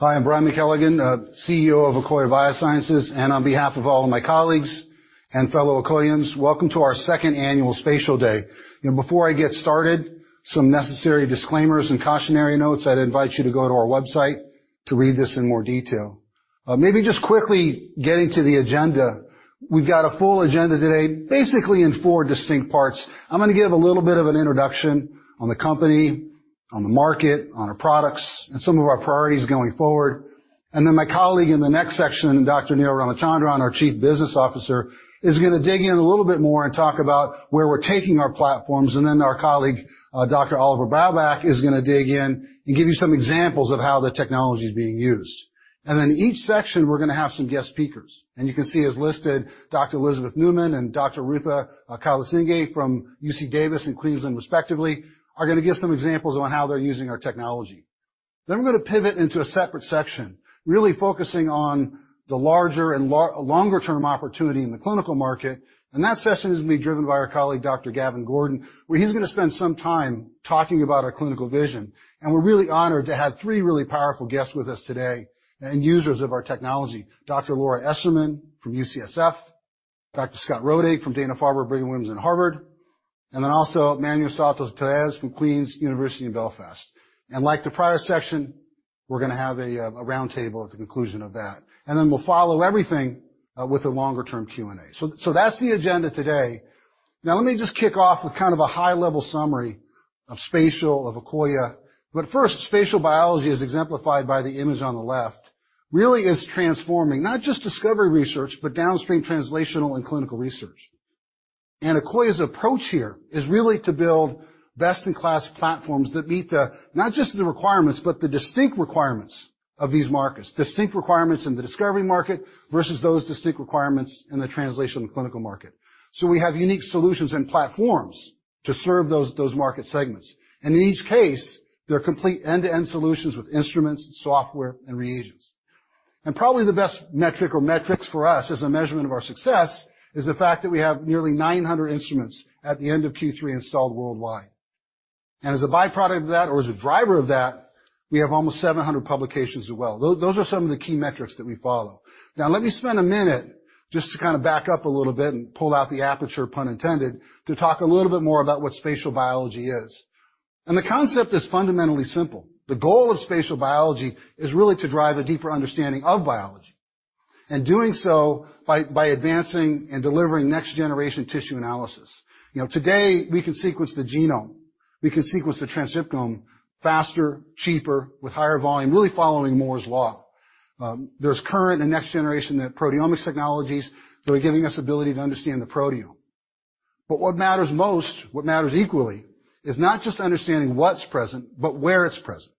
Hi, I'm Brian McKelligon, CEO of Akoya Biosciences, and on behalf of all of my colleagues and fellow Akoyans, welcome to our second annual Spatial Day. You know, before I get started, some necessary disclaimers and cautionary notes. I'd invite you to go to our website to read this in more detail. Maybe just quickly getting to the agenda. We've got a full agenda today, basically in four distinct parts. I'm gonna give a little bit of an introduction on the company, on the market, on our products, and some of our priorities going forward. Then my colleague in the next section, Dr. Niro Ramachandran, our Chief Business Officer, is gonna dig in a little bit more and talk about where we're taking our platforms. Then our colleague, Dr. Oliver Braubach is gonna dig in and give you some examples of how the technology is being used. In each section we're gonna have some guest speakers, and you can see as listed, Dr. Elizabeth Neut man and Dr. Arutha Kulasinghe from UC Davis and Queensland respectively, are gonna give some examples on how they're using our technology. We're gonna pivot into a separate section, really focusing on the larger and longer term opportunity in the clinical market. That session is gonna be driven by our colleague, Dr. Gavin Gordon, where he's gonna spend some time talking about our clinical vision. We're really honored to have three really powerful guests with us today and users of our technology, Dr. Laura Esserman from UCSF, Dr. Scott Rodig from Dana-Farber/Brigham and Women's and Harvard, and then also Manuel Salto-Tellez from Queen's University Belfast. Like the prior section, we're gonna have a round table at the conclusion of that. Then we'll follow everything with a longer-term Q&A. That's the agenda today. Let me just kick off with kind of a high-level summary of spatial, of Akoya. First, spatial biology, as exemplified by the image on the left, really is transforming not just discovery research, but downstream translational and clinical research. Akoya's approach here is really to build best-in-class platforms that meet the, not just the requirements, but the distinct requirements of these markets. Distinct requirements in the discovery market versus those distinct requirements in the translation and clinical market. We have unique solutions and platforms to serve those market segments. In each case, they're complete end-to-end solutions with instruments, software, and reagents. Probably the best metric or metrics for us as a measurement of our success is the fact that we have nearly 900 instruments at the end of Q3 installed worldwide. As a by-product of that or as a driver of that, we have almost 700 publications as well. Those are some of the key metrics that we follow. Let me spend a minute just to kinda back up a little bit and pull out the aperture, pun intended, to talk a little bit more about what spatial biology is. The concept is fundamentally simple. The goal of spatial biology is really to drive a deeper understanding of biology. Doing so by advancing and delivering next generation tissue analysis. You know, today we can sequence the genome, we can sequence the transcriptome faster, cheaper, with higher volume, really following Moore's law. There's current and next generation that proteomics technologies that are giving us ability to understand the proteome. What matters most, what matters equally is not just understanding what's present, but where it's present.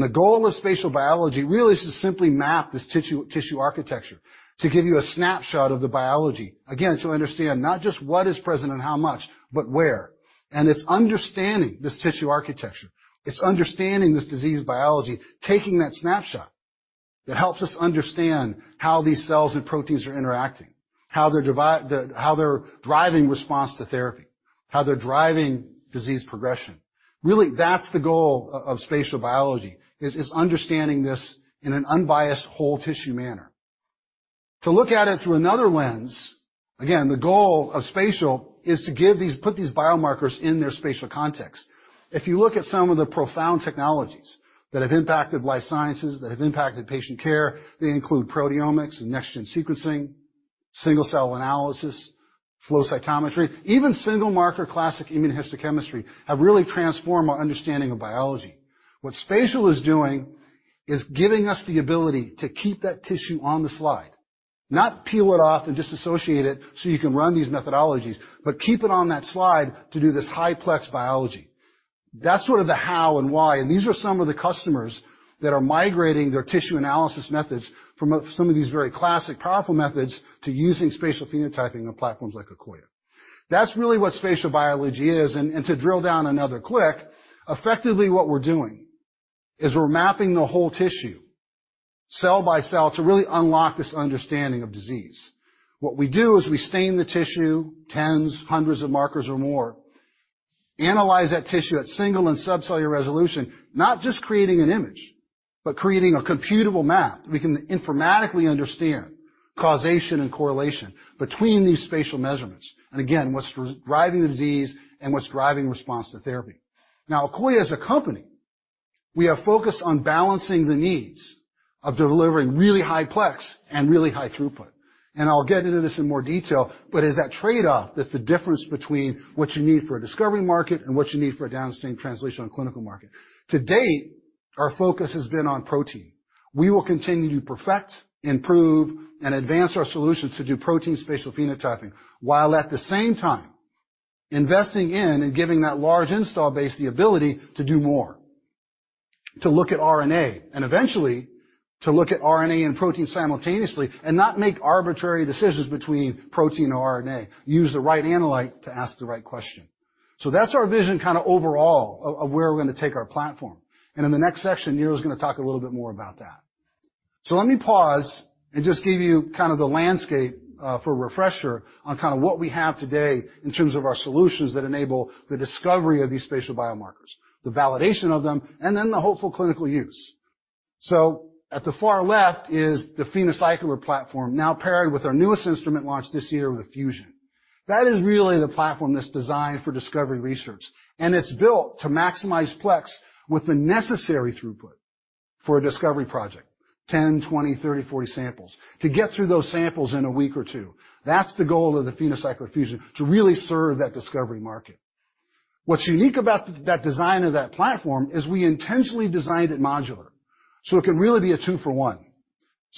The goal of spatial biology really is to simply map this tissue architecture to give you a snapshot of the biology, again, to understand not just what is present and how much, but where. It's understanding this tissue architecture. It's understanding this disease biology, taking that snapshot that helps us understand how these cells and proteins are interacting, how they're driving response to therapy, how they're driving disease progression. Really, that's the goal of spatial biology, understanding this in an unbiased whole tissue manner. To look at it through another lens, again, the goal of Spatial is to put these biomarkers in their spatial context. If you look at some of the profound technologies that have impacted life sciences, that have impacted patient care, they include proteomics and next-gen sequencing, single cell analysis, flow cytometry, even single marker classic immunohistochemistry have really transformed our understanding of biology. What Spatial is doing is giving us the ability to keep that tissue on the slide, not peel it off and disassociate it so you can run these methodologies, but keep it on that slide to do this high plex biology. That's sort of the how and why, these are some of the customers that are migrating their tissue analysis methods from some of these very classic powerful methods to using spatial phenotyping on platforms like Akoya. That's really what Spatial Biology is. To drill down another click, effectively what we're doing is we're mapping the whole tissue cell by cell to really unlock this understanding of disease. What we do is we stain the tissue tens, hundreds of markers or more, analyze that tissue at single and subcellular resolution. Not just creating an image, but creating a computable map. We can informatically understand causation and correlation between these spatial measurements. Again, what's driving the disease and what's driving response to therapy. Akoya as a company, we are focused on balancing the needs of delivering really high plex and really high throughput. I'll get into this in more detail, but as that trade-off, that's the difference between what you need for a discovery market and what you need for a downstream translation and clinical market. To date, our focus has been on protein. We will continue to perfect, improve, and advance our solutions to do protein spatial phenotyping, while at the same time investing in and giving that large install base the ability to do more, to look at RNA, and eventually, to look at RNA and protein simultaneously and not make arbitrary decisions between protein or RNA, use the right analyte to ask the right question. That's our vision kinda overall of where we're gonna take our platform. In the next section, Niro's gonna talk a little bit more about that. Let me pause and just give you kind of the landscape for a refresher on kinda what we have today in terms of our solutions that enable the discovery of these spatial biomarkers, the validation of them, and then the hopeful clinical use. At the far left is the PhenoCycler platform, now paired with our newest instrument launched this year with the Fusion. That is really the platform that's designed for discovery research, and it's built to maximize plex with the necessary throughput for a discovery project, 10, 20, 30, 40 samples, to get through those samples in a week or two. That's the goal of the PhenoCycler-Fusion, to really serve that discovery market. What's unique about that design of that platform is we intentionally designed it modular, so it can really be a two-for-one.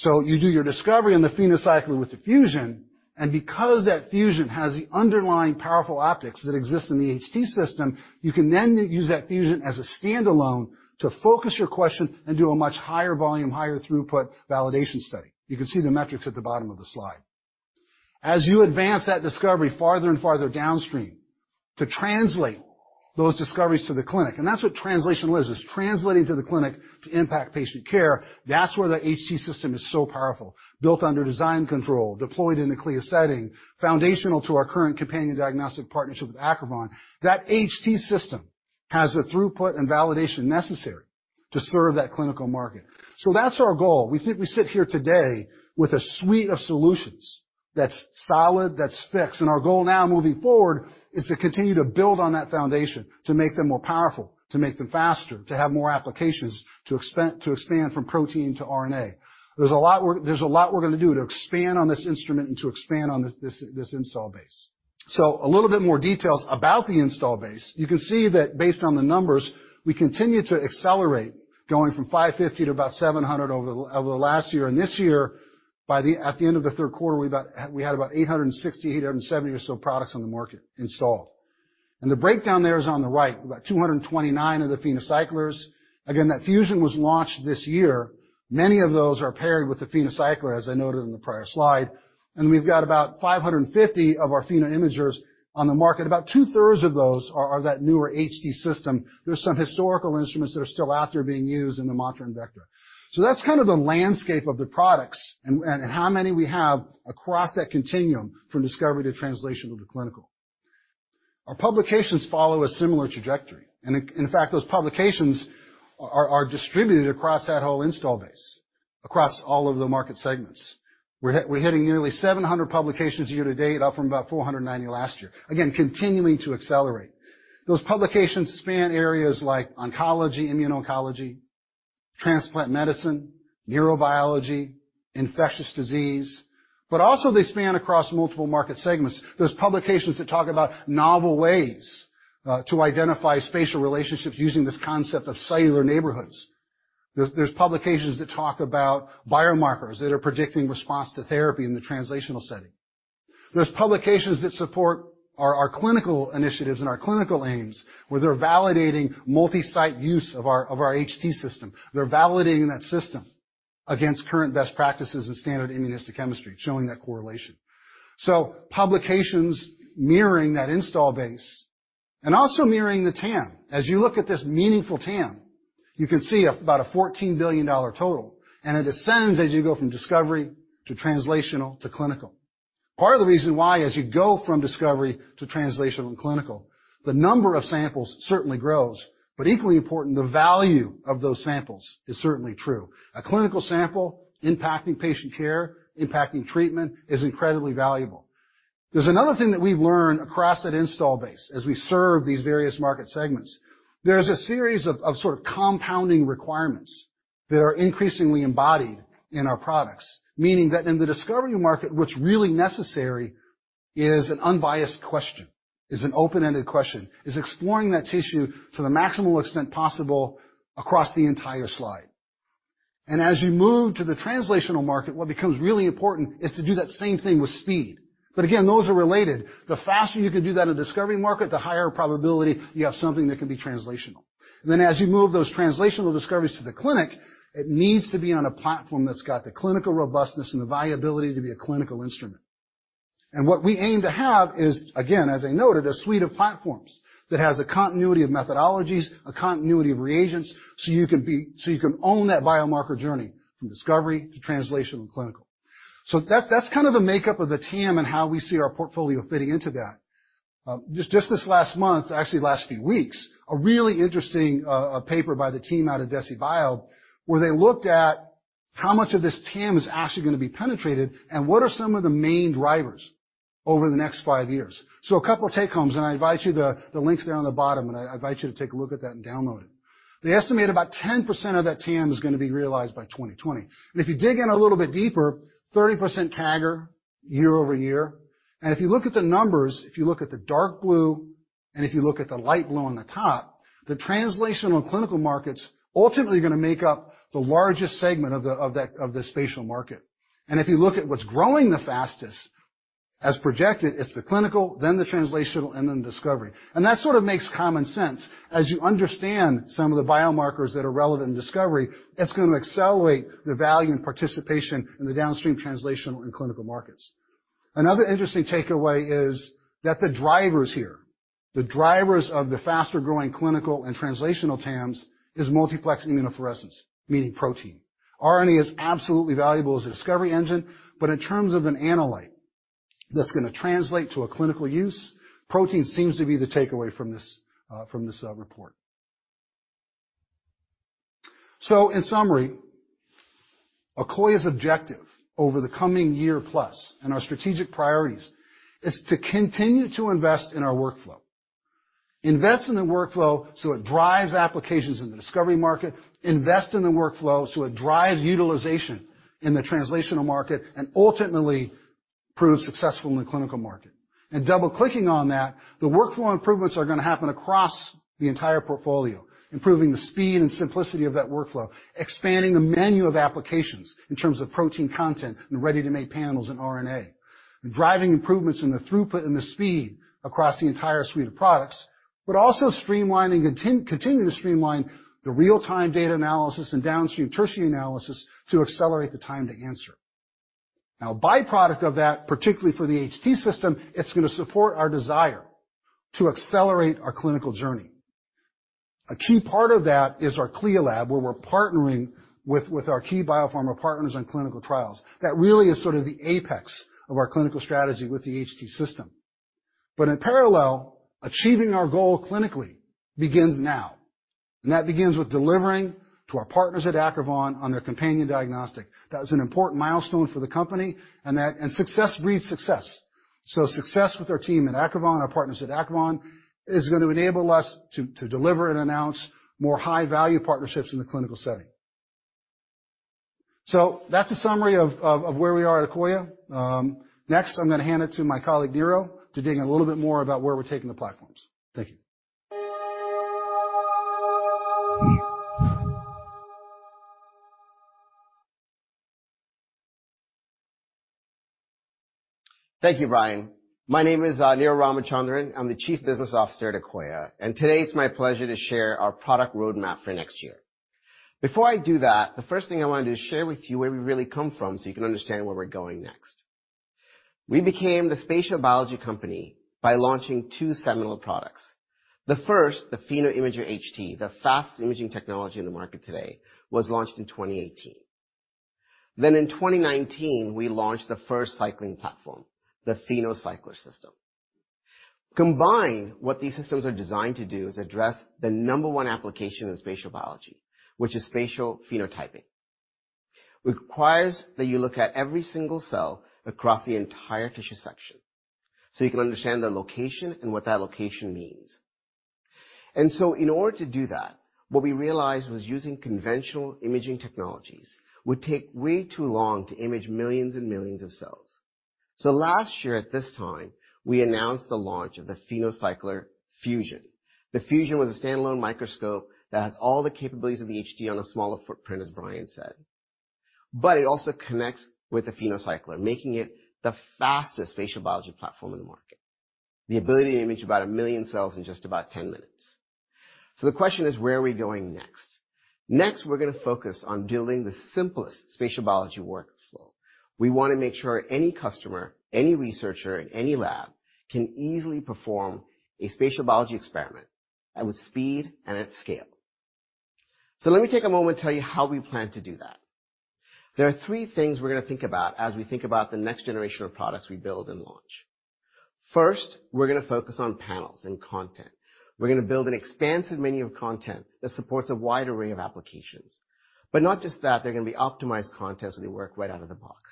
You do your discovery in the PhenoCycler with the Fusion, and because that Fusion has the underlying powerful optics that exist in the HT system, you can then use that Fusion as a standalone to focus your question and do a much higher volume, higher throughput validation study. You can see the metrics at the bottom of the slide. As you advance that discovery farther and farther downstream to translate those discoveries to the clinic, and that's what translation is. It's translating to the clinic to impact patient care. That's where the HT system is so powerful, built under design control, deployed in a CLIA setting, foundational to our current companion diagnostic partnership with Acrivon. That HT system has the throughput and validation necessary to serve that clinical market. That's our goal. We sit here today with a suite of solutions that's solid, that's fixed, and our goal now moving forward is to continue to build on that foundation to make them more powerful, to make them faster, to have more applications, to expand from protein to RNA. There's a lot we're gonna do to expand on this instrument and to expand on this install base. A little bit more details about the install base. You can see that based on the numbers, we continue to accelerate going from 550 to about 700 over the last year. This year, at the end of the 3rd quarter, we had about 860, 870 or so products on the market installed. The breakdown there is on the right. We've got 229 of the PhenoCyclers. Again, that Fusion was launched this year. Many of those are paired with the PhenoCycler, as I noted in the prior slide. We've got about 550 of our PhenoImagers on the market. About 2/3 of those are that newer HT system. There's some historical instruments that are still out there being used in the Mantra and Vectra. That's kind of the landscape of the products and how many we have across that continuum from discovery to translational to clinical. Our publications follow a similar trajectory. In fact, those publications are distributed across that whole install base, across all of the market segments. We're hitting nearly 700 publications year to date, up from about 490 last year. Again, continuing to accelerate. Those publications span areas like oncology, immuno-oncology, transplant medicine, neurobiology, infectious disease, but also they span across multiple market segments. There's publications that talk about novel ways to identify spatial relationships using this concept of cellular neighborhoods. There's publications that talk about biomarkers that are predicting response to therapy in the translational setting. There's publications that support our clinical initiatives and our clinical aims, where they're validating multi-site use of our HT system. They're validating that system against current best practices in standard immunohistochemistry, showing that correlation. Publications mirroring that install base and also mirroring the TAM. As you look at this meaningful TAM, you can see about a $14 billion total, and it descends as you go from discovery to translational to clinical. Part of the reason why, as you go from discovery to translational and clinical, the number of samples certainly grows, but equally important, the value of those samples is certainly true. A clinical sample impacting patient care, impacting treatment is incredibly valuable. There's another thing that we've learned across that install base as we serve these various market segments. There's a series of sort of compounding requirements that are increasingly embodied in our products. Meaning that in the discovery market, what's really necessary is an unbiased question, is an open-ended question, is exploring that tissue to the maximal extent possible across the entire slide. As you move to the translational market, what becomes really important is to do that same thing with speed. Again, those are related. The faster you can do that in the discovery market, the higher probability you have something that can be translational. As you move those translational discoveries to the clinic, it needs to be on a platform that's got the clinical robustness and the viability to be a clinical instrument. What we aim to have is, again, as I noted, a suite of platforms that has a continuity of methodologies, a continuity of reagents, so you can own that biomarker journey from discovery to translational and clinical. That, that's kind of the makeup of the TAM and how we see our portfolio fitting into that. Just this last month, actually last few weeks, a really interesting paper by the team out of Deciphex where they looked at how much of this TAM is actually gonna be penetrated and what are some of the main drivers over the next five years. A couple of take-homes, and I invite you the link's there on the bottom, and I invite you to take a look at that and download it. They estimate about 10% of that TAM is gonna be realized by 2020. If you dig in a little bit deeper, 30% CAGR year-over-year. If you look at the numbers, if you look at the dark blue, and if you look at the light blue on the top, the translational clinical markets ultimately are gonna make up the largest segment of the spatial market. If you look at what's growing the fastest, as projected, it's the clinical, then the translational, and then discovery. That sort of makes common sense. As you understand some of the biomarkers that are relevant in discovery, it's gonna accelerate the value and participation in the downstream translational and clinical markets. Another interesting takeaway is that the drivers of the faster-growing clinical and translational TAMs is multiplex immunofluorescence, meaning protein. RNA is absolutely valuable as a discovery engine, but in terms of an analyte that's gonna translate to a clinical use, protein seems to be the takeaway from this, from this, report. In summary, Akoya's objective over the coming year plus and our strategic priorities is to continue to invest in our workflow. Invest in the workflow so it drives applications in the discovery market, invest in the workflow so it drives utilization in the translational market, and ultimately proves successful in the clinical market. Double-clicking on that, the workflow improvements are gonna happen across the entire portfolio, improving the speed and simplicity of that workflow, expanding the menu of applications in terms of protein content and ready-to-make panels in RNA, and driving improvements in the throughput and the speed across the entire suite of products, but also continuing to streamline the real-time data analysis and downstream tertiary analysis to accelerate the time to answer. Byproduct of that, particularly for the HT system, it's gonna support our desire to accelerate our clinical journey. A key part of that is our CLIA lab, where we're partnering with our key biopharma partners on clinical trials. That really is sort of the apex of our clinical strategy with the HT system. In parallel, achieving our goal clinically begins now, and that begins with delivering to our partners at Acrivon on their companion diagnostic. That is an important milestone for the company. Success breeds success. Success with our team at Acrivon, our partners at Acrivon, is gonna enable us to deliver and announce more high-value partnerships in the clinical setting. That's a summary of where we are at Akoya. Next, I'm gonna hand it to my colleague, Niro, to dig in a little bit more about where we're taking the platforms. Thank you. Thank you, Brian. My name is Niro Ramachandran. I'm the Chief Business Officer at Akoya, today it's my pleasure to share our product roadmap for next year. Before I do that, the first thing I wanna do is share with you where we really come from so you can understand where we're going next. We became the spatial biology company by launching two seminal products. The first, the PhenoImager HT, the fastest imaging technology in the market today, was launched in 2018. In 2019, we launched the first cycling platform, the PhenoCycler system. Combined, what these systems are designed to do is address the number 1 application of spatial biology, which is spatial phenotyping. Requires that you look at every single cell across the entire tissue section, so you can understand the location and what that location means. In order to do that, what we realized was using conventional imaging technologies would take way too long to image millions and millions of cells. Last year at this time, we announced the launch of the PhenoCycler-Fusion. The Fusion was a standalone microscope that has all the capabilities of the HT on a smaller footprint, as Brian McKelligon said. It also connects with the PhenoCycler, making it the fastest spatial biology platform in the market. The ability to image about 1 million cells in just about 10 minutes. The question is, where are we going next? Next, we're gonna focus on building the simplest spatial biology workflow. We wanna make sure any customer, any researcher in any lab can easily perform a spatial biology experiment and with speed and at scale. Let me take a moment to tell you how we plan to do that. There are three things we're gonna think about as we think about the next generation of products we build and launch. First, we're gonna focus on panels and content. We're gonna build an expansive menu of content that supports a wide array of applications. Not just that, they're gonna be optimized content, so they work right out of the box.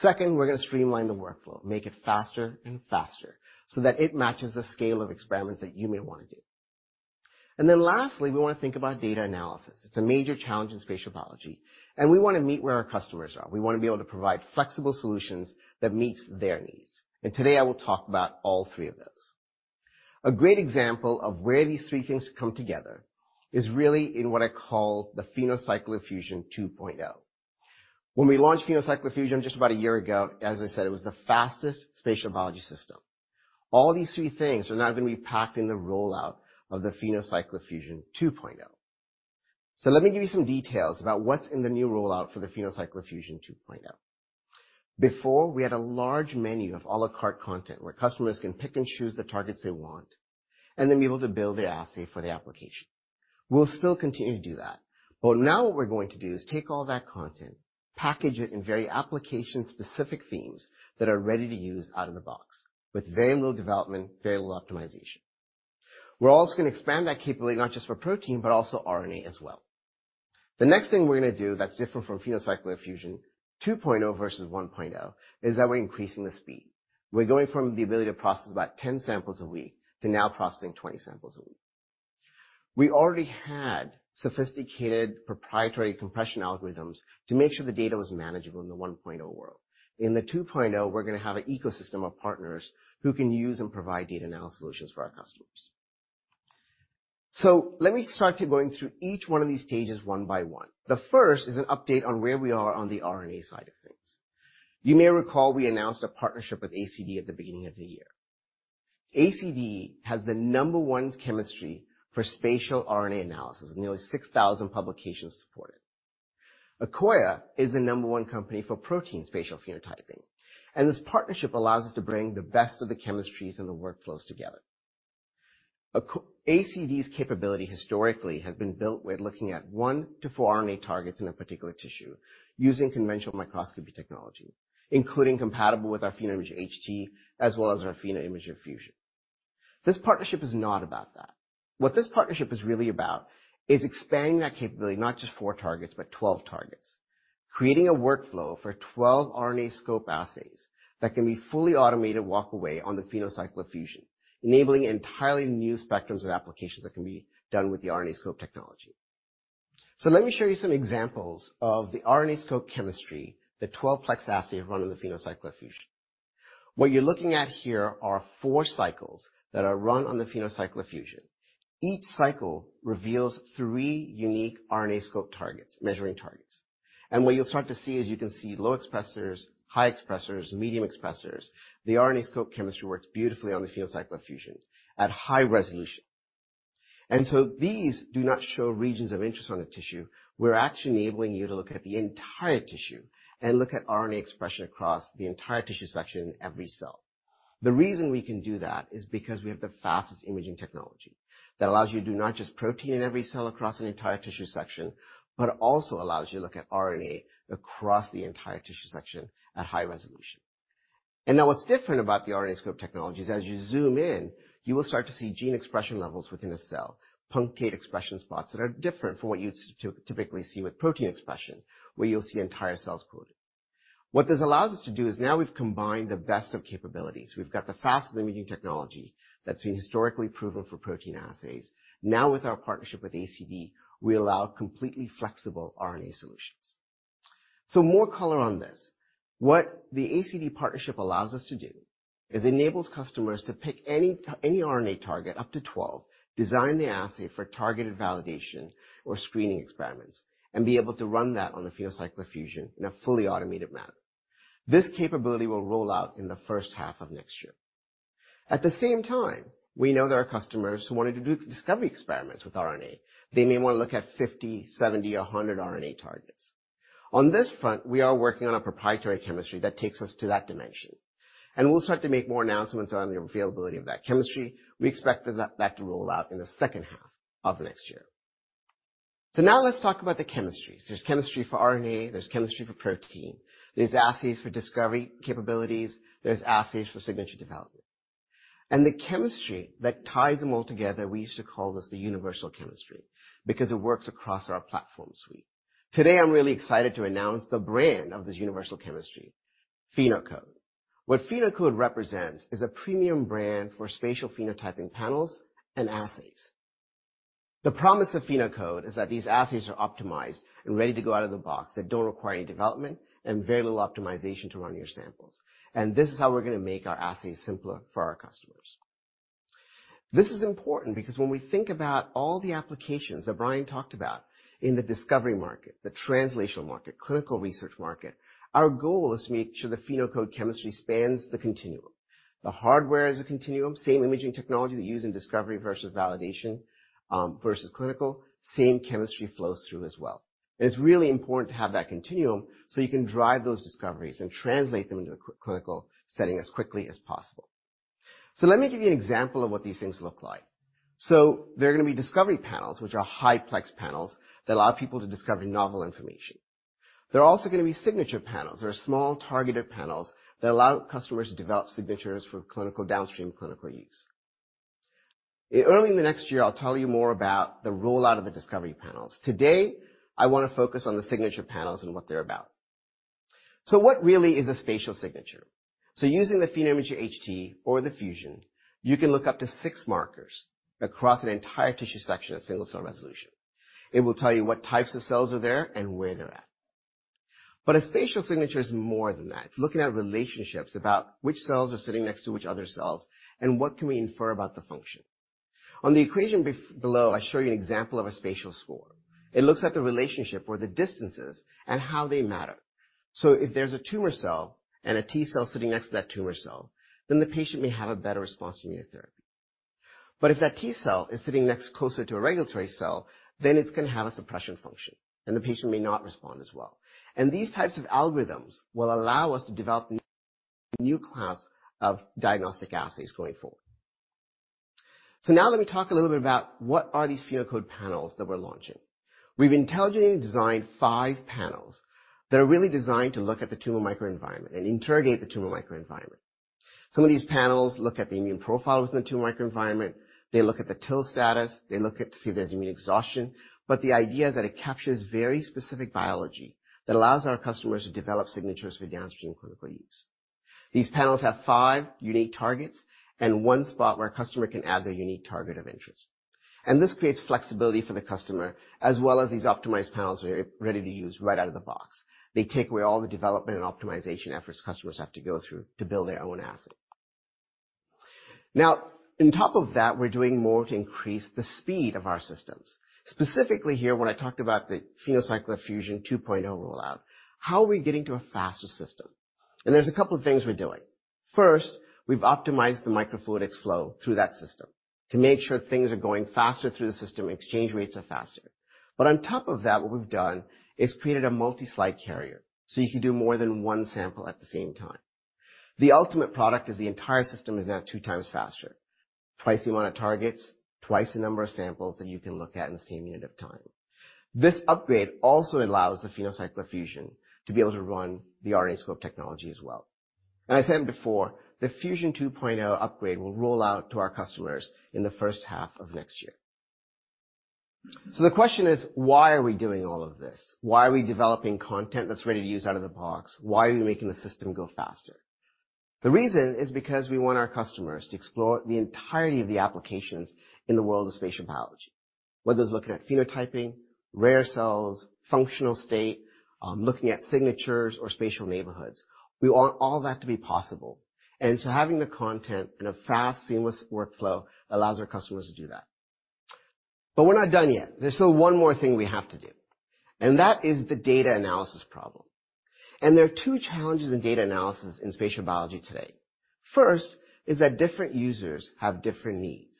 Second, we're gonna streamline the workflow, make it faster and faster so that it matches the scale of experiments that you may wanna do. Lastly, we wanna think about data analysis. It's a major challenge in spatial biology, and we wanna meet where our customers are. We wanna be able to provide flexible solutions that meets their needs, and today I will talk about all three of those. A great example of where these three things come together is really in what I call the PhenoCycler-Fusion 2.0. When we launched PhenoCycler-Fusion just about a year ago, as I said, it was the fastest spatial biology system. All these three things are now gonna be packed in the rollout of the PhenoCycler-Fusion 2.0. Let me give you some details about what's in the new rollout for the PhenoCycler-Fusion 2.0. Before, we had a large menu of à la carte content where customers can pick and choose the targets they want, and then be able to build the assay for the application. We'll still continue to do that, but now what we're going to do is take all that content, package it in very application-specific themes that are ready to use out of the box with very little development, very little optimization. We're also gonna expand that capability not just for protein, but also RNA as well. The next thing we're gonna do that's different from PhenoCycler Fusion 2.0 versus 1.0 is that we're increasing the speed. We're going from the ability to process about 10 samples a week to now processing 20 samples a week. We already had sophisticated proprietary compression algorithms to make sure the data was manageable in the 1.0 world. In the 2.0, we're gonna have an ecosystem of partners who can use and provide data analysis solutions for our customers. Let me start to going through each one of these stages one by one. The first is an update on where we are on the RNA side of things. You may recall we announced a partnership with ACD at the beginning of the year. ACD has the number 1 chemistry for spatial RNA analysis, with nearly 6,000 publications supported. Akoya is the number 1 company for protein spatial phenotyping, and this partnership allows us to bring the best of the chemistries and the workflows together. ACD's capability historically has been built with looking at 1 to 4 RNA targets in a particular tissue using conventional microscopy technology, including compatible with our PhenoImager HT as well as our PhenoImager Fusion. This partnership is not about that. What this partnership is really about is expanding that capability, not just 4 targets, but 12 targets. Creating a workflow for 12 RNAscope assays that can be fully automated, walk away on the PhenoCycler-Fusion, enabling entirely new spectrums of applications that can be done with the RNAscope technology. Let me show you some examples of the RNAscope chemistry, the 12-plex assay run on the PhenoCycler-Fusion. What you're looking at here are four cycles that are run on the PhenoCycler-Fusion. Each cycle reveals three unique RNAscope targets, measuring targets. What you'll start to see is you can see low expressers, high expressers, medium expressers. The RNAscope chemistry works beautifully on the PhenoCycler-Fusion at high resolution. These do not show regions of interest on the tissue. We're actually enabling you to look at the entire tissue and look at RNA expression across the entire tissue section in every cell. The reason we can do that is because we have the fastest imaging technology that allows you to do not just protein in every cell across an entire tissue section, but also allows you to look at RNA across the entire tissue section at high resolution. Now what's different about the RNAscope technology is as you zoom in, you will start to see gene expression levels within a cell, punctate expression spots that are different from what you'd typically see with protein expression, where you'll see entire cells coded. What this allows us to do is now we've combined the best of capabilities. We've got the fast imaging technology that's been historically proven for protein assays. With our partnership with ACD, we allow completely flexible RNA solutions. More color on this. What the ACD partnership allows us to do is enables customers to pick any RNA target up to 12, design the assay for targeted validation or screening experiments, and be able to run that on the PhenoCycler-Fusion in a fully automated manner. This capability will roll out in the first half of next year. At the same time, we know there are customers who wanted to do discovery experiments with RNA. They may wanna look at 50, 70, or 100 RNA targets. On this front, we are working on a proprietary chemistry that takes us to that dimension, and we'll start to make more announcements on the availability of that chemistry. We expect that to roll out in the second half of next year. Now let's talk about the chemistries. There's chemistry for RNA, there's chemistry for protein, there's assays for discovery capabilities, there's assays for signature development. The chemistry that ties them all together, we used to call this the universal chemistry, because it works across our platform suite. Today, I'm really excited to announce the brand of this universal chemistry, PhenoCode. What PhenoCode represents is a premium brand for spatial phenotyping panels and assays. The promise of PhenoCode is that these assays are optimized and ready to go out of the box. They don't require any development and very little optimization to run your samples. This is how we're gonna make our assays simpler for our customers. This is important because when we think about all the applications that Brian talked about in the discovery market, the translational market, clinical research market, our goal is to make sure the PhenoCode chemistry spans the continuum. The hardware is a continuum, same imaging technology that we use in discovery versus validation, versus clinical, same chemistry flows through as well. It's really important to have that continuum so you can drive those discoveries and translate them into the clinical setting as quickly as possible. Let me give you an example of what these things look like. There are gonna be discovery panels, which are high plex panels that allow people to discover novel information. There are also gonna be signature panels. They're small, targeted panels that allow customers to develop signatures for clinical, downstream clinical use. Early in the next year, I'll tell you more about the rollout of the discovery panels. Today, I wanna focus on the signature panels and what they're about. What really is a spatial signature? Using the PhenoImager HT or the Fusion, you can look up to 6 markers across an entire tissue section at single cell resolution. It will tell you what types of cells are there and where they're at. A spatial signature is more than that. It's looking at relationships about which cells are sitting next to which other cells, and what can we infer about the function. On the equation below, I show you an example of a spatial score. It looks at the relationship or the distances and how they matter. If there's a tumor cell and a T-cell sitting next to that tumor cell, then the patient may have a better response to immunotherapy. If that T-cell is sitting next closer to a regulatory cell, then it's gonna have a suppression function, and the patient may not respond as well. These types of algorithms will allow us to develop new class of diagnostic assays going forward. Now let me talk a little bit about what are these PhenoCode panels that we're launching. We've intelligently designed five panels that are really designed to look at the tumor microenvironment and interrogate the tumor microenvironment. Some of these panels look at the immune profile within the tumor microenvironment. They look at the TIL status. They look at to see if there's immune exhaustion. The idea is that it captures very specific biology that allows our customers to develop signatures for downstream clinical use. These panels have five unique targets and one spot where a customer can add their unique target of interest. This creates flexibility for the customer, as well as these optimized panels are ready to use right out of the box. They take away all the development and optimization efforts customers have to go through to build their own assay. On top of that, we're doing more to increase the speed of our systems. Specifically here, when I talked about the PhenoCycler-Fusion 2.0 rollout, how are we getting to a faster system? There's a couple of things we're doing. First, we've optimized the microfluidics flow through that system to make sure things are going faster through the system, exchange rates are faster. On top of that, what we've done is created a multi-slide carrier, so you can do more than one sample at the same time. The ultimate product is the entire system is now 2x faster. Twice the amount of targets, twice the number of samples that you can look at in the same unit of time. This upgrade also allows the PhenoCycler-Fusion to be able to run the RNAscope technology as well. I said before, the Fusion 2.0 upgrade will roll out to our customers in the first half of next year. The question is: why are we doing all of this? Why are we developing content that's ready to use out of the box? Why are we making the system go faster? The reason is because we want our customers to explore the entirety of the applications in the world of spatial biology. Whether it's looking at phenotyping, rare cells, functional state, looking at signatures or spatial neighborhoods. We want all that to be possible. Having the content in a fast, seamless workflow allows our customers to do that. We're not done yet. There's still one more thing we have to do, and that is the data analysis problem. There are two challenges in data analysis in spatial biology today. First is that different users have different needs.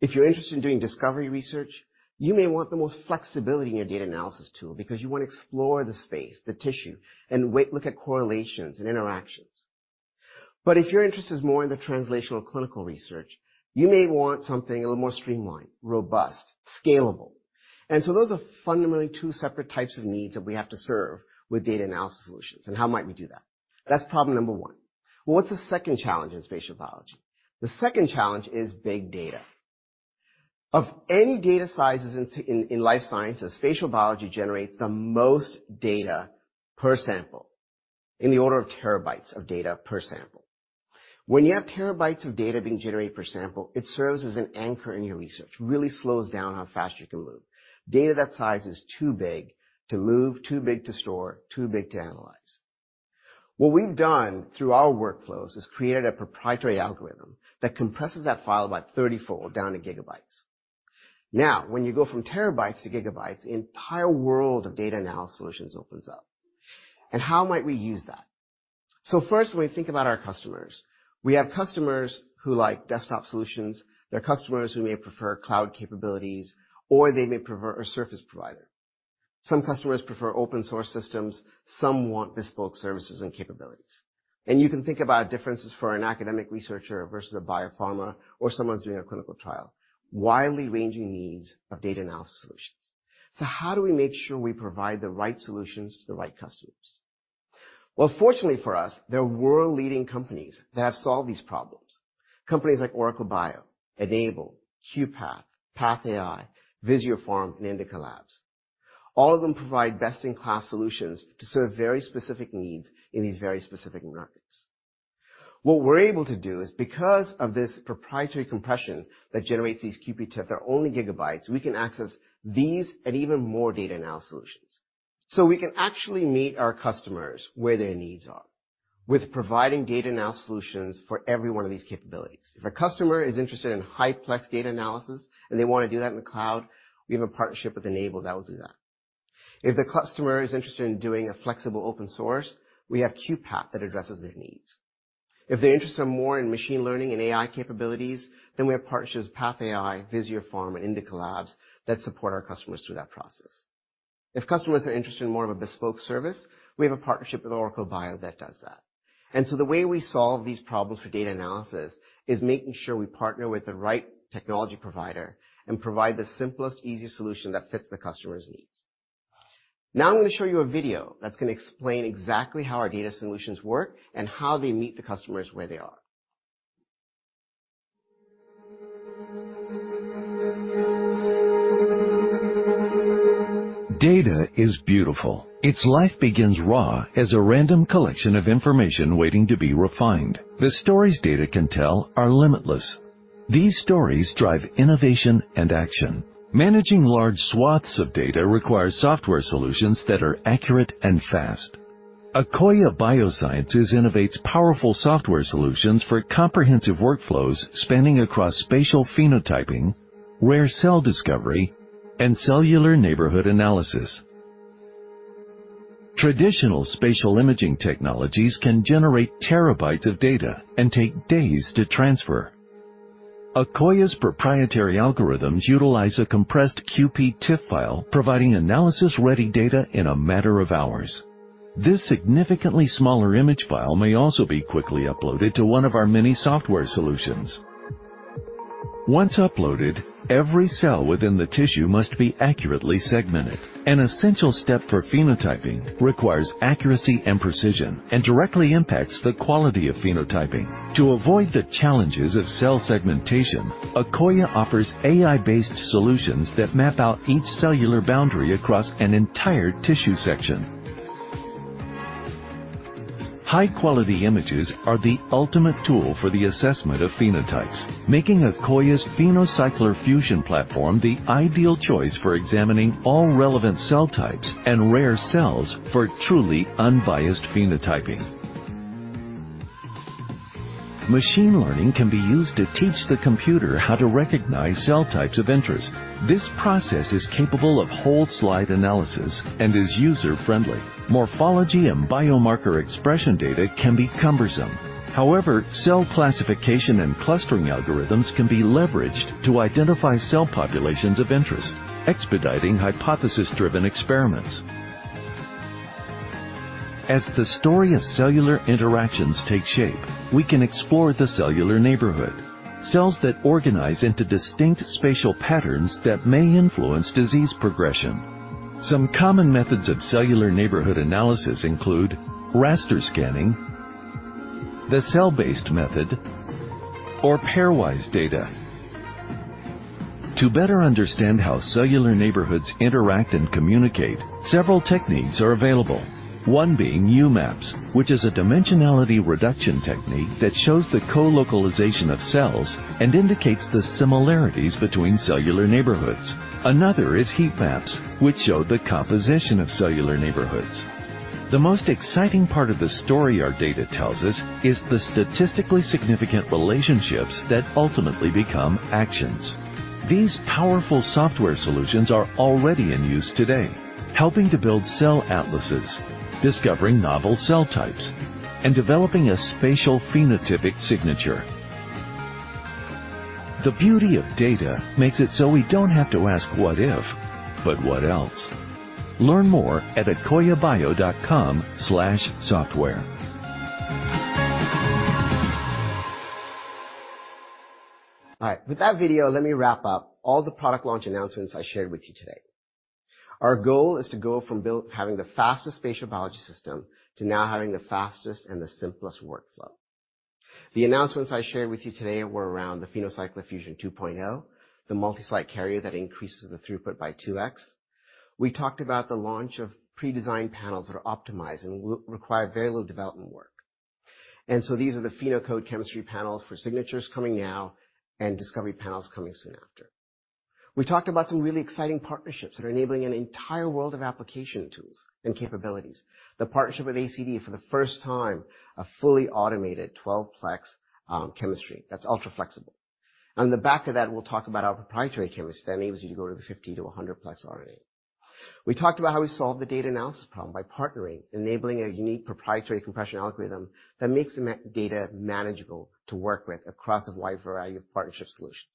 If you're interested in doing discovery research, you may want the most flexibility in your data analysis tool because you wanna explore the space, the tissue, look at correlations and interactions. If your interest is more in the translational clinical research, you may want something a little more streamlined, robust, scalable. Those are fundamentally two separate types of needs that we have to serve with data analysis solutions, and how might we do that? That's problem number one. What's the second challenge in spatial biology? The second challenge is big data. Of any data sizes in life sciences, spatial biology generates the most data per sample in the order of terabytes of data per sample. When you have terabytes of data being generated per sample, it serves as an anchor in your research, really slows down how fast you can move. Data that size is too big to move, too big to store, too big to analyze. What we've done through our workflows is created a proprietary algorithm that compresses that file about 34 down to gigabytes. When you go from terabytes to gigabytes, the entire world of data analysis solutions opens up. How might we use that? First, when we think about our customers, we have customers who like desktop solutions. There are customers who may prefer cloud capabilities, or they may prefer a surface provider. Some customers prefer open source systems, some want bespoke services and capabilities. You can think about differences for an academic researcher versus a biopharma or someone who's doing a clinical trial. Widely ranging needs of data analysis solutions. How do we make sure we provide the right solutions to the right customers? Fortunately for us, there are world-leading companies that have solved these problems. Companies like OracleBio, Enable, QuPath, PathAI, Visiopharm, and Indica Labs. All of them provide best-in-class solutions to serve very specific needs in these very specific markets. What we're able to do is because of this proprietary compression that generates these QPTIFF that are only gigabytes, we can access these and even more data analysis solutions. We can actually meet our customers where their needs are with providing data analysis solutions for every one of these capabilities. If a customer is interested in high plex data analysis and they wanna do that in the cloud, we have a partnership with Enable Medicine that will do that. If the customer is interested in doing a flexible open source, we have QuPath that addresses their needs. If they're interested more in machine learning and AI capabilities, then we have partnerships, PathAI, Visiopharm, and Indica Labs that support our customers through that process. If customers are interested in more of a bespoke service, we have a partnership with OracleBio that does that. The way we solve these problems for data analysis is making sure we partner with the right technology provider and provide the simplest, easiest solution that fits the customer's needs. Now, I'm gonna show you a video that's gonna explain exactly how our data solutions work and how they meet the customers where they are. Data is beautiful. Its life begins raw as a random collection of information waiting to be refined. The stories data can tell are limitless. These stories drive innovation and action. Managing large swaths of data requires software solutions that are accurate and fast. Akoya Biosciences innovates powerful software solutions for comprehensive workflows spanning across spatial phenotyping, rare cell discovery, and cellular neighborhood analysis. Traditional spatial imaging technologies can generate terabytes of data and take days to transfer. Akoya's proprietary algorithms utilize a compressed QPTIF file, providing analysis-ready data in a matter of hours. This significantly smaller image file may also be quickly uploaded to one of our many software solutions. Once uploaded, every cell within the tissue must be accurately segmented. An essential step for phenotyping requires accuracy and precision and directly impacts the quality of phenotyping. To avoid the challenges of cell segmentation, Akoya offers AI-based solutions that map out each cellular boundary across an entire tissue section. High-quality images are the ultimate tool for the assessment of phenotypes, making Akoya's PhenoCycler-Fusion platform the ideal choice for examining all relevant cell types and rare cells for truly unbiased phenotyping. Machine learning can be used to teach the computer how to recognize cell types of interest. This process is capable of whole slide analysis and is user-friendly. Morphology and biomarker expression data can be cumbersome. However, cell classification and clustering algorithms can be leveraged to identify cell populations of interest, expediting hypothesis-driven experiments. As the story of cellular interactions take shape, we can explore the cellular neighborhood. Cells that organize into distinct spatial patterns that may influence disease progression. Some common methods of cellular neighborhood analysis include raster scanning, the cell-based method or pairwise data. To better understand how cellular neighborhoods interact and communicate, several techniques are available. One being UMAPs, which is a dimensionality reduction technique that shows the co-localization of cells and indicates the similarities between cellular neighborhoods. Another is heat maps, which show the composition of cellular neighborhoods. The most exciting part of the story our data tells us is the statistically significant relationships that ultimately become actions. These powerful software solutions are already in use today, helping to build cell atlases, discovering novel cell types, and developing a spatial phenotypic signature. The beauty of data makes it so we don't have to ask what if, but what else. Learn more at akoyabio.com/software. All right, with that video, let me wrap up all the product launch announcements I shared with you today. Our goal is to go from having the fastest spatial biology system to now having the fastest and the simplest workflow. The announcements I shared with you today were around the PhenoCycler-Fusion 2.0, the multi-slide carrier that increases the throughput by 2x. We talked about the launch of pre-designed panels that are optimized and will require very little development work. These are the PhenoCode Signature Panels coming now and discovery panels coming soon after. We talked about some really exciting partnerships that are enabling an entire world of application tools and capabilities. The partnership with ACD for the first time, a fully automated 12-plex chemistry that's ultra-flexible. On the back of that, we'll talk about our proprietary chemistry that enables you to go to the 50 to a 100-plex RNA. We talked about how we solve the data analysis problem by partnering, enabling a unique proprietary compression algorithm that makes the data manageable to work with across a wide variety of partnership solutions.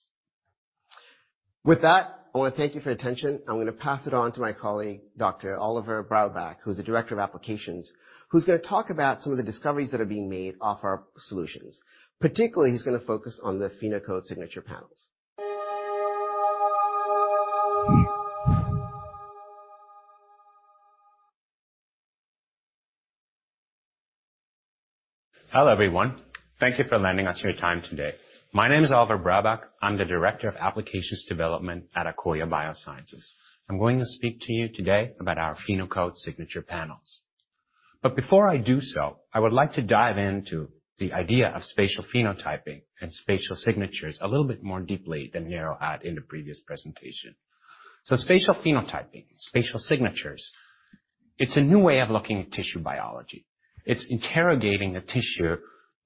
With that, I wanna thank you for your attention. I'm gonna pass it on to my colleague, Dr. Oliver Braubach, who's the Director of Applications, who's gonna talk about some of the discoveries that are being made off our solutions. Particularly, he's gonna focus on the PhenoCode Signature Panels. Hello, everyone. Thank you for lending us your time today. My name is Oliver Braubach. I'm the Director of Applications Development at Akoya Biosciences. I'm going to speak to you today about our PhenoCode Signature Panels. Before I do so, I would like to dive into the idea of spatial phenotyping and spatial signatures a little bit more deeply than Niro had in the previous presentation. Spatial phenotyping, spatial signatures, it's a new way of looking at tissue biology. It's interrogating the tissue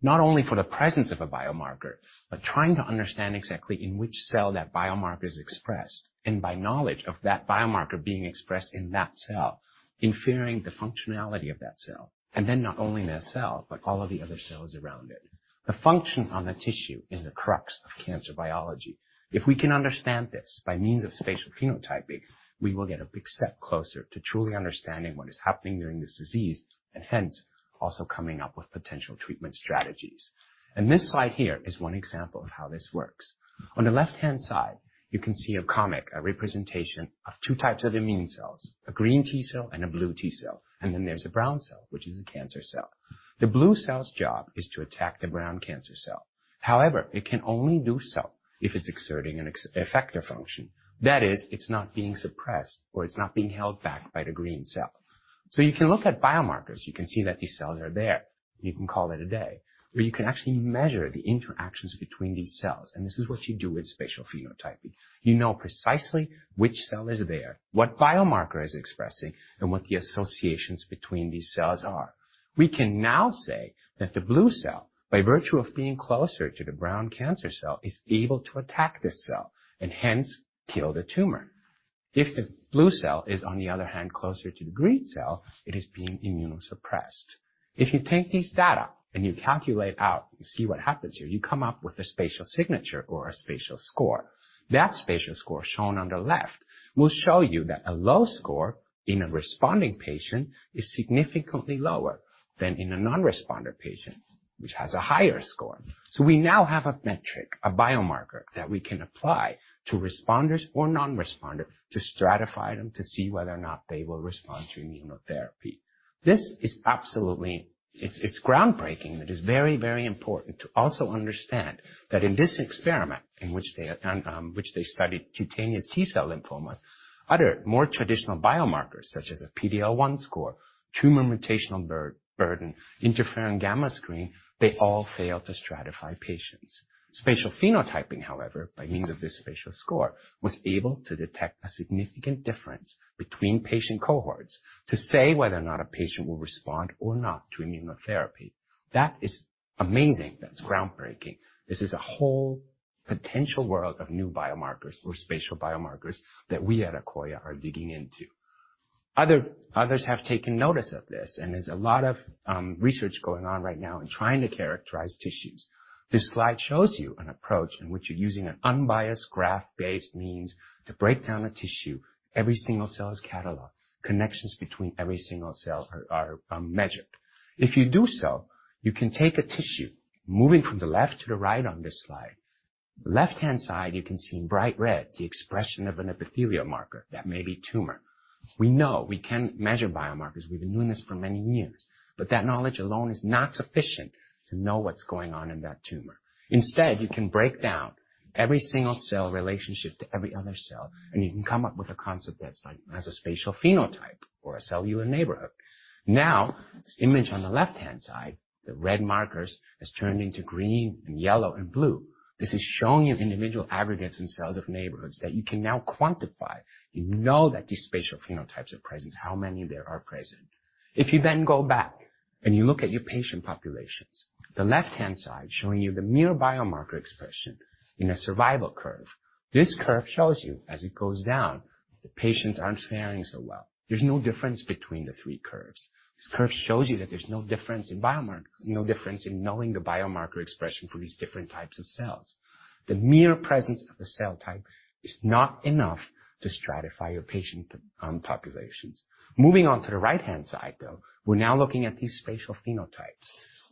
not only for the presence of a biomarker, but trying to understand exactly in which cell that biomarker is expressed, and by knowledge of that biomarker being expressed in thaT-cell, inferring the functionality of thaT-cell, and then not only in thaT-cell, but all of the other cells around it. The function on the tissue is the crux of cancer biology. If we can understand this by means of spatial phenotyping, we will get a big step closer to truly understanding what is happening during this disease, and hence, also coming up with potential treatment strategies. This slide here is 1 example of how this works. On the left-hand side, you can see a comic, a representation of two types of immune cells, a green T-cell and a blue T-cell. Then there's a brown cell, which is a cancer cell. The blue cell's job is to attack the brown cancer cell. However, it can only do so if it's exerting an effector function. That is, it's not being suppressed or it's not being held back by the green cell. You can look at biomarkers, you can see that these cells are there, and you can call it a day. You can actually measure the interactions between these cells, and this is what you do with spatial phenotyping. You know precisely which cell is there, what biomarker is expressing, and what the associations between these cells are. We can now say that the blue cell, by virtue of being closer to the brown cancer cell, is able to attack this cell and hence kill the tumor. If the blue cell is, on the other hand, closer to the green cell, it is being immunosuppressed. If you take this data and you calculate out, you see what happens here, you come up with a spatial signature or a spatial score. That spatial score shown on the left will show you that a low score in a responding patient is significantly lower than in a non-responder patient, which has a higher score. We now have a metric, a biomarker that we can apply to responders or non-responder to stratify them, to see whether or not they will respond to immunotherapy. This is absolutely. It's groundbreaking. It is very, very important to also understand that in this experiment in which they are done, which they studied cutaneous T-cell lymphomas, other more traditional biomarkers such as a PD-L1 score, tumor mutational burden, interferon gamma screen, they all failed to stratify patients. Spatial phenotyping, however, by means of this spatial score, was able to detect a significant difference between patient cohorts to say whether or not a patient will respond or not to immunotherapy. That is amazing. That's groundbreaking. This is a whole new potential world of new biomarkers or spatial biomarkers that we at Akoya are digging into. Others have taken notice of this, there's a lot of research going on right now in trying to characterize tissues. This slide shows you an approach in which you're using an unbiased graph-based means to break down a tissue. Every single cell is cataloged. Connections between every single cell are measured. If you do so, you can take a tissue. Moving from the left to the right on this slide. Left-hand side, you can see in bright red the expression of an epithelial marker that may be tumor. We know we can measure biomarkers. We've been doing this for many years, but that knowledge alone is not sufficient to know what's going on in that tumor. You can break down every single cell relationship to every other cell, and you can come up with a concept that's like, has a spatial phenotype or a cellular neighborhood. This image on the left-hand side, the red markers, has turned into green and yellow and blue. This is showing you individual aggregates and cells of neighborhoods that you can now quantify. You know that these spatial phenotypes are present, how many there are present. If you then go back and you look at your patient populations, the left-hand side showing you the mere biomarker expression in a survival curve. This curve shows you, as it goes down, the patients aren't faring so well. There's no difference between the three curves. This curve shows you that there's no difference in knowing the biomarker expression for these different types of cells. The mere presence of a cell type is not enough to stratify your patient populations. Moving on to the right-hand side, though, we're now looking at these spatial phenotypes.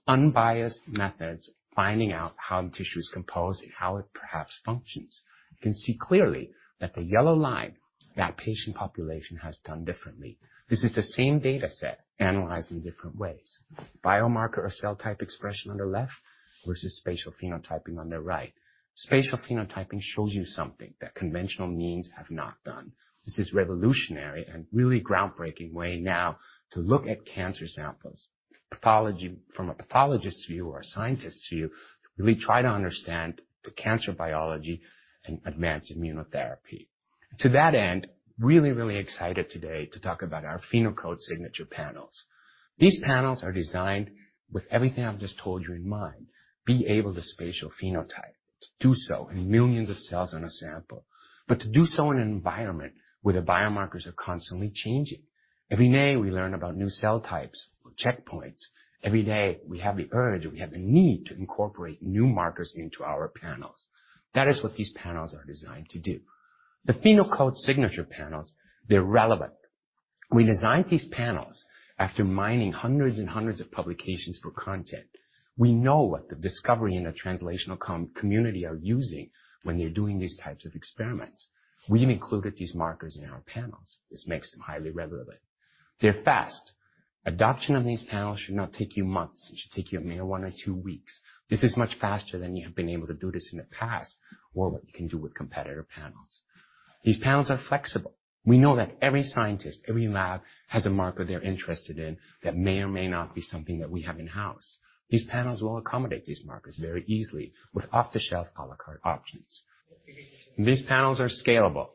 Unbiased methods, finding out how the tissue is composed and how it perhaps functions. You can see clearly that the yellow line, that patient population has done differently. This is the same dataset analyzed in different ways. Biomarker or cell type expression on the left versus spatial phenotyping on the right. Spatial phenotyping shows you something that conventional means have not done. This is revolutionary and really groundbreaking way now to look at cancer samples. From a pathologist's view or a scientist's view, really try to understand the cancer biology and advance immunotherapy. To that end, really excited today to talk about our PhenoCode Signature Panels. These panels are designed with everything I've just told you in mind, be able to spatial phenotype, to do so in millions of cells in a sample. To do so in an environment where the biomarkers are constantly changing. Every day, we learn about new cell types or checkpoints. Every day, we have the urge, or we have the need to incorporate new markers into our panels. That is what these panels are designed to do. The PhenoCode Signature Panels, they're relevant. We designed these panels after mining hundreds and hundreds of publications for content. We know what the discovery in the translational community are using when they're doing these types of experiments. We've included these markers in our panels. This makes them highly relevant. They're fast. Adoption of these panels should not take you months. It should take you merely one or two weeks. This is much faster than you have been able to do this in the past or what you can do with competitor panels. These panels are flexible. We know that every scientist, every lab, has a marker they're interested in that may or may not be something that we have in-house. These panels will accommodate these markers very easily with off-the-shelf a la carte options. These panels are scalable.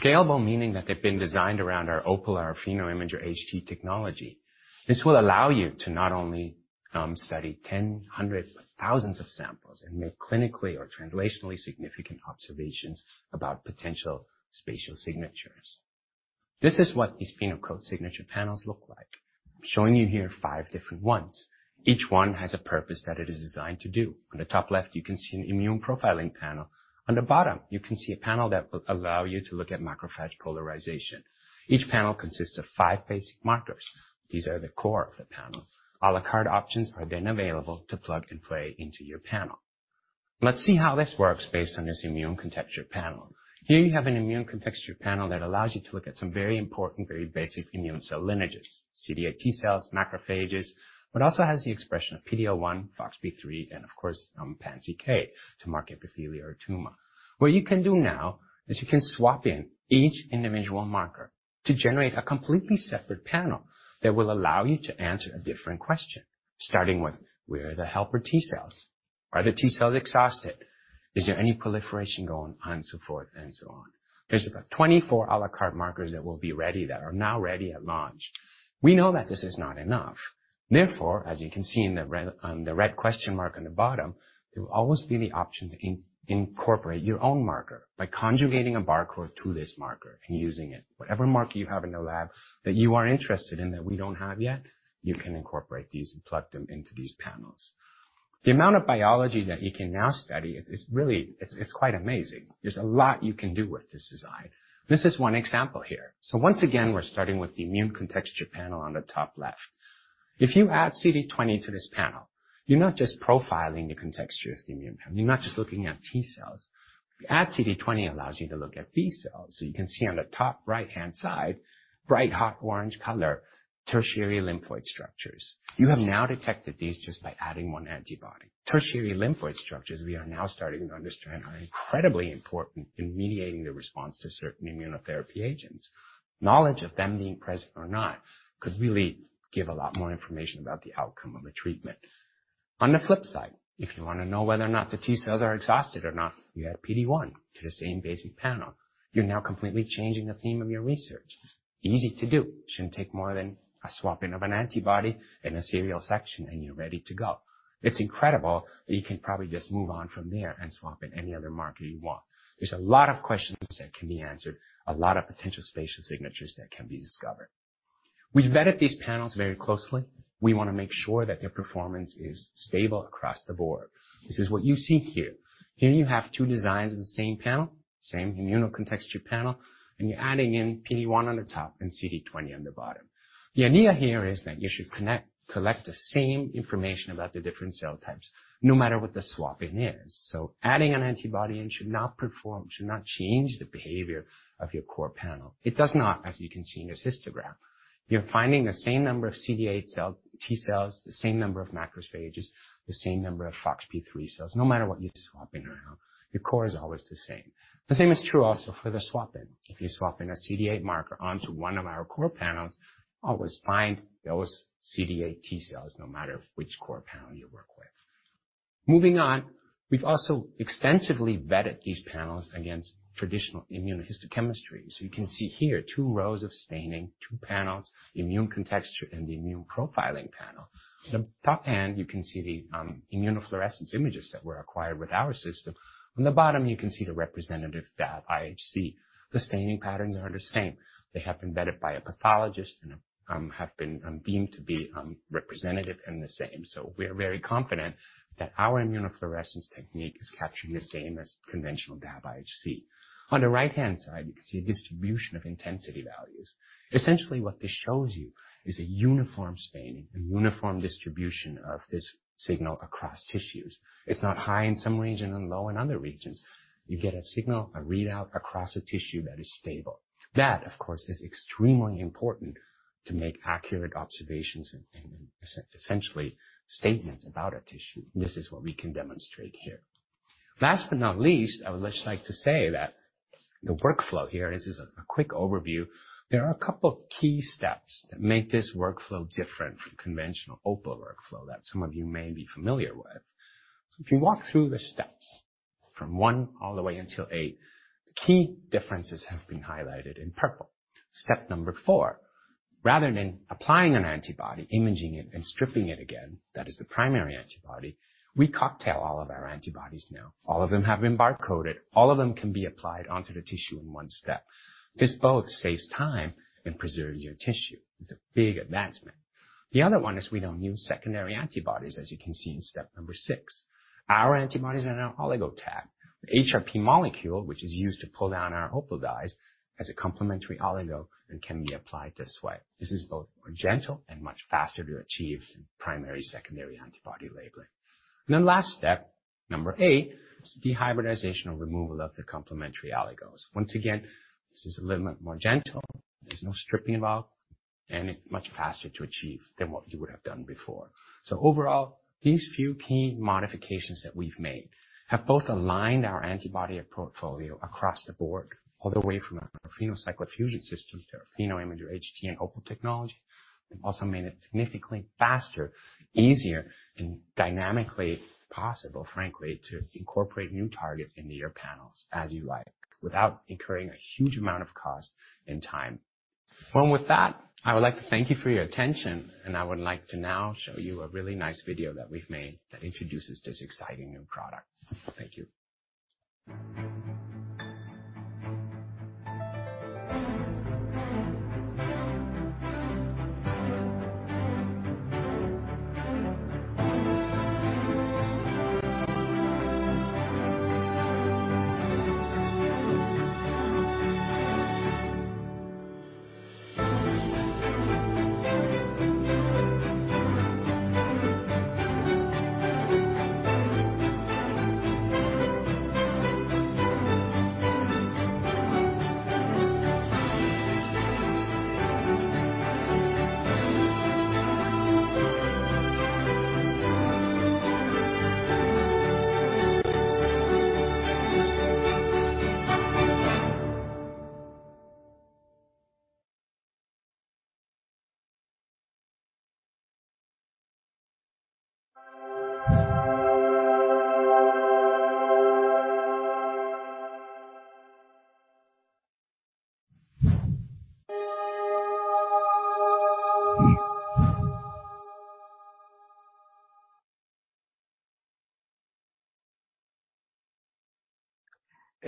Scalable meaning that they've been designed around our Opal or our PhenoImager HT technology. This will allow you to not only study 10, hundred, thousands of samples and make clinically or translationally significant observations about potential spatial signatures. This is what these PhenoCode Signature Panels look like. I'm showing you here five different ones. Each one has a purpose that it is designed to do. On the top left, you can see an immune profiling panel. On the bottom, you can see a panel that will allow you to look at macrophage polarization. Each panel consists of five basic markers. These are the core of the panel. A la carte options are then available to plug and play into your panel. Let's see how this works based on this immune contexture panel. Here you have an immune contexture panel that allows you to look at some very important, very basic immune cell lineages: CD8 T-cells, macrophages, but also has the expression of PD-L1, FoxP3, and of course, PanCK to mark epithelial or tumor. What you can do now is you can swap in each individual marker to generate a completely separate panel that will allow you to answer a different question, starting with where are the helper T-cells? Are the T-cells exhausted? Is there any proliferation going on, and so forth and so on. There's about 24 a la carte markers that will be ready, that are now ready at launch. We know that this is not enough. Therefore, as you can see in the red, the red question mark on the bottom, there will always be the option to incorporate your own marker by conjugating a barcode to this marker and using it. Whatever marker you have in the lab that you are interested in that we don't have yet, you can incorporate these and plug them into these panels. The amount of biology that you can now study is really it's quite amazing. There's a lot you can do with this design. This is one example here. Once again, we're starting with the immune contexture panel on the top left. If you add CD20 to this panel, you're not just profiling the contexture of the immune panel. You're not just looking at T-cells. If you add CD20, it allows you to look at B-cells. You can see on the top right-hand side, bright hot orange color, tertiary lymphoid structures. You have now detected these just by adding one antibody. Tertiary lymphoid structures we are now starting to understand are incredibly important in mediating the response to certain immunotherapy agents. Knowledge of them being present or not could really give a lot more information about the outcome of a treatment. On the flip side, if you wanna know whether or not the T-cells are exhausted or not, you add PD-1 to the same basic panel. You're now completely changing the theme of your research. Easy to do. Shouldn't take more than a swap in of an antibody and a serial section, and you're ready to go. It's incredible, you can probably just move on from there and swap in any other marker you want. There's a lot of questions that can be answered, a lot of potential spatial signatures that can be discovered. We've vetted these panels very closely. We want to make sure that their performance is stable across the board. This is what you see here. Here you have two designs of the same panel, same immuno contexture panel, you're adding in PD-1 on the top and CD20 on the bottom. The idea here is that you should collect the same information about the differenT-cell types, no matter what the swap-in is. Adding an antibody in should not change the behavior of your core panel. It does not, as you can see in this histogram. You're finding the same number of CD8 T-cells, the same number of macrophages, the same number of FoxP3 cells. No matter what you're swapping around, your core is always the same. The same is true also for the swap-in. If you swap in a CD8 marker onto one of our core panels, always find those CD8 T-cells no matter which core panel you work with. Moving on. We've also extensively vetted these panels against traditional immunohistochemistry. You can see here two rows of staining, two panels, immune contexture and the immune profiling panel. On the top end, you can see the immunofluorescence images that were acquired with our system. On the bottom, you can see the representative DAB IHC. The staining patterns are the same. They have been vetted by a pathologist and have been deemed to be representative and the same. We're very confident that our immunofluorescence technique is capturing the same as conventional DAB IHC. On the right-hand side, you can see a distribution of intensity values. Essentially, what this shows you is a uniform staining, a uniform distribution of this signal across tissues. It's not high in some regions and low in other regions. You get a signal, a readout across a tissue that is stable. That, of course, is extremely important to make accurate observations and essentially statements about a tissue. This is what we can demonstrate here. Last but not least, I would just like to say that the workflow here, this is a quick overview. There are a couple of key steps that make this workflow different from conventional Opal workflow that some of you may be familiar with. If you walk through the steps from 1 all the way until 8, the key differences have been highlighted in purple. Step number 4, rather than applying an antibody, imaging it and stripping it again, that is the primary antibody, we cocktail all of our antibodies now. All of them have been barcoded, all of them can be applied onto the tissue in 1 step. This both saves time and preserves your tissue. It's a big advancement. The other 1 is we don't use secondary antibodies, as you can see in step number 6. Our antibodies are in an oligo tab. HRP molecule, which is used to pull down our Opal dyes, has a complementary oligo and can be applied this way. This is both more gentle and much faster to achieve than primary, secondary antibody labeling. Last step, number 8, is the hybridization and removal of the complementary oligos. Once again, this is a little more gentle. There's no stripping involved, and it's much faster to achieve than what you would have done before. Overall, these few key modifications that we've made have both aligned our antibody portfolio across the board, all the way from our PhenoCycler-Fusion systems to our PhenoImager HT and Opal technology, and also made it significantly faster, easier, and dynamically possible, frankly, to incorporate new targets into your panels as you like, without incurring a huge amount of cost and time. Well, with that, I would like to thank you for your attention. I would like to now show you a really nice video that we've made that introduces this exciting new product. Thank you.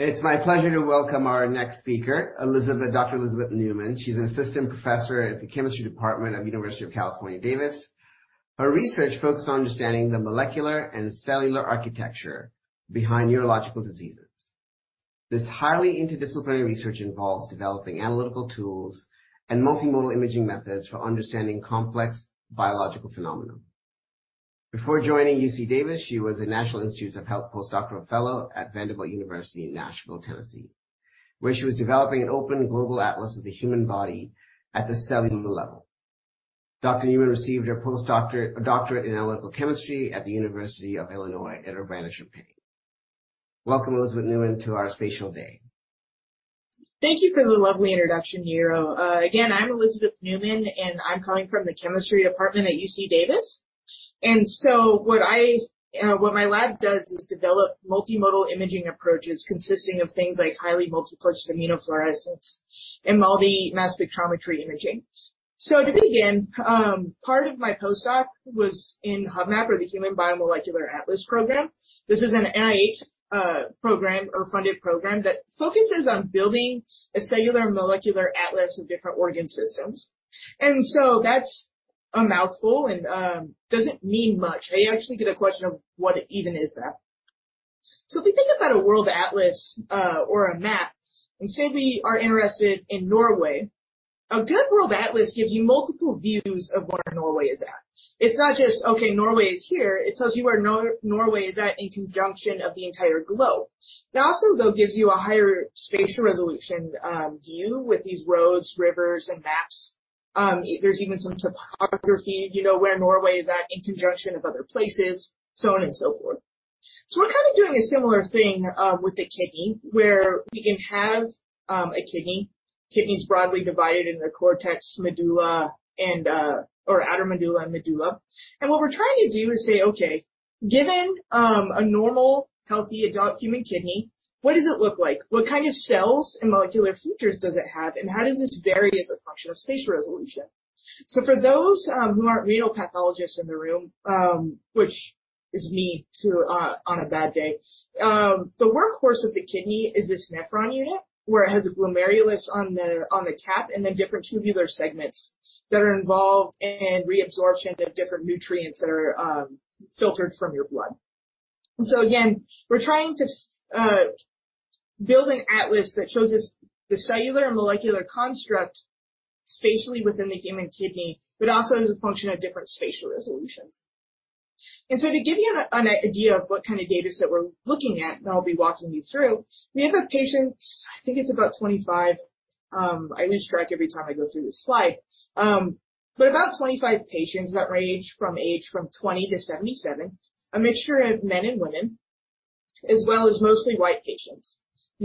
It's my pleasure to welcome our next speaker, Elizabeth, Dr. Elizabeth Newman. She's an Assistant Professor at the Department of Chemistry of the University of California, Davis. Her research focus on understanding the molecular and cellular architecture behind neurological diseases. This highly interdisciplinary research involves developing analytical tools and multimodal imaging methods for understanding complex biological phenomena. Before joining UC Davis, she was a National Institutes of Health Postdoctoral Fellow at Vanderbilt University in Nashville, Tennessee, where she was developing an open global atlas of the human body at the cellular level. Dr. Newman received her doctorate in analytical chemistry at the University of Illinois Urbana-Champaign. Welcome, Elizabeth Newman to our Spatial Day. Thank you for the lovely introduction, Hiro. Again, I'm Elizabeth Neumann, and I'm coming from the chemistry department at UC Davis. What my lab does is develop multimodal imaging approaches consisting of things like highly multiplexed immunofluorescence and MALDI mass spectrometry imaging. To begin, part of my postdoc was in HuBMAP or the Human BioMolecular Atlas program. This is an NIH program or funded program that focuses on building a cellular molecular atlas of different organ systems. That's a mouthful and doesn't mean much. I actually get a question of what even is that? If we think about a world atlas or a map and say we are interested in Norway, a good world atlas gives you multiple views of where Norway is at. It's not just, okay, Norway is here. It tells you where Norway is at in conjunction of the entire globe. It also, though, gives you a higher spatial resolution view with these roads, rivers, and maps. There's even some topography. You know where Norway is at in conjunction of other places, so on and so forth. We're kind of doing a similar thing with the kidney, where we can have a kidney. Kidney is broadly divided into the cortex, medulla, and or outer medulla and medulla. What we're trying to do is say, okay, given a normal healthy adult human kidney, what does it look like? What kind of cells and molecular features does it have, and how does this vary as a function of space resolution? For those who aren't renal pathologists in the room, which is me too, on a bad day. The workhorse of the kidney is this nephron unit, where it has a glomerulus on the, on the cap, and then different tubular segments that are involved in reabsorption of different nutrients that are filtered from your blood. Again, we're trying to build an atlas that shows us the cellular and molecular construct spatially within the human kidney, but also as a function of different spatial resolutions. To give you an idea of what kind of data set we're looking at, and I'll be walking you through, we have patients, I think it's about 25, I lose track every time I go through this slide. But about 25 patients that range from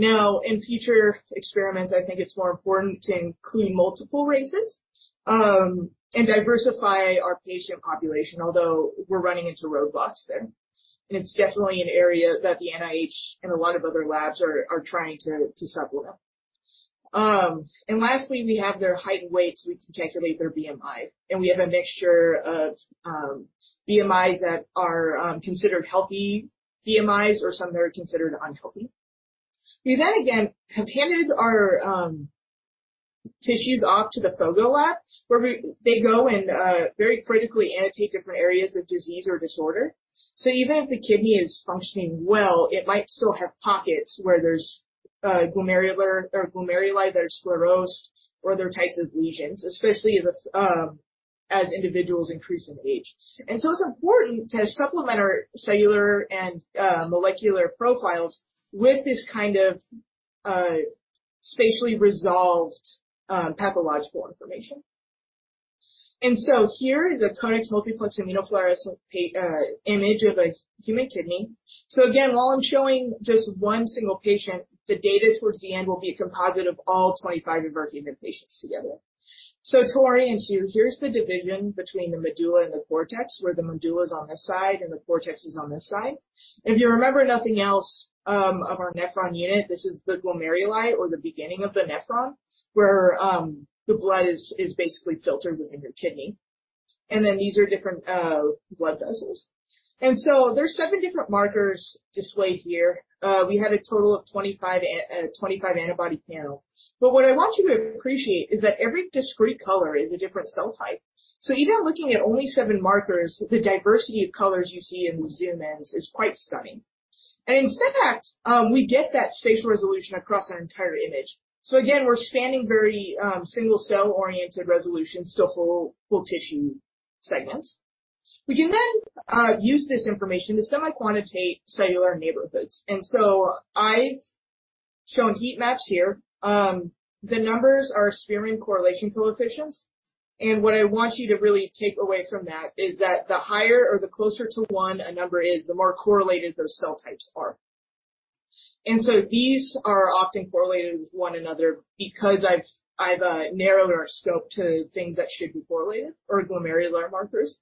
age from 20 to 77. A mixture of men and women as well as mostly white patients. In future experiments, I think it's more important to include multiple races and diversify our patient population, although we're running into roadblocks there. It's definitely an area that the NIH and a lot of other labs are trying to supplement. Lastly, we have their height and weight, so we can calculate their BMI. We have a mixture of BMIs that are considered healthy BMIs or some that are considered unhealthy. We then again have handed our tissues off to the Fogo lab where they go and very critically annotate different areas of disease or disorder. Even if the kidney is functioning well, it might still have pockets where there's glomerular or glomeruli that are sclerosed or other types of lesions, especially as individuals increase in age. It's important to supplement our cellular and molecular profiles with this kind of spatially resolved pathological information. Here is a Conics multiplex immunofluorescence image of a human kidney. Again, while I'm showing just 1 single patient, the data towards the end will be a composite of all 25 of our human patients together. To orient you, here's the division between the medulla and the cortex, where the medulla is on this side and the cortex is on this side. If you remember nothing else of our nephron unit, this is the glomeruli or the beginning of the nephron, where the blood is basically filtered within your kidney. These are different blood vessels. There's 7 different markers displayed here. We had a total of 25 antibody panel. What I want you to appreciate is that every discrete color is a differenT-cell type. Even looking at only seven markers, the diversity of colors you see in the zoom-ins is quite stunning. In fact, we get that spatial resolution across our entire image. Again, we're spanning very single cell-oriented resolutions to whole tissue segments. We can then use this information to semi-quantitate cellular neighborhoods. I've shown heat maps here. The numbers are Spearman correlation coefficients. What I want you to really take away from that is that the higher or the closer to one a number is, the more correlated those cell types are. These are often correlated with one another because I've narrowed our scope to things that should be correlated or glomerular markers.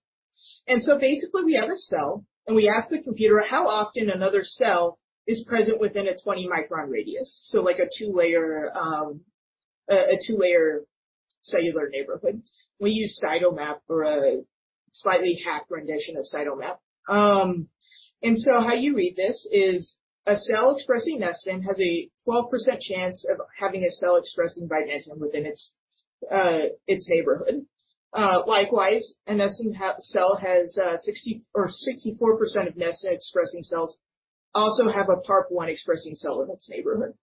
Basically we have a cell, and we ask the computer how often another cell is present within a 20-micron radius. Like a 2-layer cellular neighborhood. We use CytoMap or a slightly hacked rendition of CytoMap. How you read this is a cell expressing nestin has a 12% chance of having a cell expressing vimentin within its neighborhood. Likewise, a nestin cell has 60% or 64% of nestin-expressing cells also have a PARP-1-expressing cell in its neighborhood.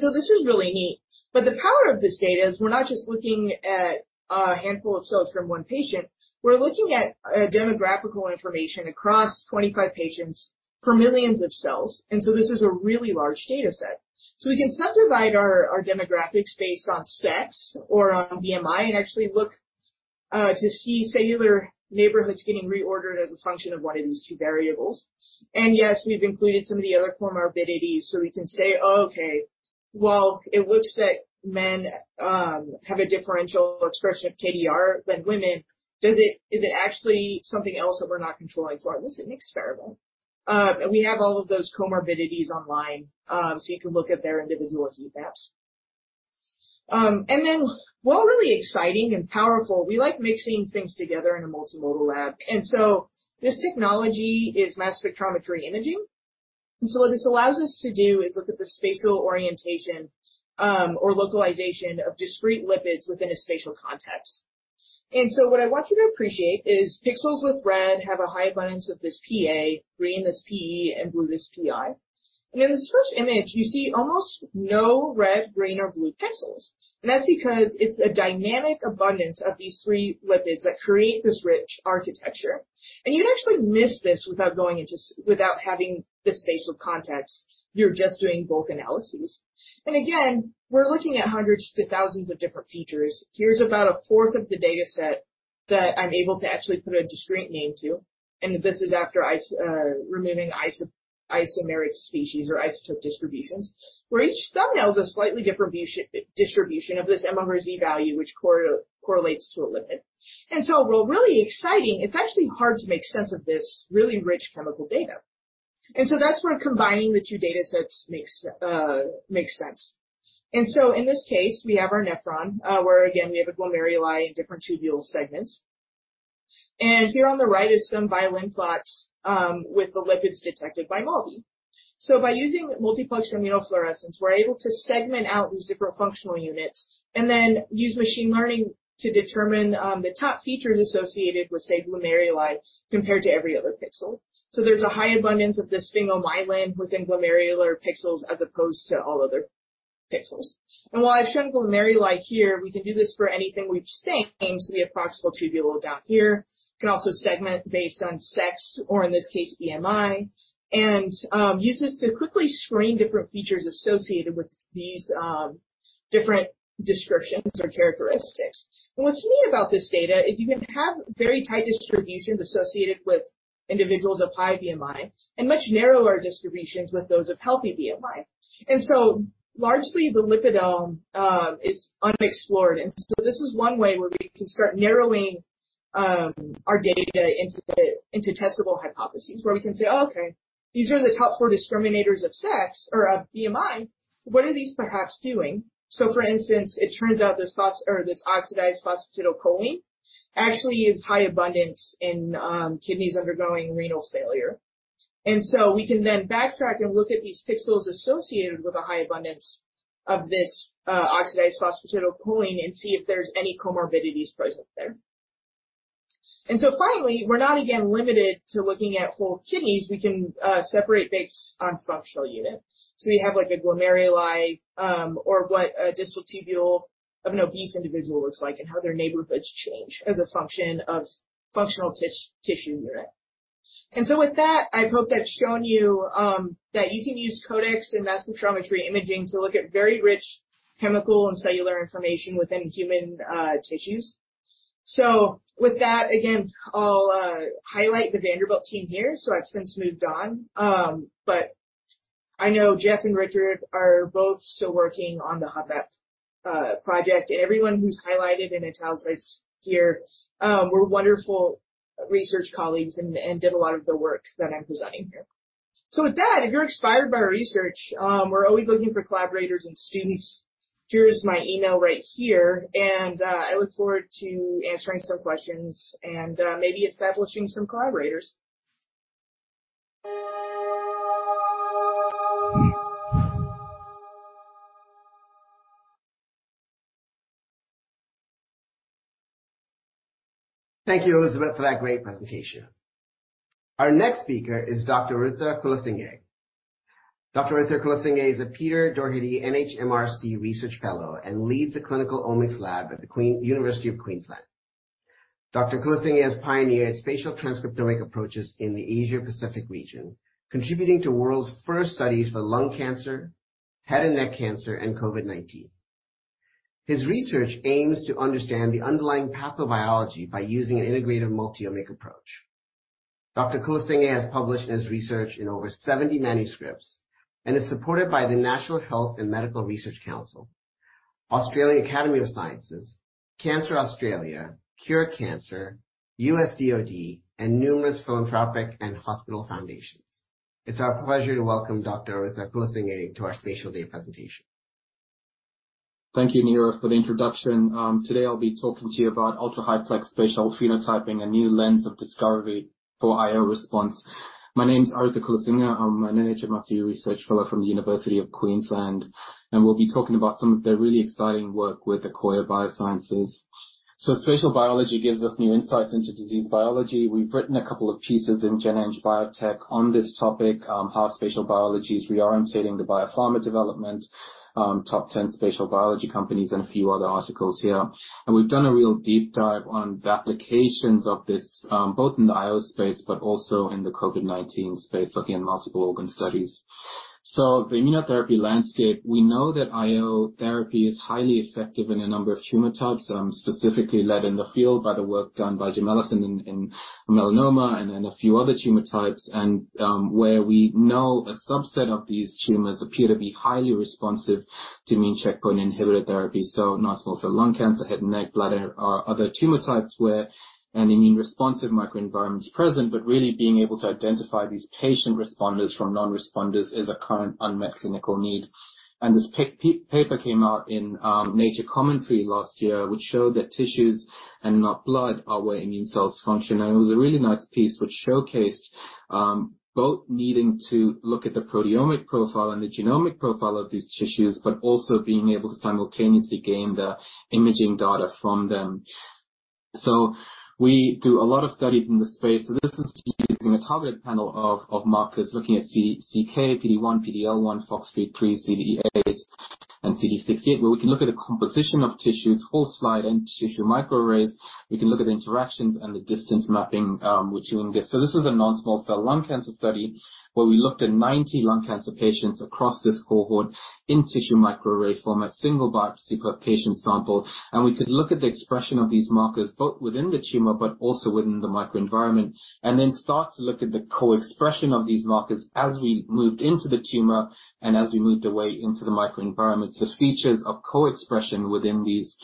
This is really neat. The power of this data is we're not just looking at a handful of cells from one patient. We're looking at demographical information across 25 patients for millions of cells. This is a really large data set. We can subdivide our demographics based on sex or on BMI and actually look to see cellular neighborhoods getting reordered as a function of one of these two variables. Yes, we've included some of the other comorbidities, so we can say, "Oh, okay, well, it looks that men have a differential expression of KDR than women. Is it actually something else that we're not controlling for? This is an experiment." We have all of those comorbidities online, so you can look at their individual heat maps. Then while really exciting and powerful, we like mixing things together in a multimodal lab. This technology is mass spectrometry imaging. What this allows us to do is look at the spatial orientation or localization of discrete lipids within a spatial context. What I want you to appreciate is pixels with red have a high abundance of this PA, green, this PE, and blue, this PI. In this first image, you see almost no red, green, or blue pixels. That's because it's a dynamic abundance of these three lipids that create this rich architecture. You'd actually miss this without having the spatial context. You're just doing bulk analyses. Again, we're looking at hundreds to thousands of different features. Here's about a fourth of the dataset that I'm able to actually put a discrete name to. This is after removing isomeric species or isotope distributions, where each thumbnail is a slightly different view distribution of this m/z value, which correlates to a lipid. While really exciting, it's actually hard to make sense of this really rich chemical data. That's where combining the two datasets makes sense. In this case, we have our nephron, where again, we have a glomeruli in different tubule segments. Here on the right is some violin plots with the lipids detected by MALDI. By using multiplex immunofluorescence, we're able to segment out these different functional units and then use machine learning to determine the top features associated with, say, glomeruli compared to every other pixel. There's a high abundance of this sphingomyelin within glomerular pixels as opposed to all other pixels. While I've shown glomeruli here, we can do this for anything we've stained, so the proximal tubule down here. Can also segment based on sex or in this case, BMI, and use this to quickly screen different features associated with these different descriptions or characteristics. What's neat about this data is you can have very tight distributions associated with individuals of high BMI and much narrower distributions with those of healthy BMI. Largely the lipidome is unexplored. This is one way where we can start narrowing our data into testable hypotheses where we can say, "Oh, okay, these are the top 4 discriminators of sex or of BMI. What are these perhaps doing?" For instance, it turns out this oxidized phosphatidylcholine actually is high abundance in kidneys undergoing renal failure. We can then backtrack and look at these pixels associated with a high abundance of this oxidized phosphatidylcholine and see if there's any comorbidities present there. Finally, we're not again limited to looking at whole kidneys. We can separate based on functional unit. We have like a glomeruli, or what a distal tubule of an obese individual looks like and how their neighborhoods change as a function of functional tissue unit. With that, I hope that's shown you that you can use CODEX and mass spectrometry imaging to look at very rich chemical and cellular information within human tissues. With that, again, I'll highlight the Vanderbilt team here. I've since moved on. I know Jeff and Richard are both still working on the HuBMAP project. Everyone who's highlighted in italics here, were wonderful research colleagues and did a lot of the work that I'm presenting here. With that, if you're inspired by research, we're always looking for collaborators and students. Here's my email right here, and I look forward to answering some questions and maybe establishing some collaborators. Thank you, Elizabeth, for that great presentation. Our next speaker is Dr. Arutha Kulasinghe. Dr. Arutha Kulasinghe is a Peter Doherty NHMRC Research Fellow and leads the Clinical Omics Lab at the University of Queensland. Dr. Kulasinghe has pioneered spatial transcriptomic approaches in the Asia-Pacific region, contributing to world's first studies for lung cancer, head and neck cancer, and COVID-19. His research aims to understand the underlying pathobiology by using an integrated multi-omic approach. Dr. Kulasinghe has published his research in over 70 manuscripts and is supported by the National Health and Medical Research Council, Australian Academy of Science, Cancer Australia, Cure Cancer, US DoD, and numerous philanthropic and hospital foundations. It's our pleasure to welcome Dr. Arutha Kulasinghe to our Spatial Day presentation. Thank you, Neeraj, for the introduction. Today I'll be talking to you about ultra-highplex spatial phenotyping, a new lens of discovery for IO response. My name is Arutha Kulasinghe. I'm an NHMRC research fellow from the University of Queensland, and we'll be talking about some of the really exciting work with the Akoya Biosciences. Spatial biology gives us new insights into disease biology. We've written a couple of pieces in GenEng Biotech on this topic, how spatial biology is reorientating the biopharma development, top 10 spatial biology companies and a few other articles here. We've done a real deep dive on the applications of this, both in the IO space but also in the COVID-19 space, looking at multiple organ studies. The immunotherapy landscape, we know that IO therapy is highly effective in a number of tumor types, specifically led in the field by the work done by Jim Allison in melanoma and then a few other tumor types. Where we know a subset of these tumors appear to be highly responsive to immune checkpoint inhibitor therapy. Non-small cell lung cancer, head and neck, bladder are other tumor types where an immune responsive microenvironment is present, but really being able to identify these patient responders from non-responders is a current unmet clinical need. This paper came out in Nature Communications last year, which showed that tissues and not blood are where immune cells function. It was a really nice piece which showcased both needing to look at the proteomic profile and the genomic profile of these tissues, but also being able to simultaneously gain the imaging data from them. We do a lot of studies in this space. This is using a targeted panel of markers looking at PanCK, PD-1, PD-L1, FoxP3, CD8 and CD68, where we can look at the composition of tissues, whole slide and tissue microarrays. We can look at the interactions and the distance mapping, which you can get. This is a non-small cell lung cancer study where we looked at 90 lung cancer patients across this cohort in tissue microarray form, a single biopsy per patient sample. We could look at the expression of these markers both within the tumor but also within the microenvironment, and then start to look at the co-expression of these markers as we moved into the tumor and as we moved away into the microenvironment. Features of co-expression within these.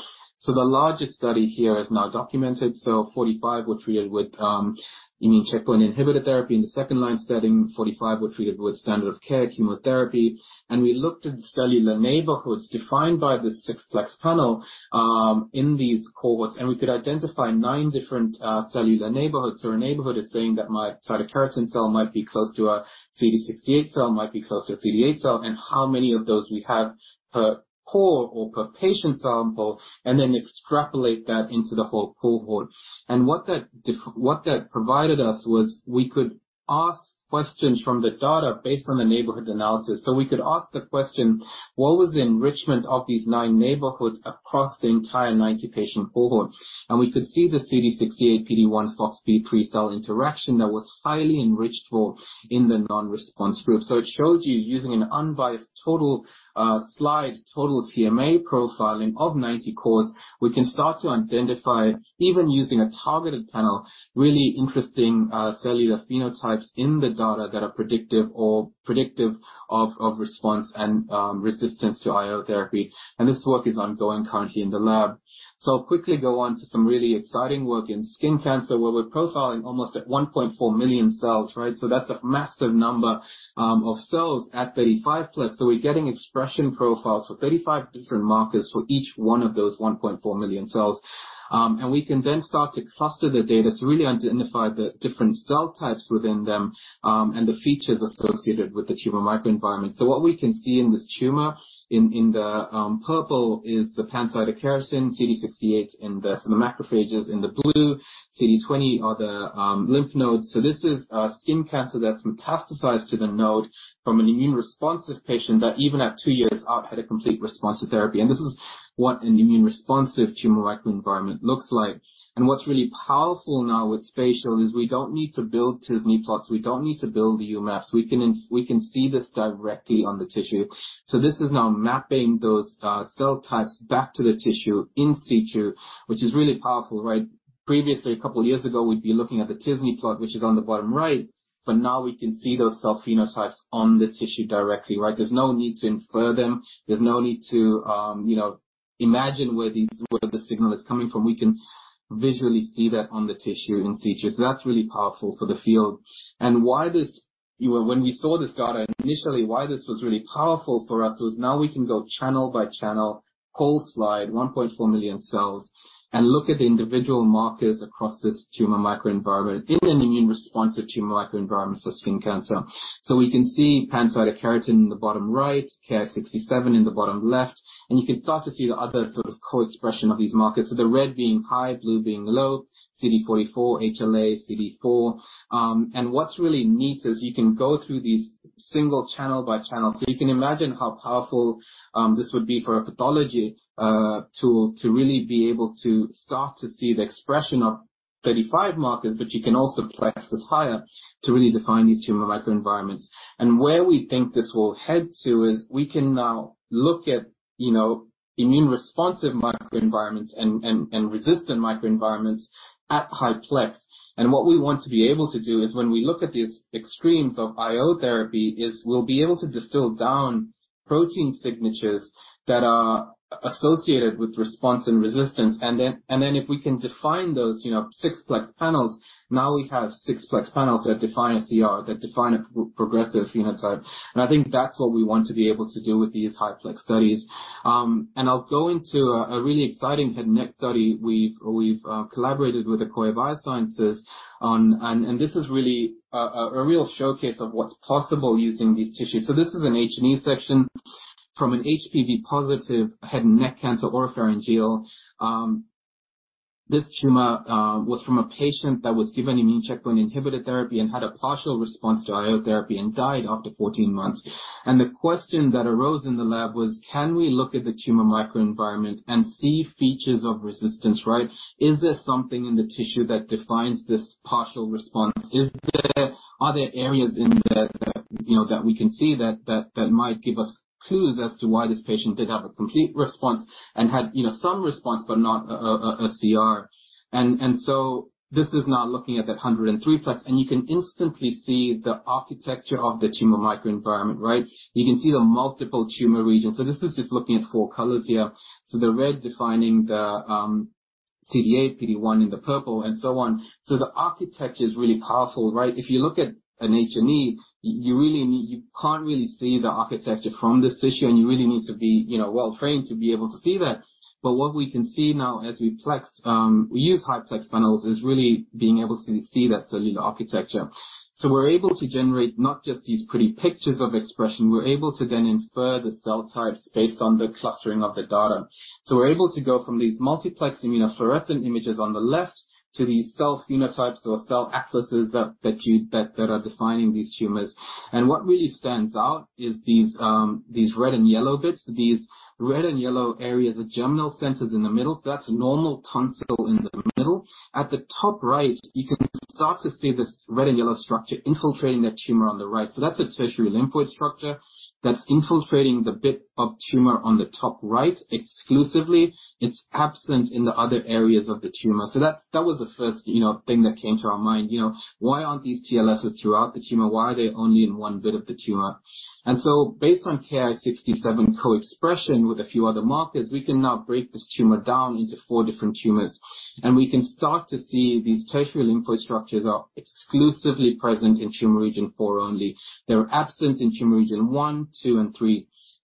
The largest study here is now documented. 45 were treated with immune checkpoint inhibitor therapy in the second-line setting. 45 were treated with standard of care chemotherapy. We looked at the cellular neighborhoods defined by this 6-plex panel in these cohorts, and we could identify 9 differenT-cellular neighborhoods. A neighborhood is saying that my cytokeratin cell might be close to a CD68 cell, might be close to a CD8 cell, and how many of those we have per core or per patient sample, and then extrapolate that into the whole cohort. What that provided us was we could ask questions from the data based on the neighborhood analysis. We could ask the question, what was the enrichment of these nine neighborhoods across the entire 90-patient cohort? We could see the CD68, PD-1, FoxP3 cell interaction that was highly enriched for in the non-response group. It shows you using an unbiased total slide, total TMA profiling of 90 cores, we can start to identify, even using a targeted panel, really interesting cellular phenotypes in the data that are predictive of response and resistance to IO therapy. This work is ongoing currently in the lab. I'll quickly go on to some really exciting work in skin cancer, where we're profiling almost at 1.4 million cells, right? That's a massive number of cells at 35 plus. We're getting expression profiles for 35 different markers for each one of those 1.4 million cells. We can then start to cluster the data to really identify the differenT-cell types within them and the features associated with the tumor microenvironment. What we can see in this tumor in the purple is the pancytokeratin CD68 and the macrophages in the blue, CD20 are the lymph nodes. This is skin cancer that's metastasized to the node from an immune responsive patient that even at 2 years out had a complete response to therapy. This is what an immune responsive tumor microenvironment looks like. What's really powerful now with spatial is we don't need to build t-SNE plots. We don't need to build UMAPs. We can see this directly on the tissue. This is now mapping those cell types back to the tissue in situ, which is really powerful, right? Previously, a couple of years ago, we'd be looking at the t-SNE plot, which is on the bottom right, now we can see those cell phenotypes on the tissue directly, right? There's no need to infer them. There's no need to, you know, imagine where the, where the signal is coming from. We can visually see that on the tissue in situ. That's really powerful for the field. When we saw this data initially, why this was really powerful for us was now we can go channel by channel, whole slide, 1.4 million cells, and look at the individual markers across this tumor microenvironment in an immune responsive tumor microenvironment for skin cancer. We can see pancytokeratin in the bottom right, Ki-67 in the bottom left, you can start to see the other sort of co-expression of these markers. The red being high, blue being low, CD44, HLA, CD4. What's really neat is you can go through these single channel by channel. You can imagine how powerful this would be for a pathology tool to really be able to start to see the expression of 35 markers, but you can also plex this higher to really define these tumor microenvironments. Where we think this will head to is we can now look at, you know, immune responsive microenvironments and resistant microenvironments at high plex. What we want to be able to do is when we look at these extremes of IO therapy, is we'll be able to distill down protein signatures that are associated with response and resistance. If we can define those, you know, 6-plex panels, now we have 6-plex panels that define a CR, that define a progressive phenotype. I think that's what we want to be able to do with these high plex studies. I'll go into a really exciting head and neck study we've collaborated with Akoya Biosciences on. This is really a real showcase of what's possible using these tissues. This is an H&E section from an HPV positive head and neck cancer oropharyngeal, this tumor was from a patient that was given immune checkpoint inhibitor therapy and had a partial response to IO therapy and died after 14 months. The question that arose in the lab was: Can we look at the tumor microenvironment and see features of resistance, right? Is there something in the tissue that defines this partial response? Are there areas in there that, you know, that we can see that might give us clues as to why this patient didn't have a complete response and had, you know, some response but not a CR. This is now looking at that 103 plus, and you can instantly see the architecture of the tumor microenvironment, right? You can see the multiple tumor regions. So this is just looking at four colors here. So the red defining the CDA, PD-1 in the purple, and so on. So the architecture is really powerful, right? If you look at an HME, you really need you can't really see the architecture from this tissue, and you really need to be, you know, well-trained to be able to see that. What we can see now as we plex, we use high-plex panels, is really being able to see thaT-cellular architecture. We're able to generate not just these pretty pictures of expression, we're able to then infer the cell types based on the clustering of the data. We're able to go from these multiplex immunofluorescent images on the left to these cell phenotypes or cell atlases that are defining these tumors. What really stands out is these red and yellow bits. These red and yellow areas are germinal centers in the middle, so that's normal tonsil in the middle. At the top right, you can start to see this red and yellow structure infiltrating that tumor on the right. That's a tertiary lymphoid structure that's infiltrating the bit of tumor on the top right exclusively. It's absent in the other areas of the tumor. That's. That was the first, you know, thing that came to our mind. You know, why aren't these TLSs throughout the tumor? Why are they only in one bit of the tumor? Based on Ki-67 co-expression with a few other markers, we can now break this tumor down into four different tumors. We can start to see these tertiary lymphoid structures are exclusively present in tumor region 4 only. They're absent in tumor region 1, 2, and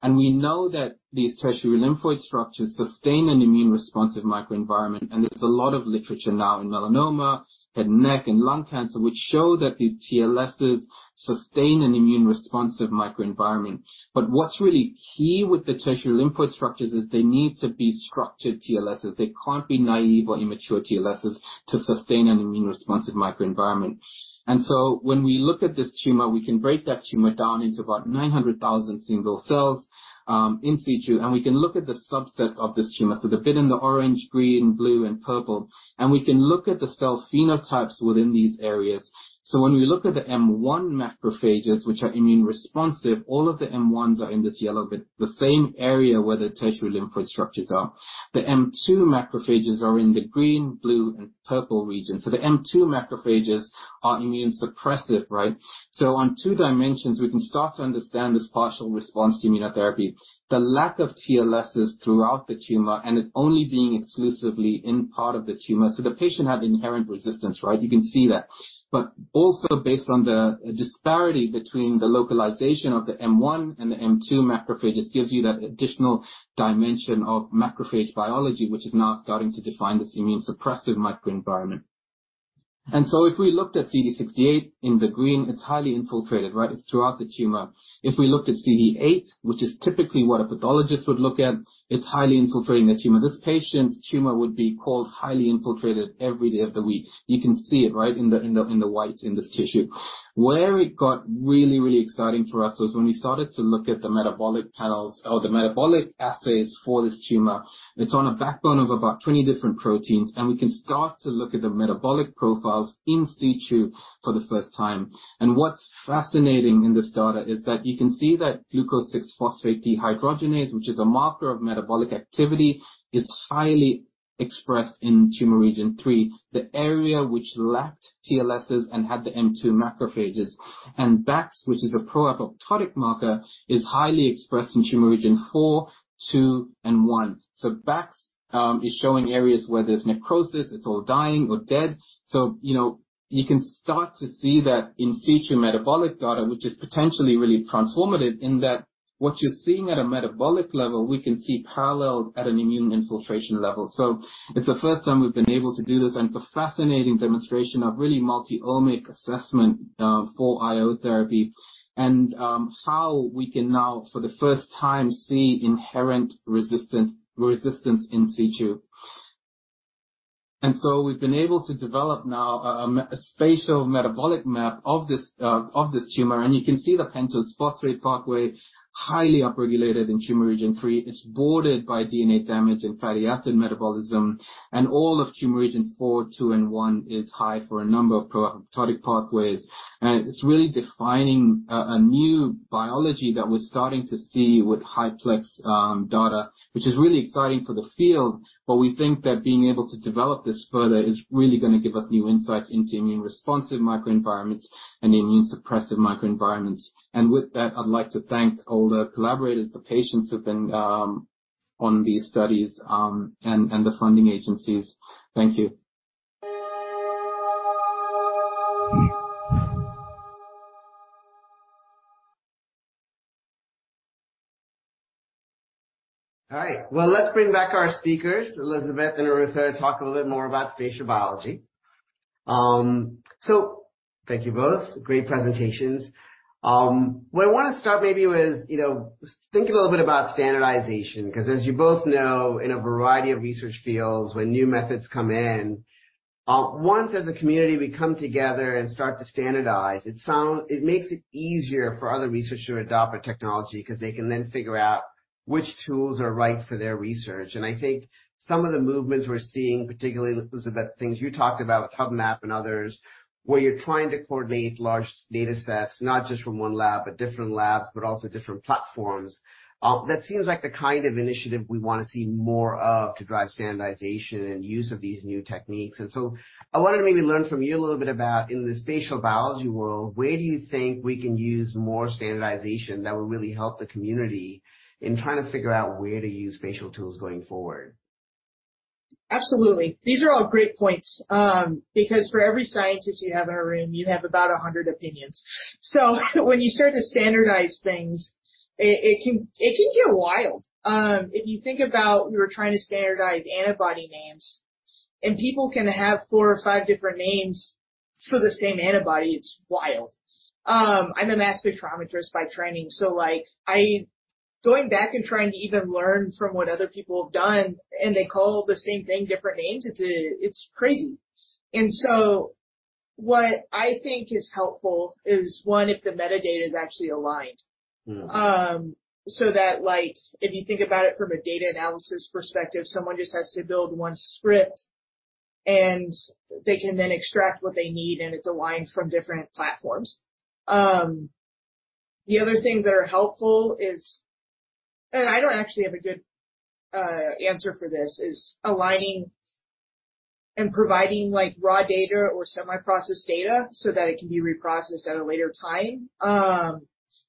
3. We know that these tertiary lymphoid structures sustain an immune responsive microenvironment, and there's a lot of literature now in melanoma, head and neck, and lung cancer which show that these TLSs sustain an immune responsive microenvironment. What's really key with the tertiary lymphoid structures is they need to be structured TLSs. They can't be naive or immature TLSs to sustain an immune responsive microenvironment. When we look at this tumor, we can break that tumor down into about 900,000 single cells in situ, and we can look at the subset of this tumor. The bit in the orange, green, blue, and purple. We can look at the cell phenotypes within these areas. When we look at the M-one macrophages, which are immune responsive, all of the M-ones are in this yellow bit, the same area where the tertiary lymphoid structures are. The M-two macrophages are in the green, blue, and purple region. The M-two macrophages are immune suppressive, right? On 2 dimensions, we can start to understand this partial response to immunotherapy. The lack of TLSs throughout the tumor and it only being exclusively in part of the tumor. The patient had inherent resistance, right? You can see that. Also based on the disparity between the localization of the M-one and the M-two macrophages gives you that additional dimension of macrophage biology, which is now starting to define this immune suppressive microenvironment. If we looked at CD68 in the green, it's highly infiltrated, right? It's throughout the tumor. If we looked at CD8, which is typically what a pathologist would look at, it's highly infiltrating the tumor. This patient's tumor would be called highly infiltrated every day of the week. You can see it right in the whites in this tissue. Where it got really, really exciting for us was when we started to look at the metabolic panels or the metabolic assays for this tumor. It's on a backbone of about 20 different proteins, we can start to look at the metabolic profiles in situ for the first time. What's fascinating in this data is that you can see that glucose-6-phosphate dehydrogenase, which is a marker of metabolic activity, is highly expressed in tumor region 3, the area which lacked TLSs and had the M-2 macrophages. Bax, which is a pro-apoptotic marker, is highly expressed in tumor region 4, 2, and 1. Bax is showing areas where there's necrosis, it's all dying or dead. You know, you can start to see that in situ metabolic data, which is potentially really transformative in that what you're seeing at a metabolic level, we can see paralleled at an immune infiltration level. It's the first time we've been able to do this, and it's a fascinating demonstration of really multi-omic assessment for IO therapy and how we can now, for the first time, see inherent resistance in situ. We've been able to develop now a spatial metabolic map of this of this tumor, and you can see the pentose phosphate pathway highly upregulated in tumor region 3. It's bordered by DNA damage and fatty acid metabolism, all of tumor region 4, 2, and 1 is high for a number of pro-apoptotic pathways. It's really defining a new biology that we're starting to see with high-plex data, which is really exciting for the field. We think that being able to develop this further is really gonna give us new insights into immune responsive microenvironments and immune suppressive microenvironments. With that, I'd like to thank all the collaborators, the patients who've been on these studies, and the funding agencies. Thank you. All right. Well, let's bring back our speakers, Elizabeth and Arutha, to talk a little bit more about spatial biology. Thank you both. Great presentations. What I want to start maybe with, you know, think a little bit about standardization, 'cause as you both know, in a variety of research fields, when new methods come in, once as a community, we come together and start to standardize. It makes it easier for other researchers to adopt a technology because they can then figure out which tools are right for their research. I think some of the movements we're seeing, particularly, Elizabeth, things you talked about, HuBMAP and others, where you're trying to coordinate large datasets, not just from one lab, but different labs, but also different platforms. That seems like the kind of initiative we wanna see more of to drive standardization and use of these new techniques. I wanted to maybe learn from you a little bit about in the spatial biology world, where do you think we can use more standardization that will really help the community in trying to figure out where to use spatial tools going forward? Absolutely. These are all great points, because for every scientist you have in a room, you have about 100 opinions. When you start to standardize things, it can get wild. If you think about you're trying to standardize antibody names, and people can have 4 or 5 different names for the same antibody, it's wild. I'm a mass spectrometrist by training, so, like, going back and trying to even learn from what other people have done, and they call the same thing different names, it's a, it's crazy. What I think is helpful is, 1, if the metadata is actually aligned. Mm-hmm. That, like, if you think about it from a data analysis perspective, someone just has to build 1 script, and they can then extract what they need, and it's aligned from different platforms. The other things that are helpful is, I don't actually have a good answer for this, is aligning and providing, like, raw data or semi-processed data so that it can be reprocessed at a later time.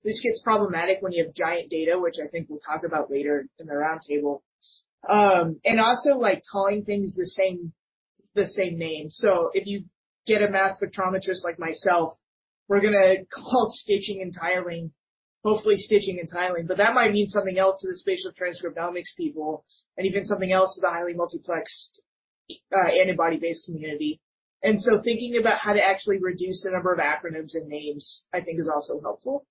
This gets problematic when you have giant data, which I think we'll talk about later in the roundtable. Also, like, calling things the same name. If you get a mass spectrometrist like myself, we're gonna call stitching and tiling, hopefully, stitching and tiling, but that might mean something else to the spatial transcriptomics people and even something else to the highly multiplexed antibody-based community. Thinking about how to actually reduce the number of acronyms and names, I think is also helpful.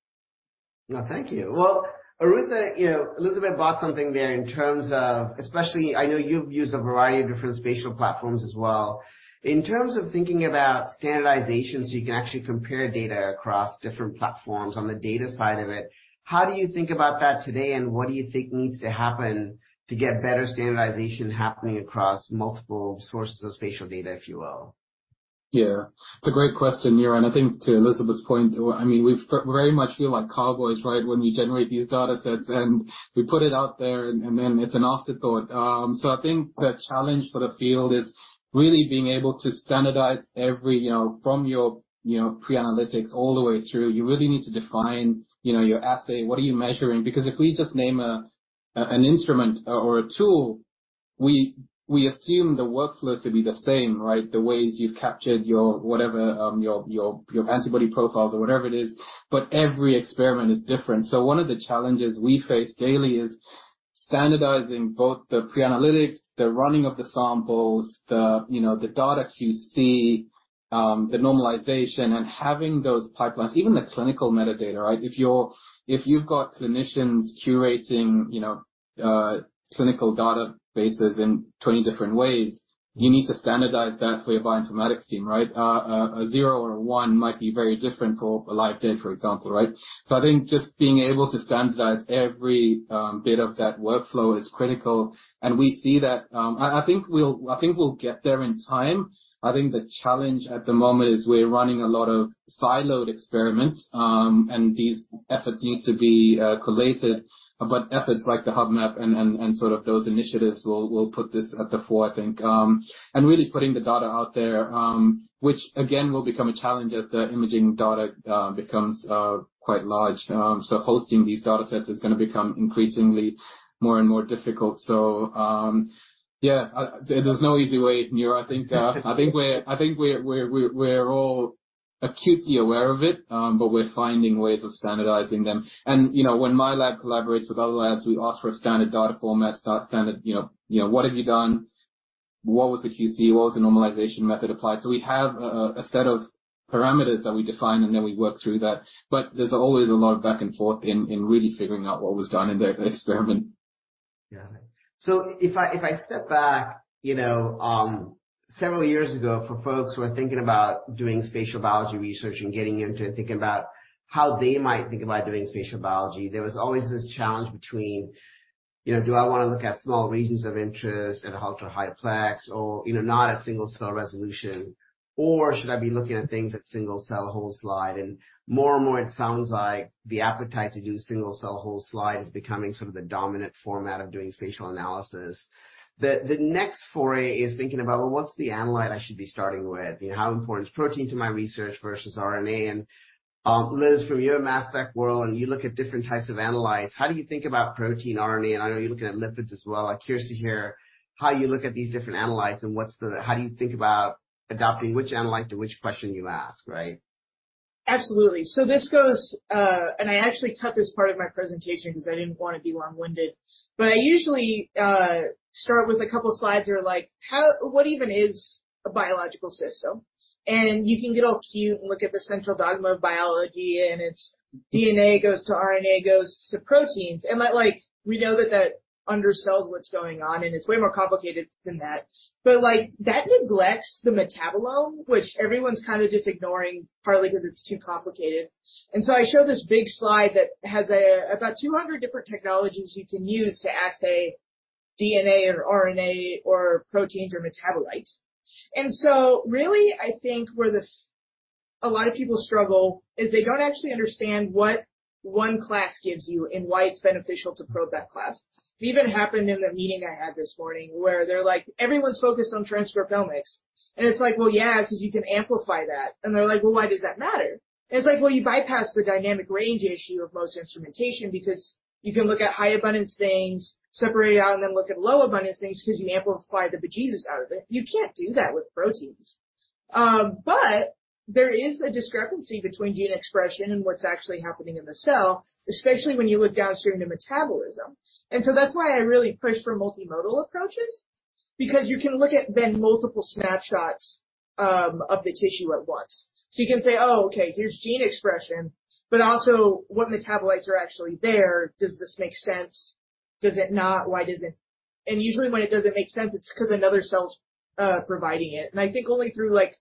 No, thank you. Well, Arutha, you know, Elizabeth brought something there in terms of, especially, I know you've used a variety of different spatial platforms as well. In terms of thinking about standardization, so you can actually compare data across different platforms on the data side of it, how do you think about that today, and what do you think needs to happen to get better standardization happening across multiple sources of spatial data, if you will? Yeah. It's a great question, Niro. I think to Elizabeth's point, I mean, we very much feel like cowboys, right? When we generate these datasets, and we put it out there, and then it's an afterthought. I think the challenge for the field is really being able to standardize every, you know, from your, you know, pre-analytics all the way through. You really need to define, you know, your assay, what are you measuring? If we just name an instrument or a tool, we assume the workflows to be the same, right? The ways you've captured your whatever, your antibody profiles or whatever it is, but every experiment is different. One of the challenges we face daily is standardizing both the pre-analytics, the running of the samples, the, you know, the data QC, the normalization, and having those pipelines, even the clinical metadata, right? If you've got clinicians curating, you know, clinical databases in 20 different ways, you need to standardize that for your bioinformatics team, right? A zero or a one might be very different for a live date, for example, right? I think just being able to standardize every bit of that workflow is critical. We see that... I think we'll get there in time. I think the challenge at the moment is we're running a lot of siloed experiments, and these efforts need to be collated. Efforts like the HuBMAP and sort of those initiatives will put this at the fore, I think. Really putting the data out there, which again, will become a challenge as the imaging data becomes quite large. Hosting these data sets is gonna become increasingly more and more difficult. Yeah, there's no easy way, Niro. I think we're all acutely aware of it, we're finding ways of standardizing them. You know, when my lab collaborates with other labs, we ask for a standard data format, standard, you know, what have you done? What was the QC? What was the normalization method applied? We have a set of parameters that we define, and then we work through that. There's always a lot of back and forth in really figuring out what was done in the experiment. Yeah. If I, if I step back, you know, several years ago, for folks who are thinking about doing spatial biology research and getting into thinking about how they might think about doing spatial biology, there was always this challenge between, you know, do I wanna look at small regions of interest at ultra-high plex or, you know, not at single-cell resolution? Or should I be looking at things at single-cell whole slide? More and more, it sounds like the appetite to do single-cell whole slide is becoming sort of the dominant format of doing spatial analysis. The, the next foray is thinking about, well, what's the analyte I should be starting with? You know, how important is protein to my research versus RNA? Liz, from your mass spec world, and you look at different types of analytes, how do you think about protein RNA? I know you're looking at lipids as well. I'm curious to hear how you look at these different analytes and how do you think about adopting which analyte to which question you ask, right? Absolutely. This goes, and I actually cut this part of my presentation 'cause I didn't wanna be long-winded. I usually start with a couple slides that are like, what even is a biological system? You can get all cute and look at the central dogma of biology, and it's DNA goes to RNA, goes to proteins. That like, we know that that undersells what's going on, and it's way more complicated than that. Like, that neglects the metabolome, which everyone's kinda just ignoring, partly 'cause it's too complicated. I show this big slide that has about 200 different technologies you can use to assay DNA or RNA or proteins or metabolites. Really, I think where a lot of people struggle is they don't actually understand what one class gives you and why it's beneficial to probe that class. It even happened in the meeting I had this morning where they're like, "Everyone's focused on transcriptomics." It's like, "Well, yeah, 'cause you can amplify that." They're like, "Well, why does that matter?" It's like, well, you bypass the dynamic range issue of most instrumentation because you can look at high abundance things, separate it out, and then look at low abundance things 'cause you can amplify the bejesus out of it. You can't do that with proteins. There is a discrepancy between gene expression and what's actually happening in the cell, especially when you look downstream to metabolism. That's why I really push for multimodal approaches because you can look at then multiple snapshots of the tissue at once. You can say, "Oh, okay, here's gene expression," but also what metabolites are actually there. Does this make sense? Does it not? Why does it... Usually, when it doesn't make sense, it's 'cause another cell's providing it. I think only through, like,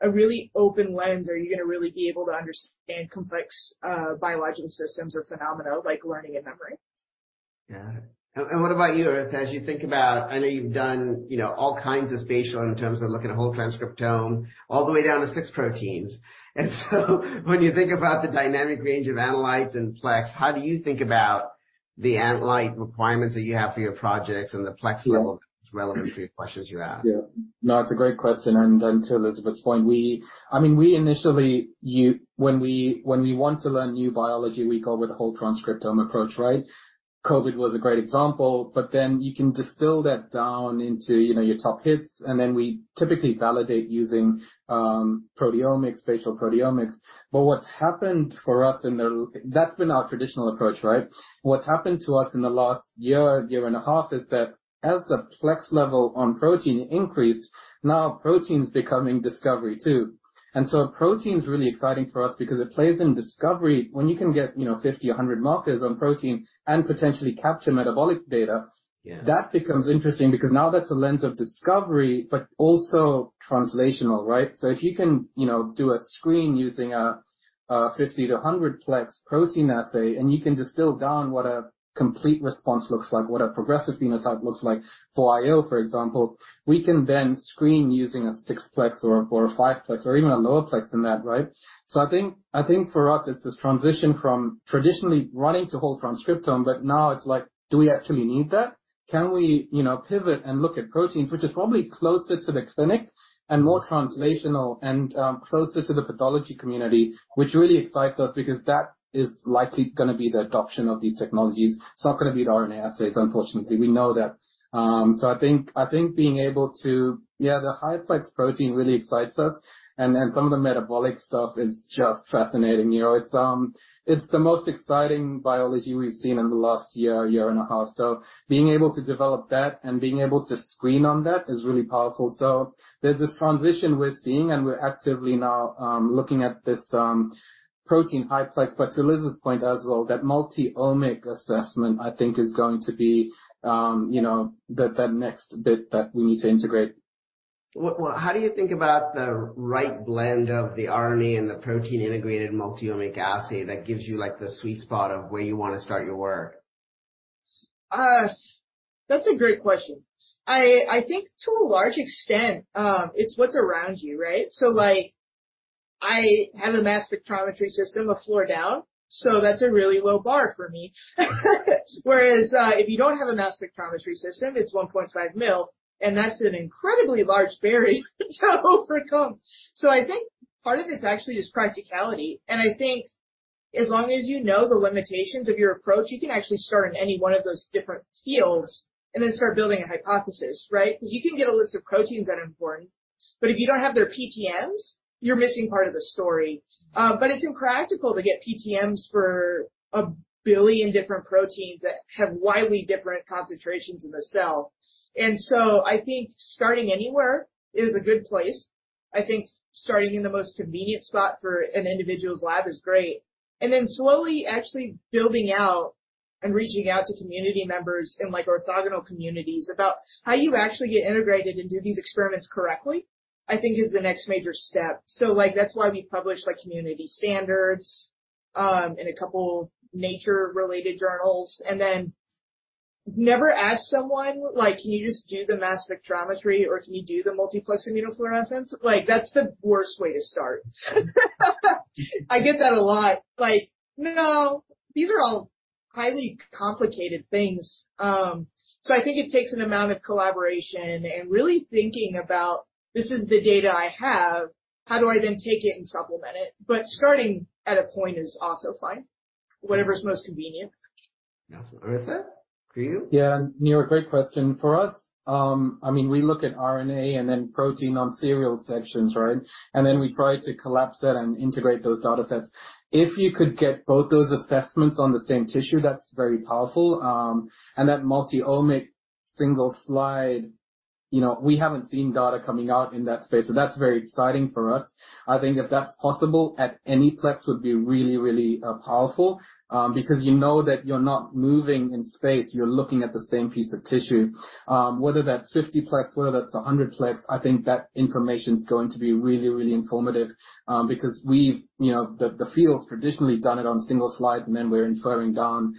a really open lens are you gonna really be able to understand complex biological systems or phenomena like learning and memory. Got it. What about you, Arutha, as you think about... I know you've done, you know, all kinds of spatial in terms of looking at whole transcriptome all the way down to 6 proteins. When you think about the dynamic range of analytes and plex, how do you think about the analyte requirements that you have for your projects and the plex level relevancy questions you ask? Yeah. No, it's a great question. To Elizabeth's point, I mean, we initially when we want to learn new biology, we go with the whole transcriptome approach, right? COVID was a great example, you can distill that down into, you know, your top hits, we typically validate using proteomics, spatial proteomics. What's happened for us That's been our traditional approach, right? What's happened to us in the last year and a half is that as the plex level on protein increased, now protein's becoming discovery too. Protein's really exciting for us because it plays in discovery. When you can get, you know, 50, 100 markers on protein and potentially capture metabolic data- Yeah. That becomes interesting because now that's a lens of discovery, but also translational, right? If you can, you know, do a screen using a 50 to 100-plex protein assay, and you can distill down what a complete response looks like, what a progressive phenotype looks like for IL, for example, we can then screen using a 6-plex or a 5-plex or even a lower plex than that, right? I think for us it's this transition from traditionally running to whole transcriptome, but now it's like, do we actually need that? Can we, you know, pivot and look at proteins, which is probably closer to the clinic and more translational and closer to the pathology community, which really excites us because that is likely gonna be the adoption of these technologies. It's not gonna be the RNA assays, unfortunately. We know that. I think being able to... Yeah, the high plex protein really excites us and some of the metabolic stuff is just fascinating. You know, it's the most exciting biology we've seen in the last year and a half. Being able to develop that and being able to screen on that is really powerful. There's this transition we're seeing, and we're actively now, looking at this, protein high plex. To Liz's point as well, that multi-omic assessment, I think, is going to be, you know, the next bit that we need to integrate. How do you think about the right blend of the RNA and the protein integrated multi-omic assay that gives you, like, the sweet spot of where you wanna start your work? That's a great question. I think to a large extent, it's what's around you, right? Like, I have a mass spectrometry system a floor down, so that's a really low bar for me. Whereas, if you don't have a mass spectrometry system, it's $1.5 million, and that's an incredibly large barrier to overcome. I think part of it's actually just practicality, and I think as long as you know the limitations of your approach, you can actually start in any one of those different fields and then start building a hypothesis, right? 'Cause you can get a list of proteins that are important, but if you don't have their PTMs, you're missing part of the story. But it's impractical to get PTMs for 1 billion different proteins that have wildly different concentrations in the cell. I think starting anywhere is a good place. I think starting in the most convenient spot for an individual's lab is great. slowly actually building out and reaching out to community members in, like, orthogonal communities about how you actually get integrated and do these experiments correctly, I think is the next major step. that's why we publish, like, community standards in a couple Nature-related journals. never ask someone, like, "Can you just do the mass spectrometry or can you do the multiplex immunofluorescence?" Like, that's the worst way to start. I get that a lot. Like, no, these are all highly complicated things. I think it takes an amount of collaboration and really thinking about, this is the data I have, how do I then take it and supplement it? starting at a point is also fine. Whatever is most convenient. Yeah. Arutha? Yeah, Niro, great question. For us, I mean, we look at RNA and then protein on serial sections, right? We try to collapse that and integrate those data sets. If you could get both those assessments on the same tissue, that's very powerful. That multi-omic single slide, you know, we haven't seen data coming out in that space, so that's very exciting for us. I think if that's possible at any plex would be really, really powerful, because you know that you're not moving in space, you're looking at the same piece of tissue. Whether that's 50 plex, whether that's 100 plex, I think that information is going to be really, really informative, because we've, you know, the field's traditionally done it on single slides, and then we're inferring down.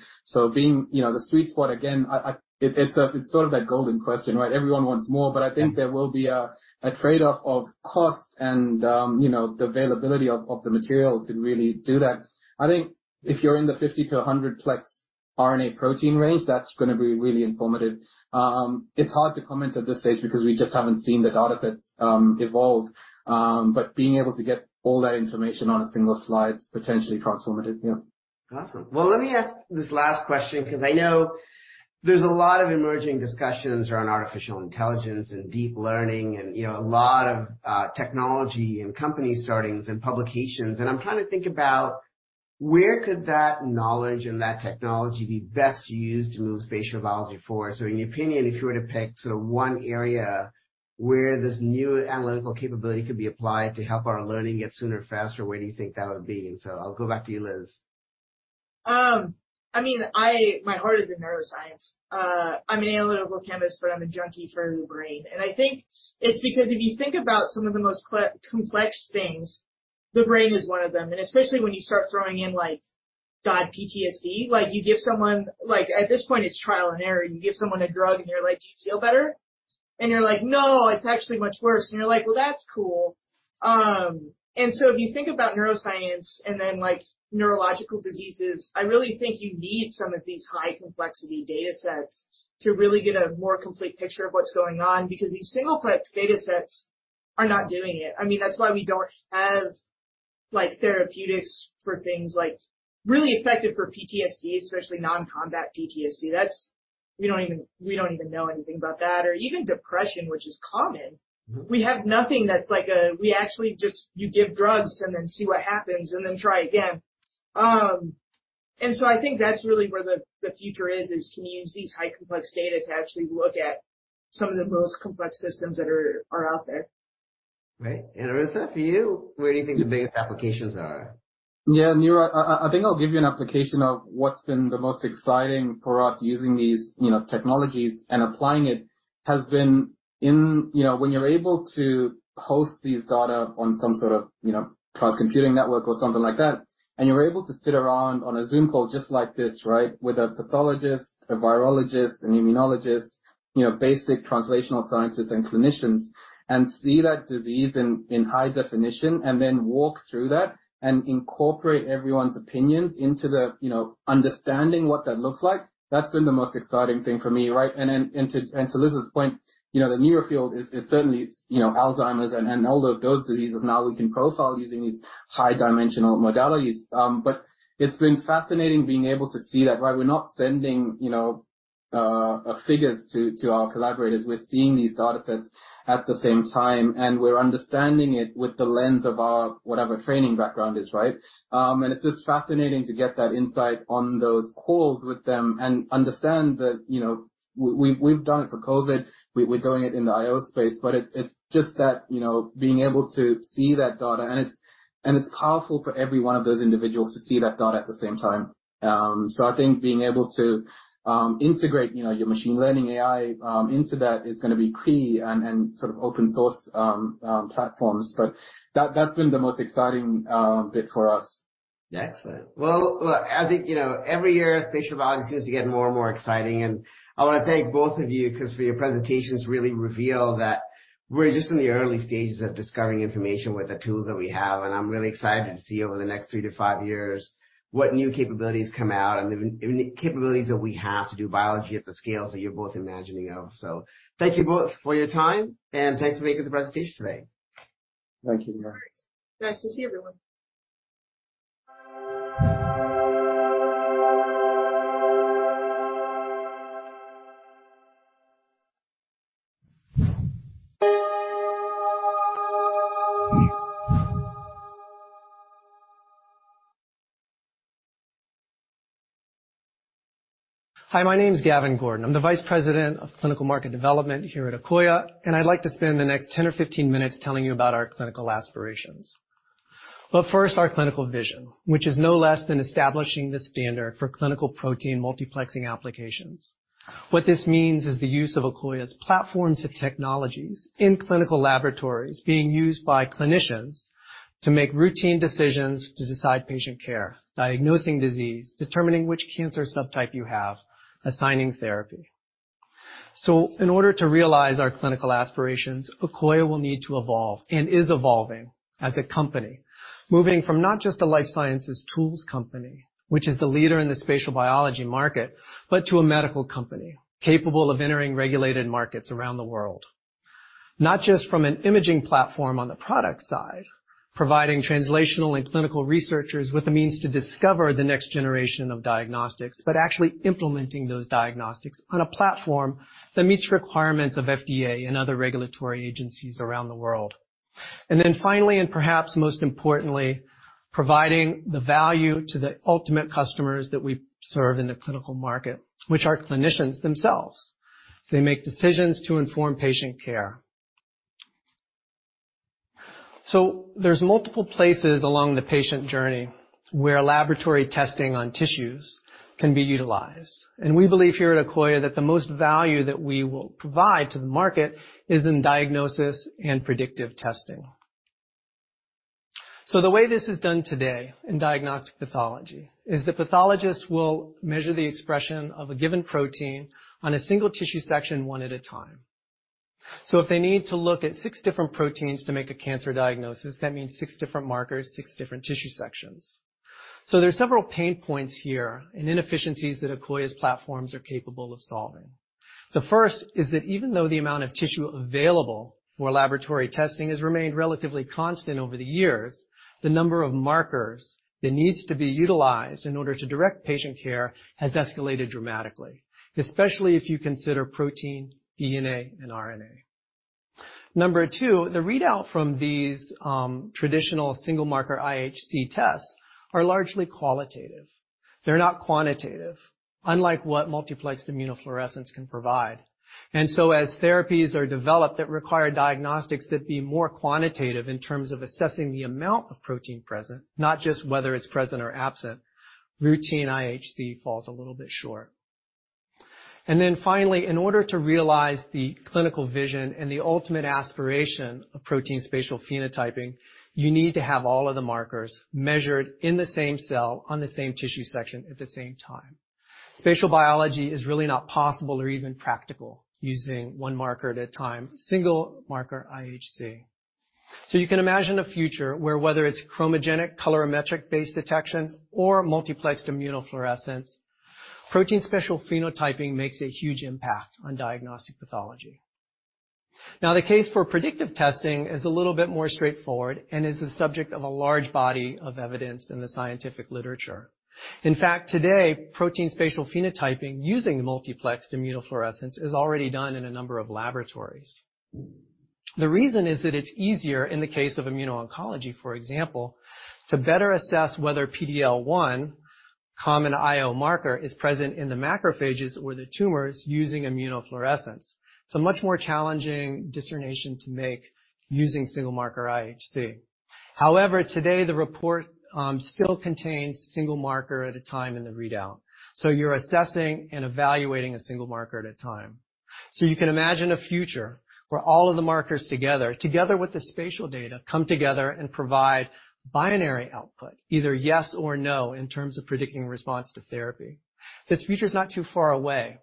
Being, you know, the sweet spot again, it's sort of that golden question, right? Everyone wants more, I think there will be a trade-off of cost and, you know, the availability of the material to really do that. I think if you're in the 50-100 plex RNA protein range, that's gonna be really informative. It's hard to comment at this stage because we just haven't seen the data sets evolve, being able to get all that information on a single slide is potentially transformative. Yeah. Awesome. Well, let me ask this last question 'cause I know there's a lot of emerging discussions around artificial intelligence and deep learning and, you know, a lot of technology and companies starting and publications. I'm trying to think about where could that knowledge and that technology be best used to move spatial biology forward. In your opinion, if you were to pick sort of one area where this new analytical capability could be applied to help our learning get sooner, faster, where do you think that would be? I'll go back to you, Liz. I mean, my heart is in neuroscience. I'm an analytical chemist, but I'm a junkie for the brain. I think it's because if you think about some of the most complex things, the brain is one of them. Especially when you start throwing in, like, God, PTSD, like you give someone, at this point, it's trial and error. You give someone a drug, and you're like, "Do you feel better?" They're like, "No, it's actually much worse." You're like, "Well, that's cool." If you think about neuroscience and then, like, neurological diseases, I really think you need some of these high complexity data sets to really get a more complete picture of what's going on because these single plex data sets are not doing it. I mean, that's why we don't have, like, therapeutics for things like really effective for PTSD, especially non-combat PTSD. We don't even know anything about that. Even depression, which is common. Mm-hmm. We have nothing that's like, we actually just, you give drugs and then see what happens and then try again. I think that's really where the future is can you use these high complex data to actually look at some of the most complex systems that are out there. Great. Arutha, for you, where do you think the biggest applications are? Yeah, Niro, I think I'll give you an application of what's been the most exciting for us using these, you know, technologies and applying it has been in, you know, when you're able to host these data on some sort of, you know, cloud computing network or something like that, and you're able to sit around on a Zoom call just like this, right, with a pathologist, a virologist, an immunologist, you know, basic translational scientists and clinicians, and see that disease in high definition and then walk through that and incorporate everyone's opinions into the, you know, understanding what that looks like. That's been the most exciting thing for me, right? And then, and to Liz's point, you know, the neuro field is certainly, you know, Alzheimer's and all of those diseases now we can profile using these high dimensional modalities. It's been fascinating being able to see that, right? We're not sending, you know, figures to our collaborators. We're seeing these data sets at the same time, and we're understanding it with the lens of our whatever training background is, right? It's just fascinating to get that insight on those calls with them and understand that, you know, we've done it for COVID, we're doing it in the IO space, but it's just that, you know, being able to see that data, and it's powerful for every one of those individuals to see that data at the same time. I think being able to integrate, you know, your machine learning AI into that is gonna be key and sort of open source platforms. That's been the most exciting bit for us. Excellent. Well, I think, you know, every year, spatial biology seems to get more and more exciting. I wanna thank both of you 'cause for your presentations really reveal that we're just in the early stages of discovering information with the tools that we have. I'm really excited to see over the next three to five years what new capabilities come out and even the capabilities that we have to do biology at the scales that you're both imagining of. Thank you both for your time, and thanks for making the presentation today. Thank you, Niro. Nice to see everyone. Hi, my name is Gavin Gordon. I'm the vice president of Clinical Market Development here at Akoya, and I'd like to spend the next 10 or 15 minutes telling you about our clinical aspirations. First, our clinical vision, which is no less than establishing the standard for clinical protein multiplexing applications. What this means is the use of Akoya's platforms and technologies in clinical laboratories being used by clinicians to make routine decisions to decide patient care, diagnosing disease, determining which cancer subtype you have, assigning therapy. In order to realize our clinical aspirations, Akoya will need to evolve and is evolving as a company, moving from not just a life sciences tools company, which is the leader in the spatial biology market, but to a medical company capable of entering regulated markets around the world. Not just from an imaging platform on the product side, providing translational and clinical researchers with a means to discover the next generation of diagnostics, but actually implementing those diagnostics on a platform that meets requirements of FDA and other regulatory agencies around the world. Finally, and perhaps most importantly, providing the value to the ultimate customers that we serve in the clinical market, which are clinicians themselves. They make decisions to inform patient care. There's multiple places along the patient journey where laboratory testing on tissues can be utilized, and we believe here at Akoya that the most value that we will provide to the market is in diagnosis and predictive testing. The way this is done today in diagnostic pathology is the pathologist will measure the expression of a given protein on a single tissue section one at a time. If they need to look at 6 different proteins to make a cancer diagnosis, that means 6 different markers, 6 different tissue sections. There's several pain points here and inefficiencies that Akoya's platforms are capable of solving. The first is that even though the amount of tissue available for laboratory testing has remained relatively constant over the years, the number of markers that needs to be utilized in order to direct patient care has escalated dramatically, especially if you consider protein, DNA, and RNA. Number two, the readout from these traditional single-marker IHC tests are largely qualitative. They're not quantitative, unlike what multiplexed immunofluorescence can provide. As therapies are developed that require diagnostics that be more quantitative in terms of assessing the amount of protein present, not just whether it's present or absent, routine IHC falls a little bit short. Finally, in order to realize the clinical vision and the ultimate aspiration of protein spatial phenotyping, you need to have all of the markers measured in the same cell on the same tissue section at the same time. Spatial biology is really not possible or even practical using one marker at a time, single marker IHC. You can imagine a future where whether it's chromogenic colorimetric-based detection or multiplexed immunofluorescence, protein spatial phenotyping makes a huge impact on diagnostic pathology. Now, the case for predictive testing is a little bit more straightforward and is the subject of a large body of evidence in the scientific literature. In fact, today, protein spatial phenotyping using multiplexed immunofluorescence is already done in a number of laboratories. The reason is that it's easier in the case of immuno-oncology, for example, to better assess whether PD-L1, common IO marker, is present in the macrophages or the tumors using immunofluorescence. It's a much more challenging discernment to make using single-marker IHC. Today the report still contains single marker at a time in the readout, so you're assessing and evaluating a single marker at a time. You can imagine a future where all of the markers together with the spatial data, come together and provide binary output, either yes or no, in terms of predicting response to therapy. This feature is not too far away.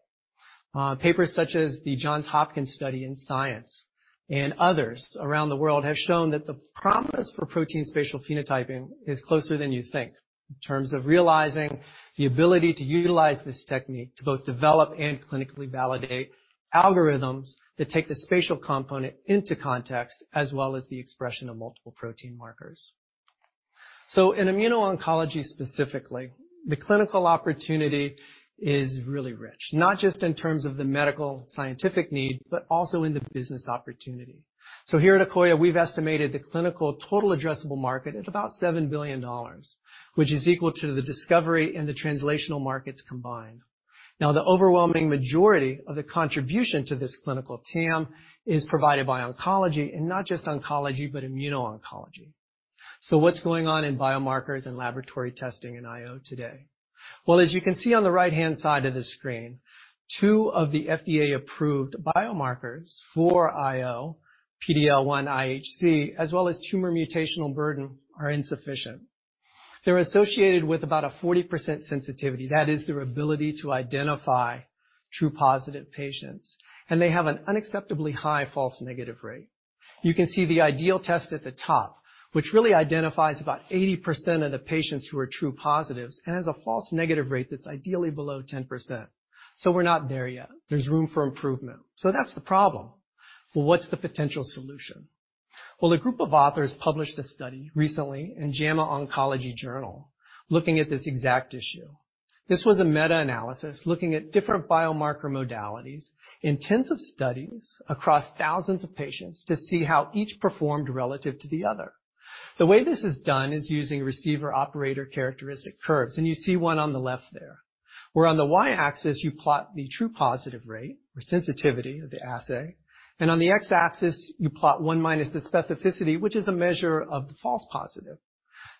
Papers such as the Johns Hopkins study in Science and others around the world have shown that the promise for protein spatial phenotyping is closer than you think in terms of realizing the ability to utilize this technique to both develop and clinically validate algorithms that take the spatial component into context as well as the expression of multiple protein markers. In immuno-oncology specifically, the clinical opportunity is really rich, not just in terms of the medical scientific need, but also in the business opportunity. Here at Akoya, we've estimated the clinical total addressable market at about $7 billion, which is equal to the discovery and the translational markets combined. The overwhelming majority of the contribution to this clinical TAM is provided by oncology, and not just oncology, but immuno-oncology. What's going on in biomarkers and laboratory testing in IO today? As you can see on the right-hand side of the screen, two of the FDA-approved biomarkers for IO, PD-L1 IHC, as well as tumor mutational burden, are insufficient. They're associated with about a 40% sensitivity. That is their ability to identify true positive patients, and they have an unacceptably high false negative rate. You can see the ideal test at the top, which really identifies about 80% of the patients who are true positives and has a false negative rate that's ideally below 10%. We're not there yet. There's room for improvement. That's the problem. Well, what's the potential solution? Well, a group of authors published a study recently in JAMA Oncology Journal looking at this exact issue. This was a meta-analysis looking at different biomarker modalities, intensive studies across thousands of patients to see how each performed relative to the other. The way this is done is using receiver operating characteristic curves, and you see one on the left there. Where on the y-axis, you plot the true positive rate or sensitivity of the assay, and on the x-axis, you plot 1 minus the specificity, which is a measure of the false positive.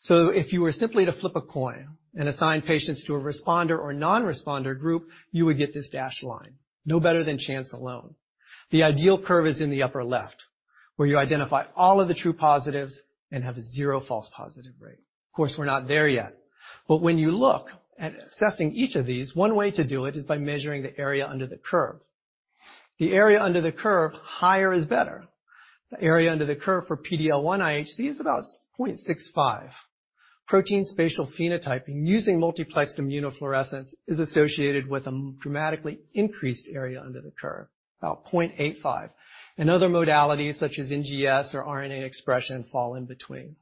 If you were simply to flip a coin and assign patients to a responder or non-responder group, you would get this dashed line, no better than chance alone. The ideal curve is in the upper left, where you identify all of the true positives and have a zero false positive rate. Of course, we're not there yet. But when you look at assessing each of these, one way to do it is by measuring the area under the curve. The area under the curve, higher is better. The area under the curve for PD-L1 IHC is about 0.65. Protein spatial phenotyping using multiplexed immunofluorescence is associated with a dramatically increased area under the curve, about 0.85. And other modalities such as NGS or RNA expression fall in between.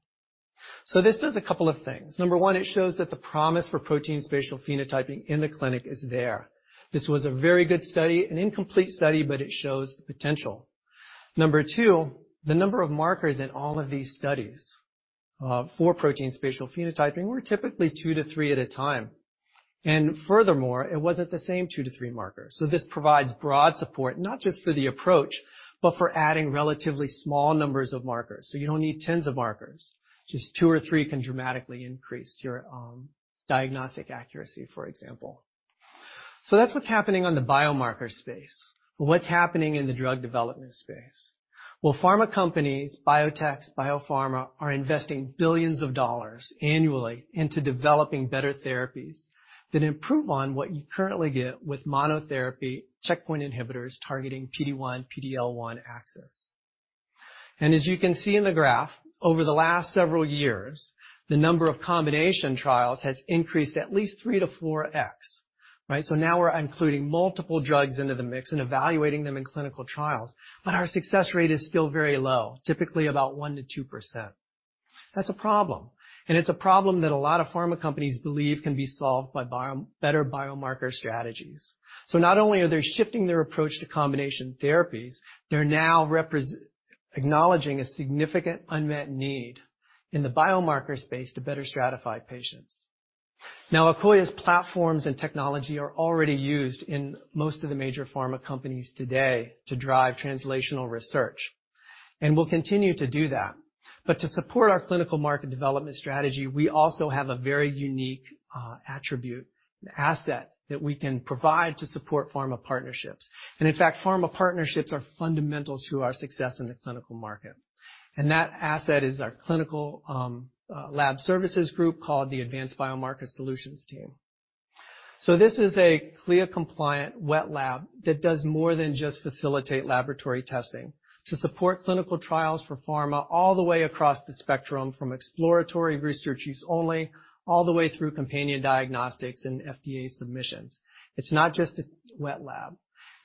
This does a couple of things. Number 1, it shows that the promise for protein spatial phenotyping in the clinic is there. This was a very good study, an incomplete study, but it shows the potential. Number 2, the number of markers in all of these studies, for protein spatial phenotyping were typically 2 to 3 at a time. Furthermore, it wasn't the same 2 to 3 markers. This provides broad support, not just for the approach, but for adding relatively small numbers of markers. You don't need tens of markers. Just 2 or 3 can dramatically increase your diagnostic accuracy, for example. That's what's happening on the biomarker space. What's happening in the drug development space? Well, pharma companies, biotech, biopharma, are investing $ billions annually into developing better therapies that improve on what you currently get with monotherapy checkpoint inhibitors targeting PD-1, PD-L1 axis. As you can see in the graph, over the last several years, the number of combination trials has increased at least 3 to 4x, right? Now we're including multiple drugs into the mix and evaluating them in clinical trials, but our success rate is still very low, typically about 1% to 2%. That's a problem, and it's a problem that a lot of pharma companies believe can be solved by better biomarker strategies. Not only are they shifting their approach to combination therapies, they're now acknowledging a significant unmet need in the biomarker space to better stratify patients. Now, Akoya's platforms and technology are already used in most of the major pharma companies today to drive translational research, and we'll continue to do that. To support our clinical market development strategy, we also have a very unique attribute, an asset that we can provide to support pharma partnerships. In fact, pharma partnerships are fundamental to our success in the clinical market. That asset is our clinical lab services group called the Advanced Biopharma Solutions team. This is a CLIA-compliant wet lab that does more than just facilitate laboratory testing to support clinical trials for pharma all the way across the spectrum from exploratory research use only, all the way through companion diagnostics and FDA submissions. It's not just a wet lab.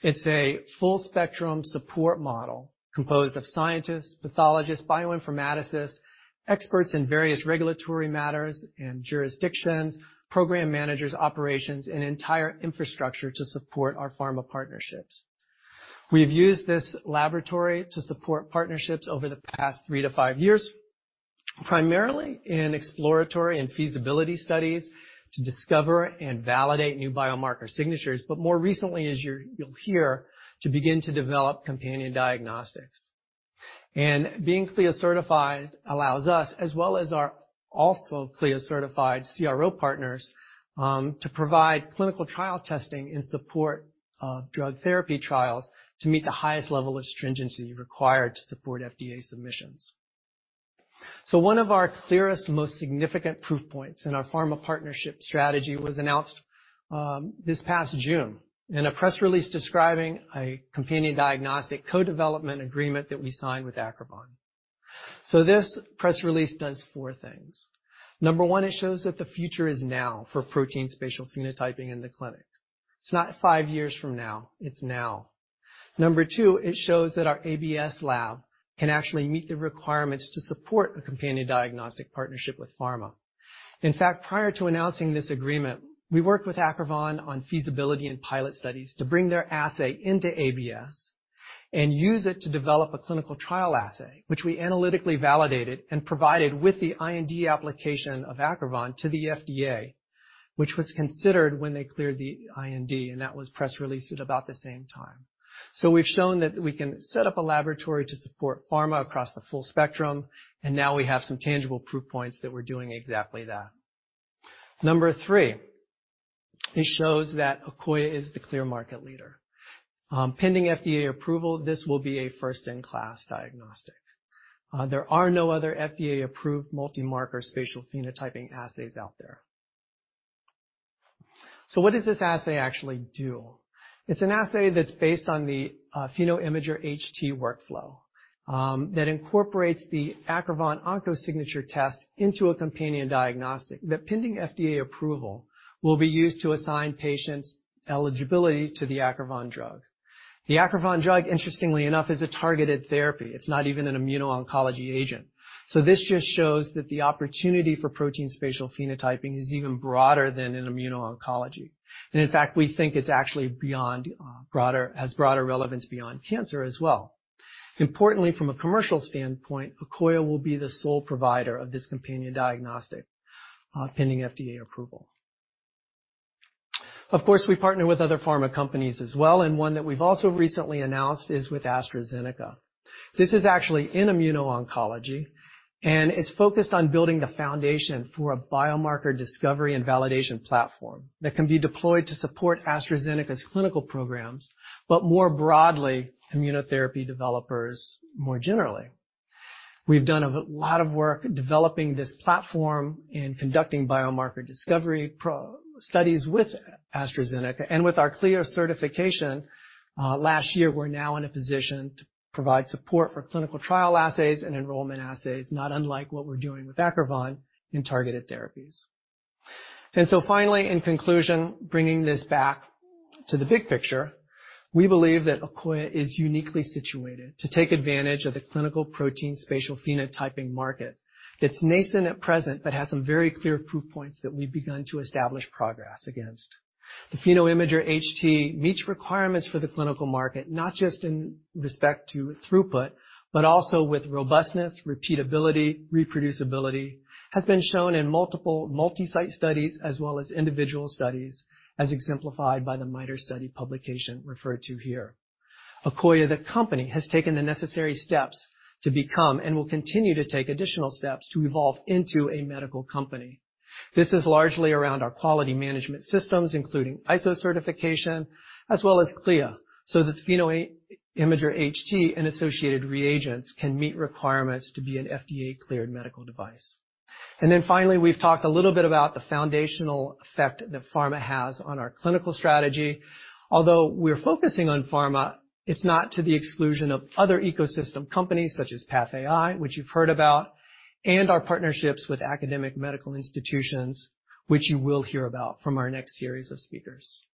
It's a full-spectrum support model composed of scientists, pathologists, bioinformaticists, experts in various regulatory matters and jurisdictions, program managers, operations, and entire infrastructure to support our pharma partnerships. We've used this laboratory to support partnerships over the past 3 to 5 years, primarily in exploratory and feasibility studies to discover and validate new biomarker signatures. More recently, as you'll hear, to begin to develop companion diagnostics. Being CLIA certified allows us, as well as our also CLIA certified CRO partners, to provide clinical trial testing and support drug therapy trials to meet the highest level of stringency required to support FDA submissions. One of our clearest, most significant proof points in our pharma partnership strategy was announced this past June in a press release describing a companion diagnostic co-development agreement that we signed with Acrivon. This press release does 4 things. Number 1, it shows that the future is now for protein spatial phenotyping in the clinic. It's not 5 years from now, it's now. Number two, it shows that our ABS lab can actually meet the requirements to support a companion diagnostic partnership with pharma. In fact, prior to announcing this agreement, we worked with Acrivon on feasibility and pilot studies to bring their assay into ABS and use it to develop a clinical trial assay, which we analytically validated and provided with the IND application of Acrivon to the FDA, which was considered when they cleared the IND, and that was press released at about the same time. We've shown that we can set up a laboratory to support pharma across the full spectrum, and now we have some tangible proof points that we're doing exactly that. Number three, it shows that Akoya is the clear market leader. Pending FDA approval, this will be a first-in-class diagnostic. There are no other FDA-approved multi-marker spatial phenotyping assays out there. What does this assay actually do? It's an assay that's based on the PhenoImager HT workflow, that incorporates the Acrivon OncoSignature test into a companion diagnostic that, pending FDA approval, will be used to assign patients' eligibility to the Acrivon drug. The Acrivon drug, interestingly enough, is a targeted therapy. It's not even an immuno-oncology agent. This just shows that the opportunity for protein spatial phenotyping is even broader than in immuno-oncology. In fact, we think it's actually beyond, broader, has broader relevance beyond cancer as well. Importantly, from a commercial standpoint, Akoya will be the sole provider of this companion diagnostic, pending FDA approval. We partner with other pharma companies as well, and one that we've also recently announced is with AstraZeneca. This is actually in immuno-oncology, and it's focused on building the foundation for a biomarker discovery and validation platform that can be deployed to support AstraZeneca's clinical programs, but more broadly, immunotherapy developers more generally. We've done a lot of work developing this platform and conducting biomarker discovery studies with AstraZeneca. With our CLIA certification, last year, we're now in a position to provide support for clinical trial assays and enrollment assays, not unlike what we're doing with Acrivon in targeted therapies. Finally, in conclusion, bringing this back to the big picture, we believe that Akoya is uniquely situated to take advantage of the clinical protein spatial phenotyping market that's nascent at present, but has some very clear proof points that we've begun to establish progress against. The PhenoImager HT meets requirements for the clinical market, not just in respect to throughput, but also with robustness, repeatability, reproducibility has been shown in multiple multi-site studies as well as individual studies as exemplified by the MITRE study publication referred to here. Akoya, the company, has taken the necessary steps to become and will continue to take additional steps to evolve into a medical company. This is largely around our quality management systems, including ISO certification as well as CLIA, so that PhenoImager HT and associated reagents can meet requirements to be an FDA-cleared medical device. Finally, we've talked a little bit about the foundational effect that pharma has on our clinical strategy. Although we're focusing on pharma, it's not to the exclusion of other ecosystem companies such as PathAI, which you've heard about, and our partnerships with academic medical institutions, which you will hear about from our next series of speakers.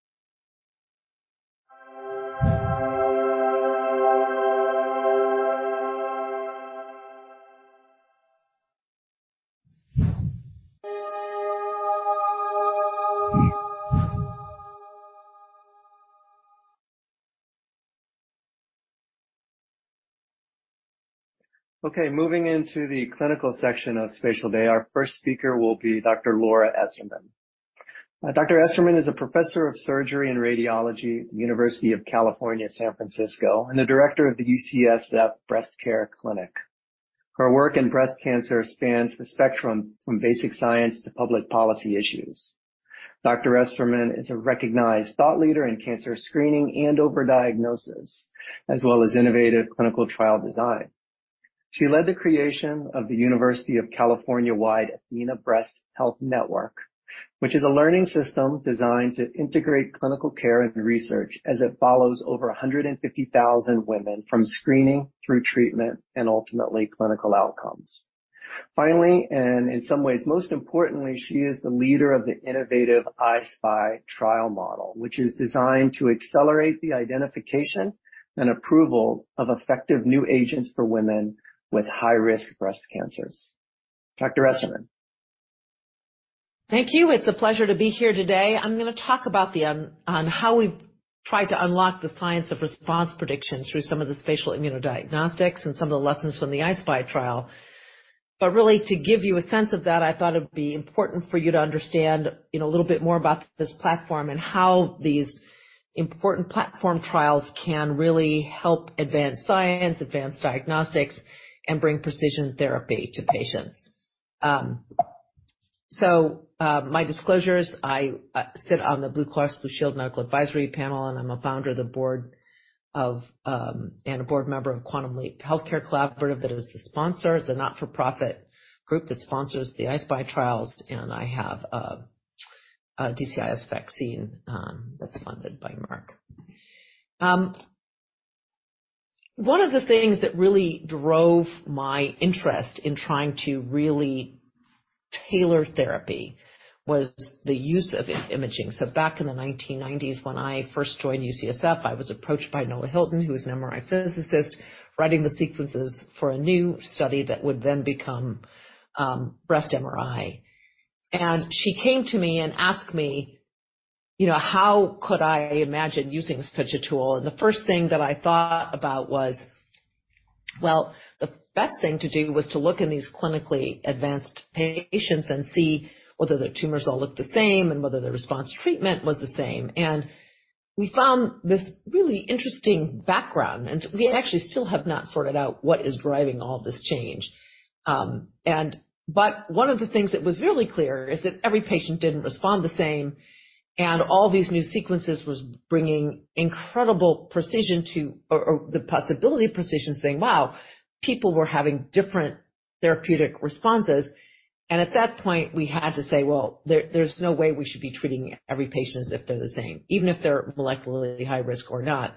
Okay, moving into the clinical section of Spatial Day, our first speaker will be Dr. Laura Esserman. Dr. Esserman is a professor of surgery and radiology at University of California, San Francisco, and the director of the UCSF Breast Care Center. Her work in breast cancer spans the spectrum from basic science to public policy issues. Dr. Esserman is a recognized thought leader in cancer screening and overdiagnosis, as well as innovative clinical trial design. She led the creation of the University of California-wide Athena Breast Health Network, which is a learning system designed to integrate clinical care and research as it follows over 150,000 women from screening through treatment and ultimately clinical outcomes. Finally, in some ways, most importantly, she is the leader of the innovative I-SPY trial model, which is designed to accelerate the identification and approval of effective new agents for women with high-risk breast cancers. Dr. Esserman. Thank you. It's a pleasure to be here today. I'm gonna talk about how we've tried to unlock the science of response prediction through some of the spatial immunodiagnostics and some of the lessons from the I-SPY trial. Really, to give you a sense of that, I thought it'd be important for you to understand, you know, a little bit more about this platform and how these important platform trials can really help advance science, advance diagnostics, and bring precision therapy to patients. My disclosures, I sit on the Blue Cross Blue Shield Medical Advisory Panel, and I'm a founder of the board of, and a board member of Quantum Leap Healthcare Collaborative that is the sponsor. It's a not-for-profit group that sponsors the I-SPY trials, and I have a DCIS vaccine that's funded by Mark. One of the things that really drove my interest in trying to really tailor therapy was the use of imaging. Back in the 1990s, when I first joined UCSF, I was approached by Nola Hylton, who was an MRI physicist, writing the sequences for a new study that would then become breast MRI. She came to me and asked me, you know, how could I imagine using such a tool? The first thing that I thought about was, well, the best thing to do was to look in these clinically advanced patients and see whether their tumors all look the same and whether the response to treatment was the same. We found this really interesting background, and we actually still have not sorted out what is driving all this change. One of the things that was really clear is that every patient didn't respond the same, and all these new sequences was bringing incredible precision to or the possibility of precision, saying, "Wow, people were having different therapeutic responses." At that point, we had to say, "Well, there's no way we should be treating every patient as if they're the same, even if they're molecularly high risk or not,"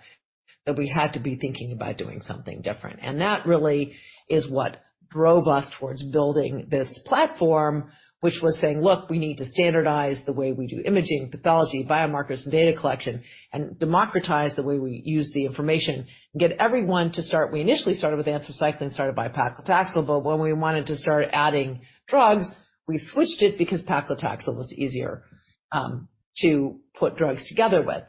that we had to be thinking about doing something different. That really is what drove us towards building this platform, which was saying, "Look, we need to standardize the way we do imaging, pathology, biomarkers, and data collection, and democratize the way we use the information and get everyone to start." We initially started with anthracycline, started by paclitaxel, but when we wanted to start adding drugs, we switched it because paclitaxel was easier to put drugs together with.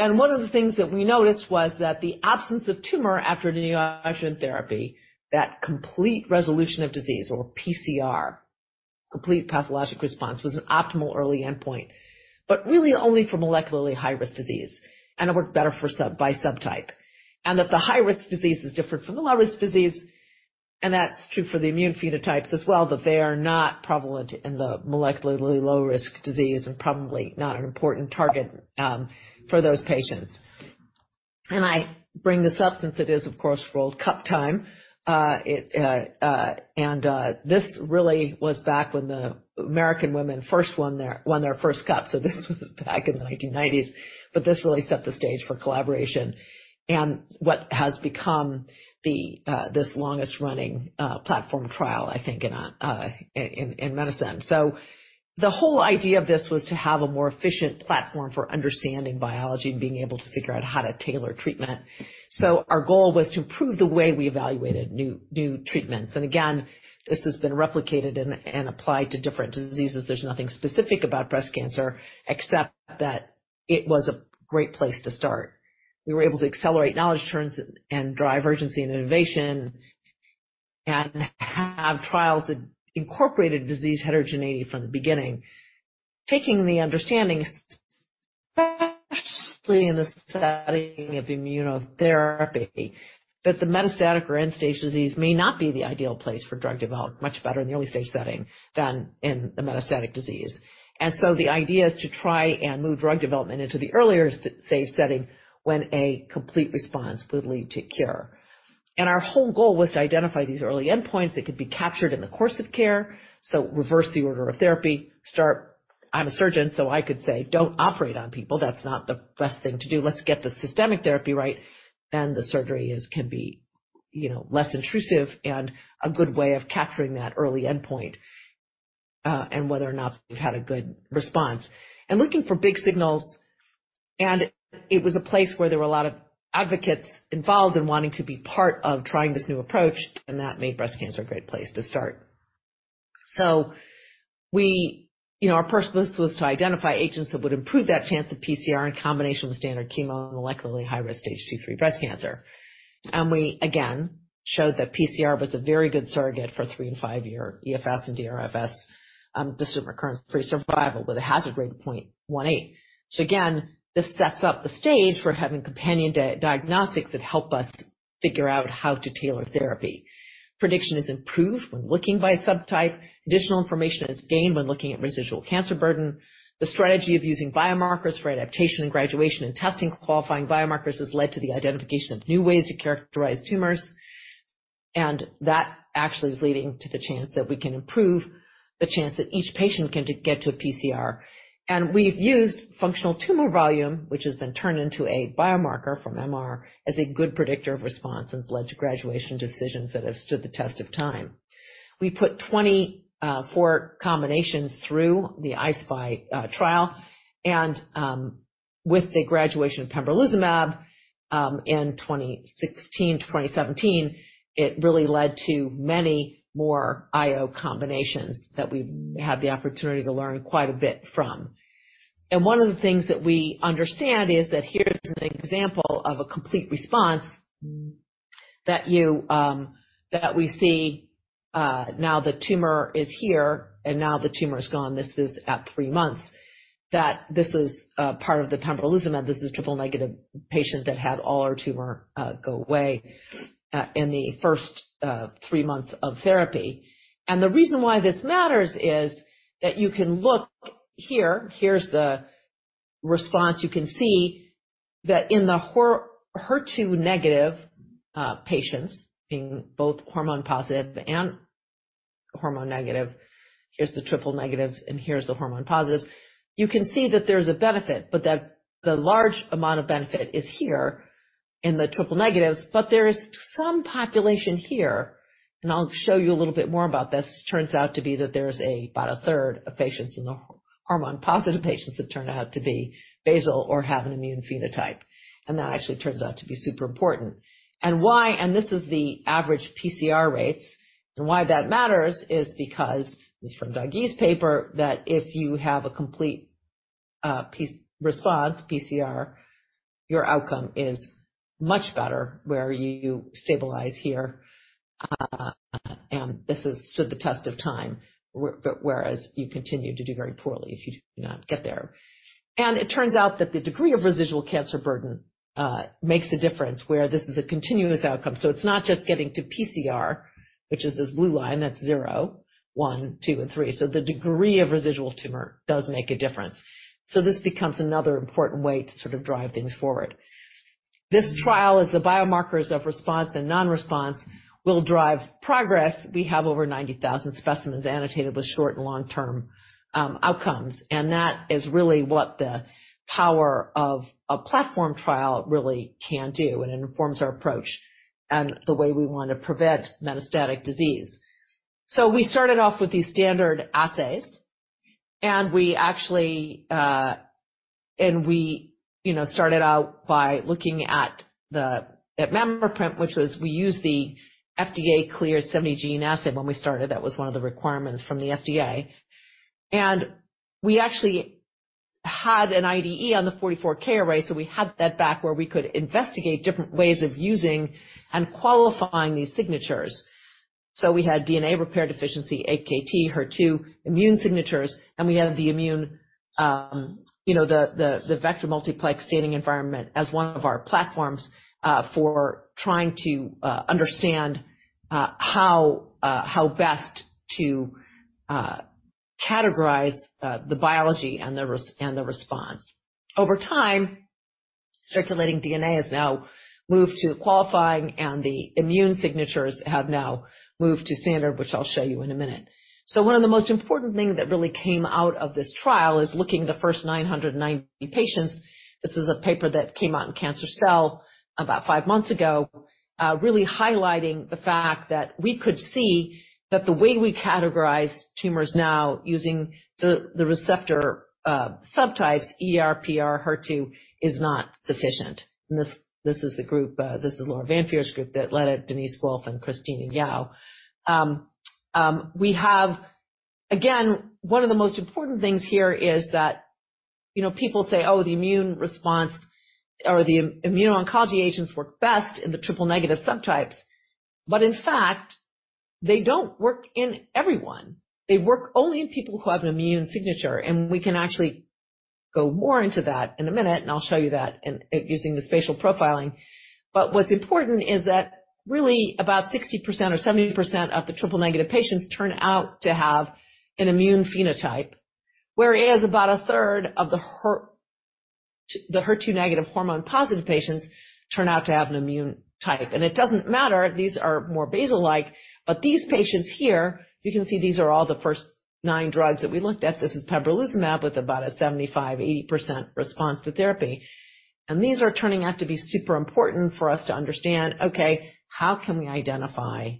One of the things that we noticed was that the absence of tumor after neoadjuvant therapy, that complete resolution of disease or PCR, complete pathologic response, was an optimal early endpoint, but really only for molecularly high-risk disease. It worked better for by subtype. That the high-risk disease is different from the low-risk disease, and that's true for the immune phenotypes as well, that they are not prevalent in the molecularly low-risk disease and probably not an important target for those patients. I bring this up since it is, of course, World Cup time. It really was back when the American women first won their first cup, so this was back in the 1990s, but this really set the stage for collaboration and what has become this longest-running platform trial, I think, in medicine. The whole idea of this was to have a more efficient platform for understanding biology and being able to figure out how to tailor treatment. Our goal was to improve the way we evaluated new treatments. Again, this has been replicated and applied to different diseases. There's nothing specific about breast cancer except that it was a great place to start. We were able to accelerate knowledge turns and drive urgency and innovation and have trials that incorporated disease heterogeneity from the beginning, taking the understanding, especially in the setting of immunotherapy, that the metastatic or end-stage disease may not be the ideal place for drug development, much better in the early-stage setting than in the metastatic disease. The idea is to try and move drug development into the earlier stage setting when a complete response would lead to cure. Our whole goal was to identify these early endpoints that could be captured in the course of care. So reverse the order of therapy. I'm a surgeon, so I could say, "Don't operate on people. That's not the best thing to do. Let's get the systemic therapy right, then the surgery can be, you know, less intrusive and a good way of capturing that early endpoint, and whether or not we've had a good response. Looking for big signals, and it was a place where there were a lot of advocates involved in wanting to be part of trying this new approach, and that made breast cancer a great place to start. You know, our purpose was to identify agents that would improve that chance of PCR in combination with standard chemo in electrically high-risk stage 2, 3 breast cancer. We again showed that PCR was a very good surrogate for 3- and 5-year EFS and DRFS, disease-free survival with a hazard rate of 0.18. Again, this sets up the stage for having companion diagnostics that help us figure out how to tailor therapy. Prediction is improved when looking by subtype. Additional information is gained when looking at residual cancer burden. The strategy of using biomarkers for adaptation and graduation and testing qualifying biomarkers has led to the identification of new ways to characterize tumors, and that actually is leading to the chance that we can improve the chance that each patient can get to a PCR. And we've used functional tumor volume, which has been turned into a biomarker from MR, as a good predictor of response and has led to graduation decisions that have stood the test of time. We put 24 combinations through the I-SPY trial, with the graduation of pembrolizumab in 2016 to 2017, it really led to many more IO combinations that we've had the opportunity to learn quite a bit from. One of the things that we understand is that here's an example of a complete response that you that we see, now the tumor is here, and now the tumor is gone. This is at 3 months. That this is part of the pembrolizumab. This is triple negative patient that had all her tumor go away in the first 3 months of therapy. The reason why this matters is that you can look here. Here's the response. You can see that in the HER2 negative patients, in both hormone positive and hormone negative. Here's the triple negatives, and here's the hormone positives. You can see that there's a benefit, but that the large amount of benefit is here in the triple negatives, but there is some population here. I'll show you a little bit more about this. Turns out to be that there's about a third of patients in the hormone positive patients that turn out to be basal or have an immune phenotype. That actually turns out to be super important. Why? This is the average PCR rates. Why that matters is because, this is from Doug Gey's paper, that if you have a complete response, PCR, your outcome is much better where you stabilize here. This has stood the test of time, whereas you continue to do very poorly if you do not get there. It turns out that the degree of residual cancer burden makes a difference where this is a continuous outcome. It's not just getting to PCR, which is this blue line, that's 0, 1, 2, and 3. The degree of residual tumor does make a difference. This becomes another important way to sort of drive things forward. This trial is the biomarkers of response and non-response will drive progress. We have over 90,000 specimens annotated with short and long-term outcomes. That is really what the power of a platform trial really can do, and it informs our approach and the way we want to prevent metastatic disease. We started off with these standard assays, and we actually, you know, started out by looking at MammaPrint, which was we used the FDA-cleared 70 gene assay when we started. That was one of the requirements from the FDA. We actually had an IDE on the 44K array, so we had that back where we could investigate different ways of using and qualifying these signatures. We had DNA repair deficiency, AKT, HER2 immune signatures, and we had the immune, you know, the Vectra multiplex staining environment as one of our platforms for trying to understand how best to categorize the biology and the response. Over time, circulating DNA has now moved to qualifying, and the immune signatures have now moved to standard, which I'll show you in a minute. One of the most important thing that really came out of this trial is looking the first 990 patients. This is a paper that came out in Cancer Cell about five months ago, really highlighting the fact that we could see that the way we categorize tumors now using the receptor subtypes, ER, PR, HER2, is not sufficient. This is the group, this is Laura van 't Veer's group that led it, Denise Wolf and Christina Yau. Again, one of the most important things here is that, you know, people say, "Oh, the immune response or the immuno-oncology agents work best in the triple-negative subtypes." In fact, they don't work in everyone. They work only in people who have an immune signature. We can actually go more into that in a minute, and I'll show you that in using the spatial profiling. What's important is that really about 60% or 70% of the triple-negative patients turn out to have an immune phenotype, whereas about a third of the HER2 negative hormone positive patients turn out to have an immune type. It doesn't matter, these are more basal-like. These patients here, you can see these are all the first 9 drugs that we looked at. This is pembrolizumab with about a 75%-80% response to therapy. These are turning out to be super important for us to understand, okay, how can we identify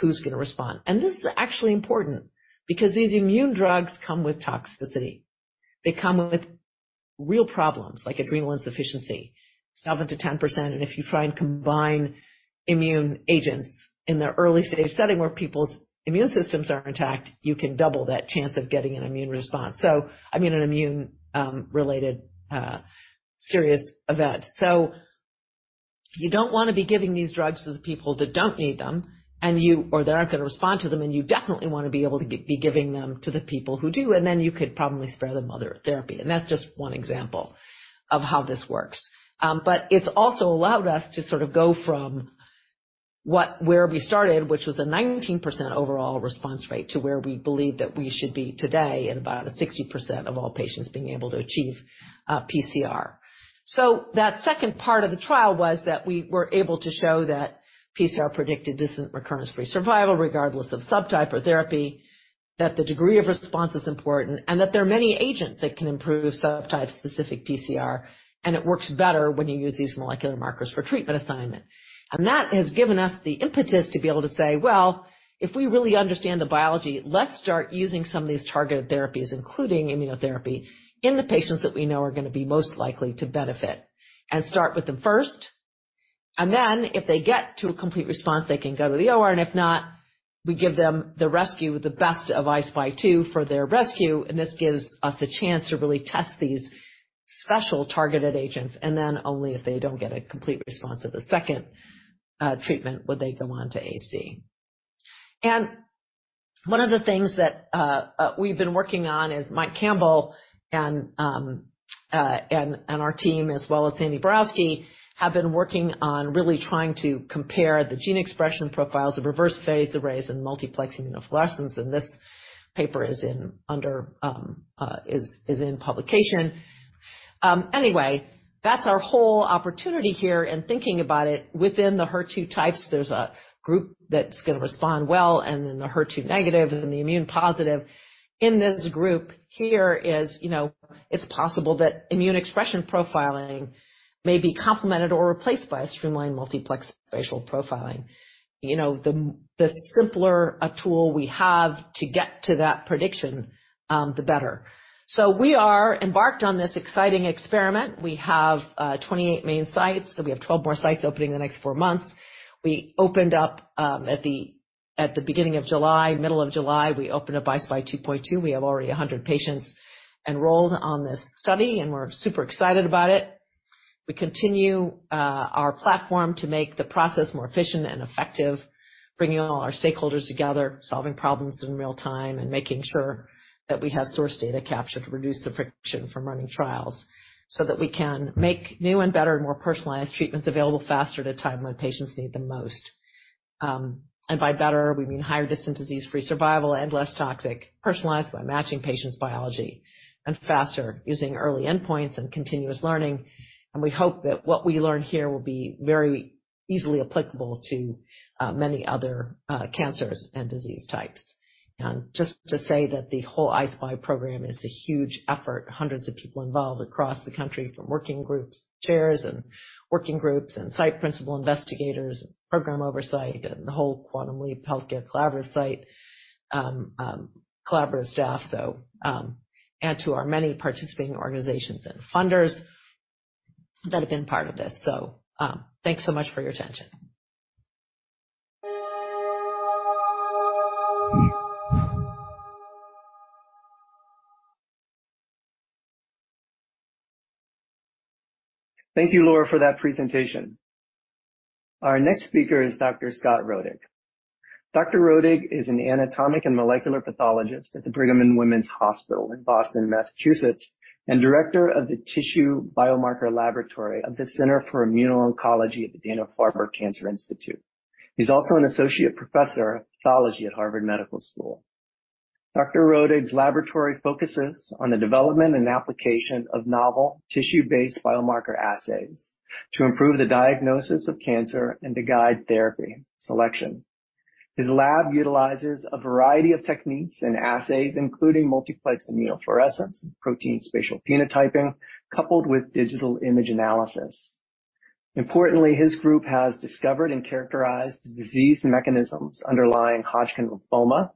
who's gonna respond? This is actually important because these immune drugs come with toxicity. They come with real problems like adrenal insufficiency, 7%-10%. If you try and combine immune agents in the early stage setting where people's immune systems are intact, you can double that chance of getting an immune response. I mean, an immune related serious event. You don't wanna be giving these drugs to the people that don't need them, or they're not gonna respond to them. You definitely wanna be able to be giving them to the people who do. Then you could probably spare them other therapy. That's just one example of how this works. It's also allowed us to sort of go from where we started, which was a 19% overall response rate, to where we believe that we should be today in about a 60% of all patients being able to achieve PCR. That second part of the trial was that we were able to show that PCR predicted distant recurrence-free survival regardless of subtype or therapy, that the degree of response is important, and that there are many agents that can improve subtype-specific PCR, and it works better when you use these molecular markers for treatment assignment. That has given us the impetus to be able to say, "Well, if we really understand the biology, let's start using some of these targeted therapies, including immunotherapy, in the patients that we know are gonna be most likely to benefit, and start with them first. Then if they get to a complete response, they can go to the OR, and if not, we give them the rescue with the best of I-SPY 2 for their rescue. This gives us a chance to really test these special targeted agents, and then only if they don't get a complete response to the second treatment would they go on to AC. One of the things that we've been working on is Mike Campbell and our team, as well as Sandy Borowsky, have been working on really trying to compare the gene expression profiles of reverse phase arrays and multiplex immunofluorescence. This paper is in publication. Anyway, that's our whole opportunity here in thinking about it. Within the HER2 types, there's a group that's gonna respond well, and then the HER2 negative and the immune positive. In this group here, you know, it's possible that immune expression profiling may be complemented or replaced by a streamlined multiplex spatial profiling. You know, the simpler a tool we have to get to that prediction, the better. We are embarked on this exciting experiment. We have 28 main sites, so we have 12 more sites opening the next 4 months. We opened up at the, at the beginning of July, middle of July, we opened up I-SPY 2.2. We have already 100 patients enrolled on this study, and we're super excited about it. We continue our platform to make the process more efficient and effective, bringing all our stakeholders together, solving problems in real-time, and making sure that we have source data captured to reduce the friction from running trials so that we can make new and better and more personalized treatments available faster at a time when patients need the most. By better, we mean higher distant disease-free survival and less toxic, personalized by matching patients' biology, faster using early endpoints and continuous learning. We hope that what we learn here will be very easily applicable to many other cancers and disease types. Just to say that the whole I-SPY program is a huge effort, hundreds of people involved across the country from working groups, chairs and working groups and site principal investigators, program oversight, and the whole Quantum Leap Healthcare Collaborative site collaborative staff. To our many participating organizations and funders that have been part of this. Thanks so much for your attention. Thank you, Laura, for that presentation. Our next speaker is Dr. Scott Rodig. Dr. Rodig is an anatomic and molecular pathologist at the Brigham and Women's Hospital in Boston, Massachusetts, and director of the Tissue Biomarker Laboratory of the Center for Immuno-oncology at the Dana-Farber Cancer Institute. He's also an associate professor of pathology at Harvard Medical School. Dr. Rodig's laboratory focuses on the development and application of novel tissue-based biomarker assays to improve the diagnosis of cancer and to guide therapy selection. His lab utilizes a variety of techniques and assays, including multiplex immunofluorescence and protein spatial phenotyping, coupled with digital image analysis. Importantly, his group has discovered and characterized the disease mechanisms underlying Hodgkin lymphoma,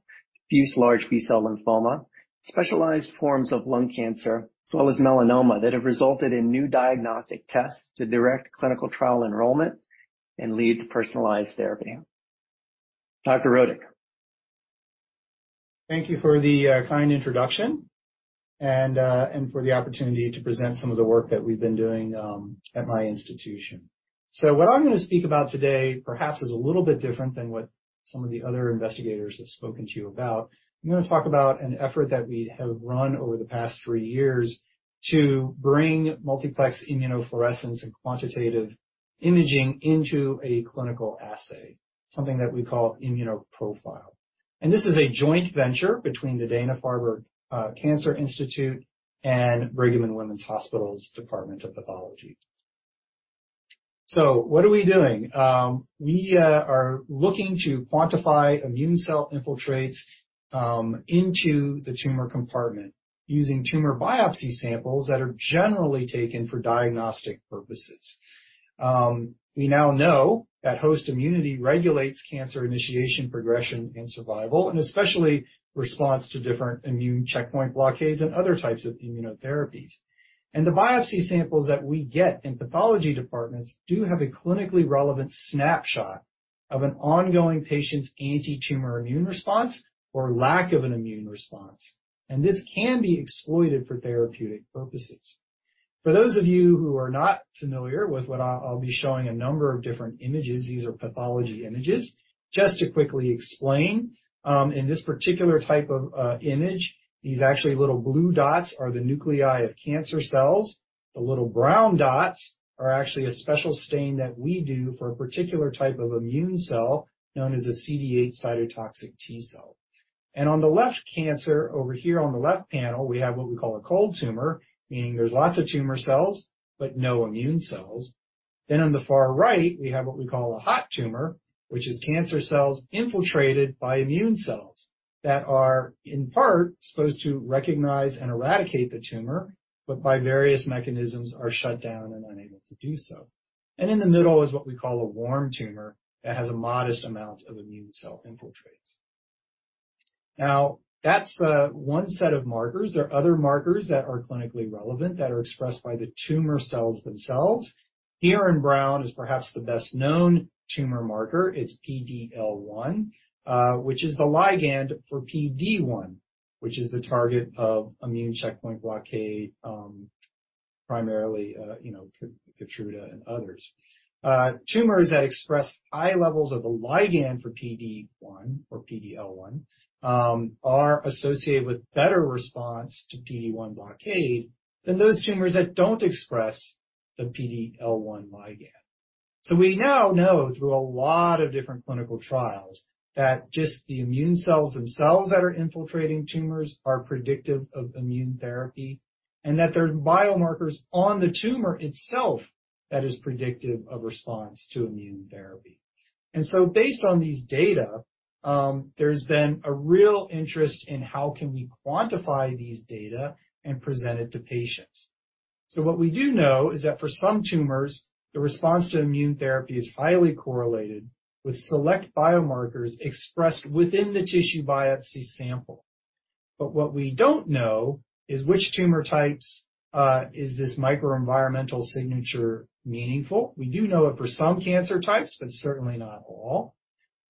diffuse large B-cell lymphoma, specialized forms of lung cancer, as well as melanoma that have resulted in new diagnostic tests to direct clinical trial enrollment and lead to personalized therapy. Dr. Rodig Thank you for the kind introduction and for the opportunity to present some of the work that we've been doing at my institution. What I'm gonna speak about today perhaps is a little bit different than what some of the other investigators have spoken to you about. I'm gonna talk about an effort that we have run over the past three years to bring multiplex immunofluorescence and quantitative imaging into a clinical assay, something that we call ImmunoProfile. This is a joint venture between the Dana-Farber Cancer Institute and Brigham and Women's Hospital's Department of Pathology. What are we doing? We are looking to quantify immune cell infiltrates into the tumor compartment using tumor biopsy samples that are generally taken for diagnostic purposes. We now know that host immunity regulates cancer initiation, progression, and survival, and especially response to different immune checkpoint blockades and other types of immunotherapies. The biopsy samples that we get in pathology departments do have a clinically relevant snapshot of an ongoing patient's antitumor immune response or lack of an immune response, and this can be exploited for therapeutic purposes. For those of you who are not familiar with what I'll be showing a number of different images. These are pathology images. Just to quickly explain, in this particular type of image, these actually little blue dots are the nuclei of cancer cells. The little brown dots are actually a special stain that we do for a particular type of immune cell known as a CD8 cytotoxic T-cell. On the left cancer over here on the left panel, we have what we call a cold tumor, meaning there's lots of tumor cells but no immune cells. On the far right, we have what we call a hot tumor, which is cancer cells infiltrated by immune cells that are, in part, supposed to recognize and eradicate the tumor but by various mechanisms are shut down and unable to do so. In the middle is what we call a warm tumor that has a modest amount of immune cell infiltrates. Now, that's one set of markers. There are other markers that are clinically relevant that are expressed by the tumor cells themselves. Here in brown is perhaps the best-known tumor marker. It's PD-L1, which is the ligand for PD-1, which is the target of immune checkpoint blockade, primarily, you know, KEYTRUDA and others. Tumors that express high levels of the ligand for PD-1 or PD-L1 are associated with better response to PD-1 blockade than those tumors that don't express the PD-L1 ligand. We now know through a lot of different clinical trials that just the immune cells themselves that are infiltrating tumors are predictive of immunotherapy, and that there are biomarkers on the tumor itself that is predictive of response to immunotherapy. Based on these data, there's been a real interest in how can we quantify these data and present it to patients. What we do know is that for some tumors, the response to immunotherapy is highly correlated with select biomarkers expressed within the tissue biopsy sample. What we don't know is which tumor types is this microenvironmental signature meaningful. We do know it for some cancer types, but certainly not all.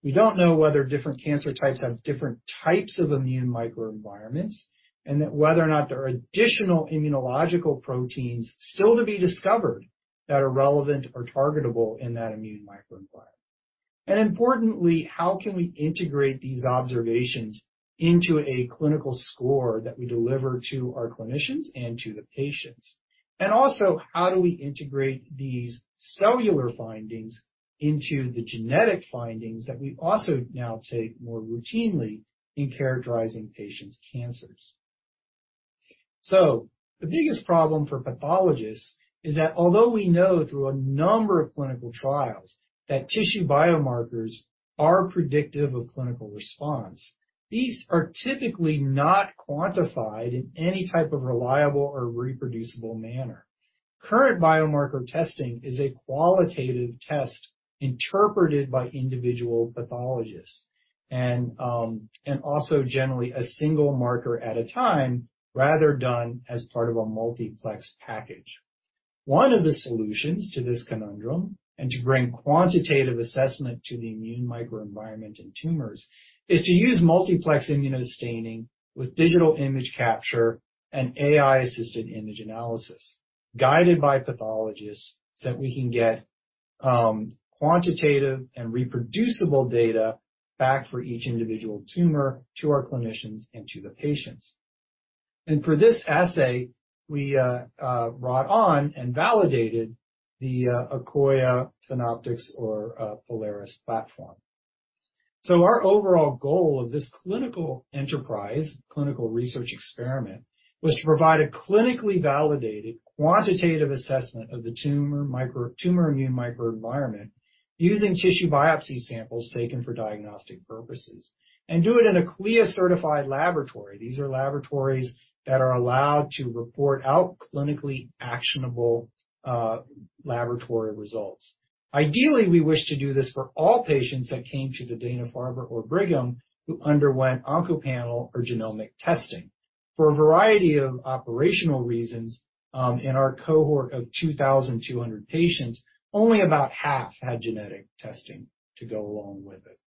We don't know whether different cancer types have different types of immune microenvironments and that whether or not there are additional immunological proteins still to be discovered that are relevant or targetable in that immune microenvironment. Importantly, how can we integrate these observations into a clinical score that we deliver to our clinicians and to the patients? Also, how do we integrate these cellular findings into the genetic findings that we also now take more routinely in characterizing patients' cancers? The biggest problem for pathologists is that although we know through a number of clinical trials that tissue biomarkers are predictive of clinical response, these are typically not quantified in any type of reliable or reproducible manner. Current biomarker testing is a qualitative test interpreted by individual pathologists and also generally a single marker at a time rather done as part of a multiplex package. One of the solutions to this conundrum, and to bring quantitative assessment to the immune microenvironment in tumors, is to use multiplex immunostaining with digital image capture and AI-assisted image analysis guided by pathologists, so we can get, quantitative and reproducible data back for each individual tumor to our clinicians and to the patients. For this assay, we brought on and validated the Akoya Phenoptics or Polaris platform. Our overall goal of this clinical enterprise, clinical research experiment was to provide a clinically validated quantitative assessment of the tumor immune microenvironment using tissue biopsy samples taken for diagnostic purposes and do it in a CLIA-certified laboratory. These are laboratories that are allowed to report out clinically actionable laboratory results. Ideally, we wish to do this for all patients that came to the Dana-Farber or Brigham who underwent OncoPanel or genomic testing. For a variety of operational reasons, in our cohort of 2,200 patients, only about half had genetic testing to go along with it.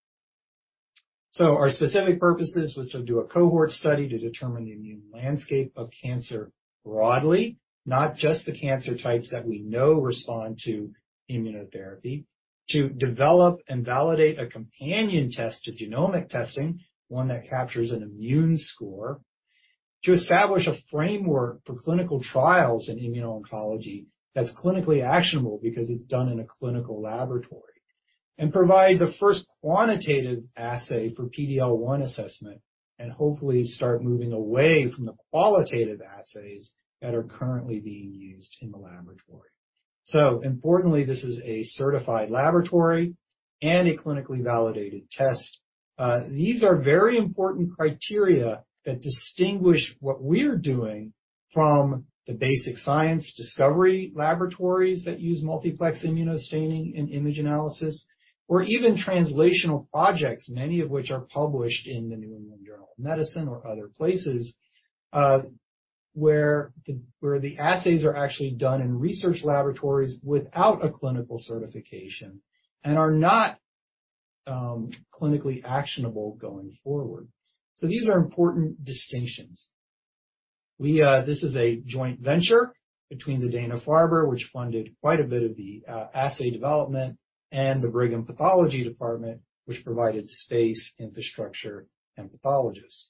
Our specific purposes was to do a cohort study to determine the immune landscape of cancer broadly, not just the cancer types that we know respond to immunotherapy. To develop and validate a companion test to genomic testing, one that captures an immune score. To establish a framework for clinical trials in immuno-oncology that's clinically actionable because it's done in a clinical laboratory. Provide the first quantitative assay for PD-L1 assessment and hopefully start moving away from the qualitative assays that are currently being used in the laboratory. These are very important criteria that distinguish what we're doing from the basic science discovery laboratories that use multiplex immunostaining and image analysis, or even translational projects, many of which are published in the New England Journal of Medicine or other places, where the assays are actually done in research laboratories without a clinical certification and are not clinically actionable going forward. These are important distinctions. We, this is a joint venture between the Dana-Farber, which funded quite a bit of the assay development, and the Brigham Pathology Department, which provided space, infrastructure, and pathologists.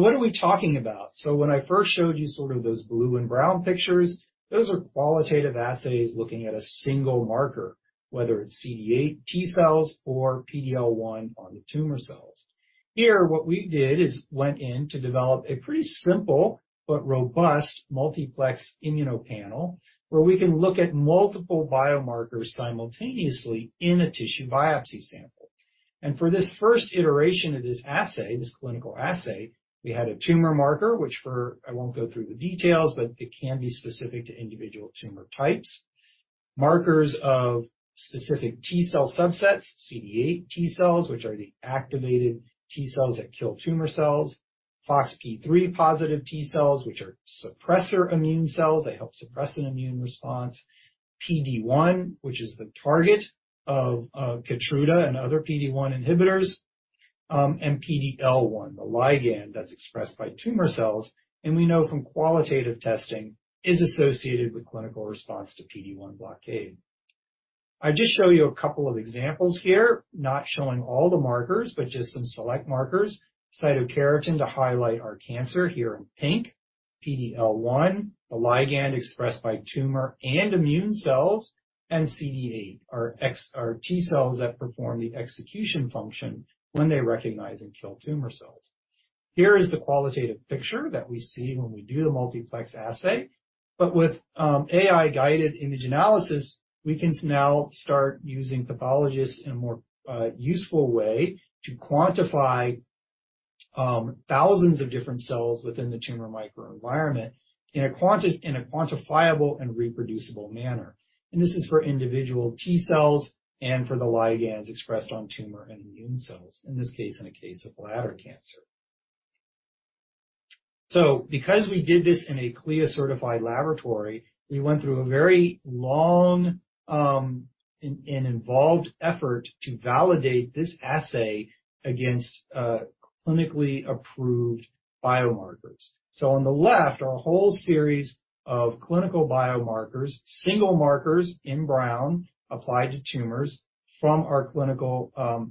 What are we talking about? When I first showed you sort of those blue and brown pictures, those are qualitative assays looking at a single marker, whether it's CD8 T-cells or PD-L1 on the tumor cells. Here, what we did is went in to develop a pretty simple but robust multiplex immunopanel where we can look at multiple biomarkers simultaneously in a tissue biopsy sample. For this first iteration of this assay, this clinical assay, we had a tumor marker, which I won't go through the details, but it can be specific to individual tumor types. Markers of specific T-cell subsets, CD8 T-cells, which are the activated T-cells that kill tumor cells, FoxP3 positive T-cells, which are suppressor immune cells, they help suppress an immune response. PD-1, which is the target of KEYTRUDA and other PD-1 inhibitors, PD-L1, the ligand that's expressed by tumor cells, and we know from qualitative testing is associated with clinical response to PD-1 blockade. I just show you a couple of examples here, not showing all the markers, but just some select markers. Cytokeratin to highlight our cancer here in pink, PD-L1, the ligand expressed by tumor and immune cells, and CD8, our T-cells that perform the execution function when they recognize and kill tumor cells. Here is the qualitative picture that we see when we do the multiplex assay. With AI-guided image analysis, we can now start using pathologists in a more useful way to quantify thousands of differenT-cells within the tumor microenvironment in a quantifiable and reproducible manner. This is for individual T-cells and for the ligands expressed on tumor and immune cells, in this case, in a case of bladder cancer. Because we did this in a CLIA-certified laboratory, we went through a very long and involved effort to validate this assay against clinically approved biomarkers. On the left are a whole series of clinical biomarkers, single markers in brown applied to tumors from our clinical,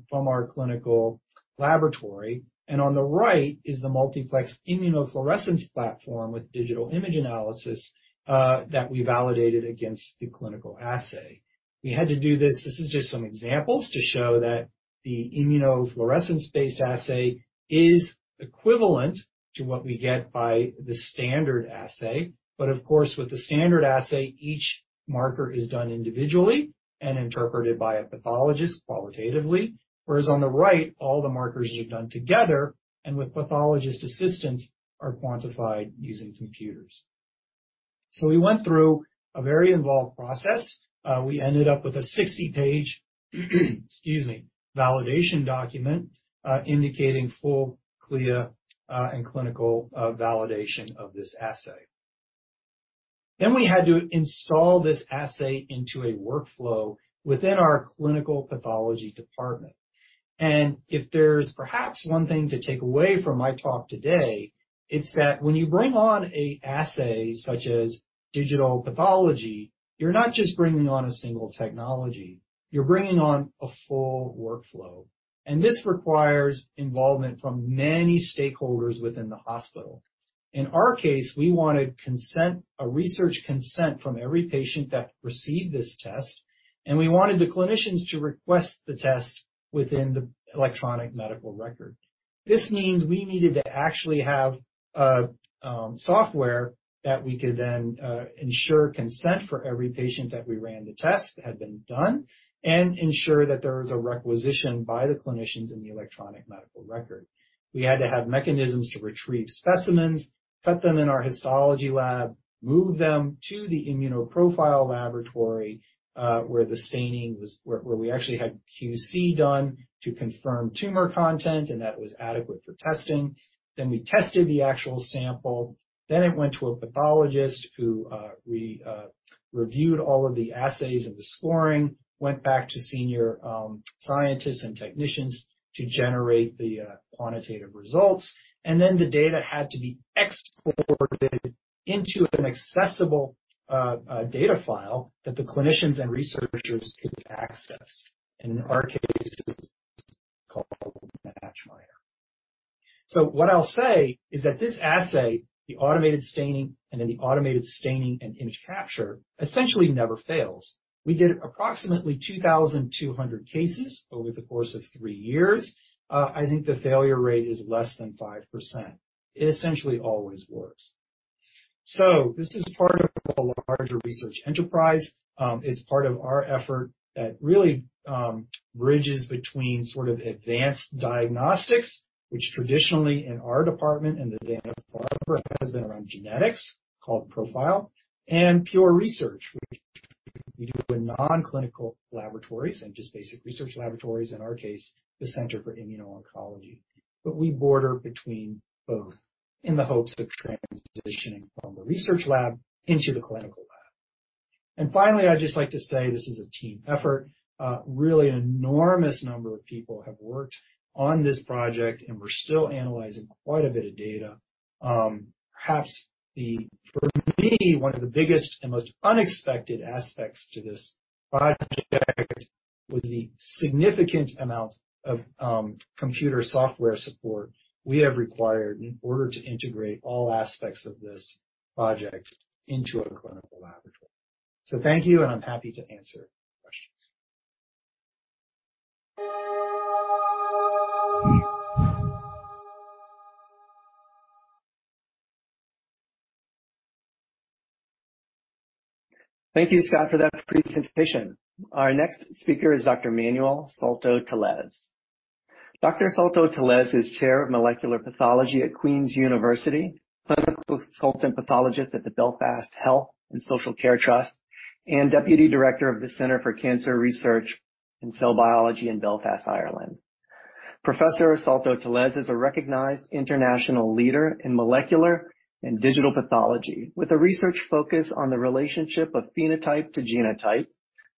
from our clinical laboratory, and on the right is the multiplex immunofluorescence platform with digital image analysis that we validated against the clinical assay. We had to do this. This is just some examples to show that the immunofluorescence-based assay is equivalent to what we get by the standard assay. Of course, with the standard assay, each marker is done individually and interpreted by a pathologist qualitatively. Whereas on the right, all the markers are done together, and with pathologist assistance, are quantified using computers. We went through a very involved process. We ended up with a 60-page, excuse me, validation document, indicating full CLIA and clinical validation of this assay. We had to install this assay into a workflow within our clinical pathology department. If there's perhaps one thing to take away from my talk today, it's that when you bring on a assay such as digital pathology, you're not just bringing on a single technology, you're bringing on a full workflow. This requires involvement from many stakeholders within the hospital. In our case, we wanted consent, a research consent from every patient that received this test, and we wanted the clinicians to request the test within the electronic medical record. This means we needed to actually have software that we could then ensure consent for every patient that we ran the test had been done and ensure that there was a requisition by the clinicians in the electronic medical record. Cut them in our histology lab, move them to the ImmunoProfile laboratory, where we actually had QC done to confirm tumor content, and that was adequate for testing. We tested the actual sample, then it went to a pathologist who reviewed all of the assays and the scoring. Went back to senior scientists and technicians to generate the quantitative results, and then the data had to be exported into an accessible data file that the clinicians and researchers could access. In our case, it's called Matchmaker. What I'll say is that this assay, the automated staining and then the automated staining and image capture, essentially never fails. We did approximately 2,200 cases over the course of three years. I think the failure rate is less than 5%. It essentially always works. This is part of a larger research enterprise. It's part of our effort that really bridges between sort of advanced diagnostics, which traditionally in our department and the Dana-Farber has been around genetics, called Profile, and pure research, which we do in non-clinical laboratories and just basic research laboratories, in our case, the Center for Immuno-Oncology. We border between both in the hopes of transitioning from the research lab into the clinical lab. Finally, I'd just like to say this is a team effort. Really enormous number of people have worked on this project, and we're still analyzing quite a bit of data. Perhaps for me, one of the biggest and most unexpected aspects to this project was the significant amount of computer software support we have required in order to integrate all aspects of this project into a clinical laboratory. Thank you, and I'm happy to answer questions. Thank you, Scott, for that presentation. Our next speaker is Dr. Manuel Salto-Tellez. Dr. Salto-Tellez is Chair of Molecular Pathology at Queen's University, Clinical Consultant Pathologist at the Belfast Health and Social Care Trust, and Deputy Director of the Centre for Cancer Research and Cell Biology in Belfast, Ireland. Professor Salto-Tellez is a recognized international leader in molecular and digital pathology, with a research focus on the relationship of phenotype to genotype,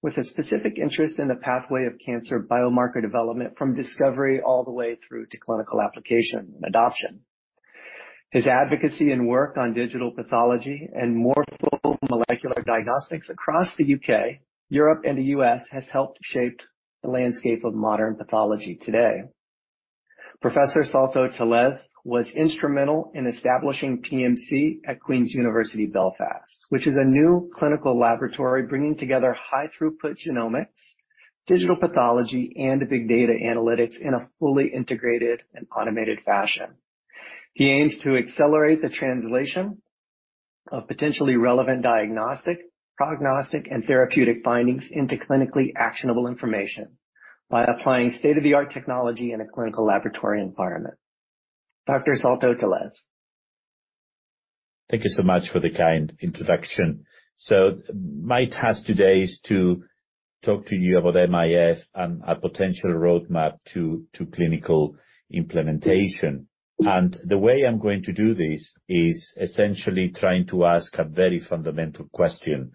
with a specific interest in the pathway of cancer biomarker development from discovery all the way through to clinical application and adoption. His advocacy and work on digital pathology and morphologic molecular diagnostics across the UK, Europe, and the US has helped shaped the landscape of modern pathology today. Professor Salto-Tellez was instrumental in establishing PMC at Queen's University Belfast, which is a new clinical laboratory bringing together high-throughput genomics, digital pathology, and big data analytics in a fully integrated and automated fashion. He aims to accelerate the translation of potentially relevant diagnostic, prognostic, and therapeutic findings into clinically actionable information by applying state-of-the-art technology in a clinical laboratory environment. Dr. Salto-Tellez. Thank you so much for the kind introduction. My task today is to talk to you about MIF and a potential roadmap to clinical implementation. The way I'm going to do this is essentially trying to ask a very fundamental question.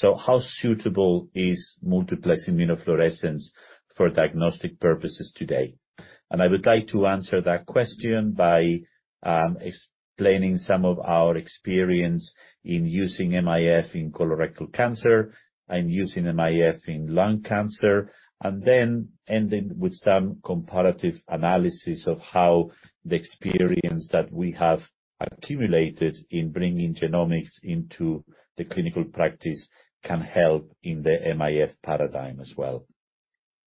How suitable is multiplex immunofluorescence for diagnostic purposes today? I would like to answer that question by explaining some of our experience in using MIF in colorectal cancer and using MIF in lung cancer, and then ending with some comparative analysis of how the experience that we have accumulated in bringing genomics into the clinical practice can help in the MIF paradigm as well.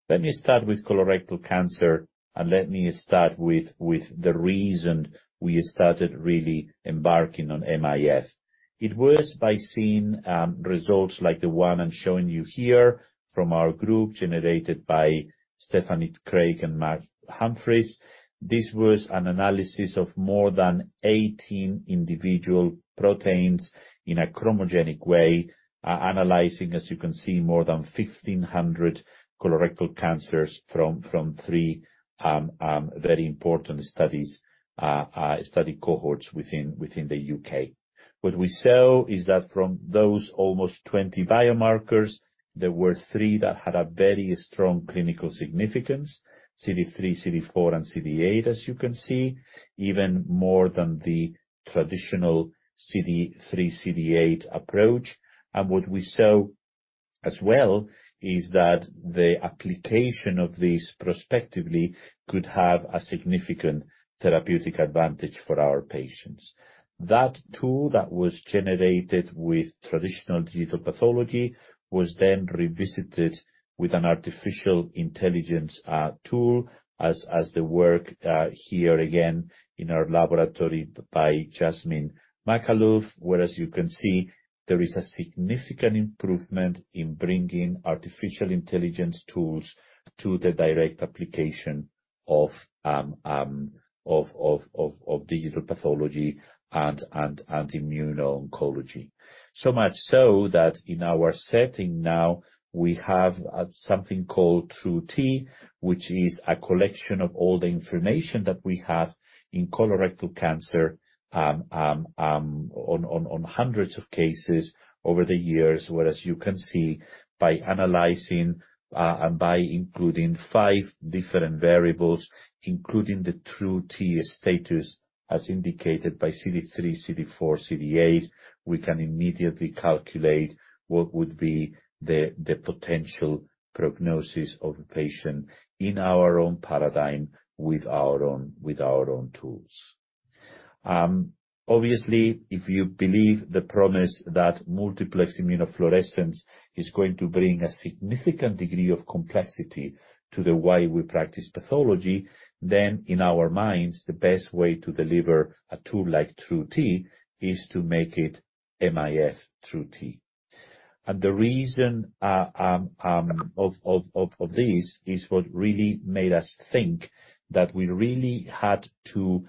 Let me start with colorectal cancer and let me start with the reason we started really embarking on MIF. It was by seeing results like the one I'm showing you here from our group generated by Stephanie Craig and Mark Humphries. This was an analysis of more than 18 individual proteins in a chromogenic way, analyzing, as you can see, more than 1,500 colorectal cancers from 3 very important studies, study cohorts within the U.K. What we saw is that from those almost 20 biomarkers, there were 3 that had a very strong clinical significance, CD3, CD4, and CD8, as you can see, even more than the traditional CD3, CD8 approach. What we saw as well is that the application of this prospectively could have a significant therapeutic advantage for our patients. That tool that was generated with traditional digital pathology was then revisited with an artificial intelligence tool as the work here again in our laboratory by Jasmine Makalou, where as you can see, there is a significant improvement in bringing artificial intelligence tools to the direct application of digital pathology and immuno-oncology. So much so that in our setting now we have something called TruT, which is a collection of all the information that we have in colorectal cancer, on hundreds of cases over the years. Whereas you can see by analyzing and by including 5 different variables, including the TruT status as indicated by CD3, CD4, CD8, we can immediately calculate what would be the potential prognosis of a patient in our own paradigm with our own tools. Obviously, if you believe the promise that multiplex immunofluorescence is going to bring a significant degree of complexity to the way we practice pathology, then in our minds, the best way to deliver a tool like TruT is to make it mIF TruT. The reason of this is what really made us think that we really had to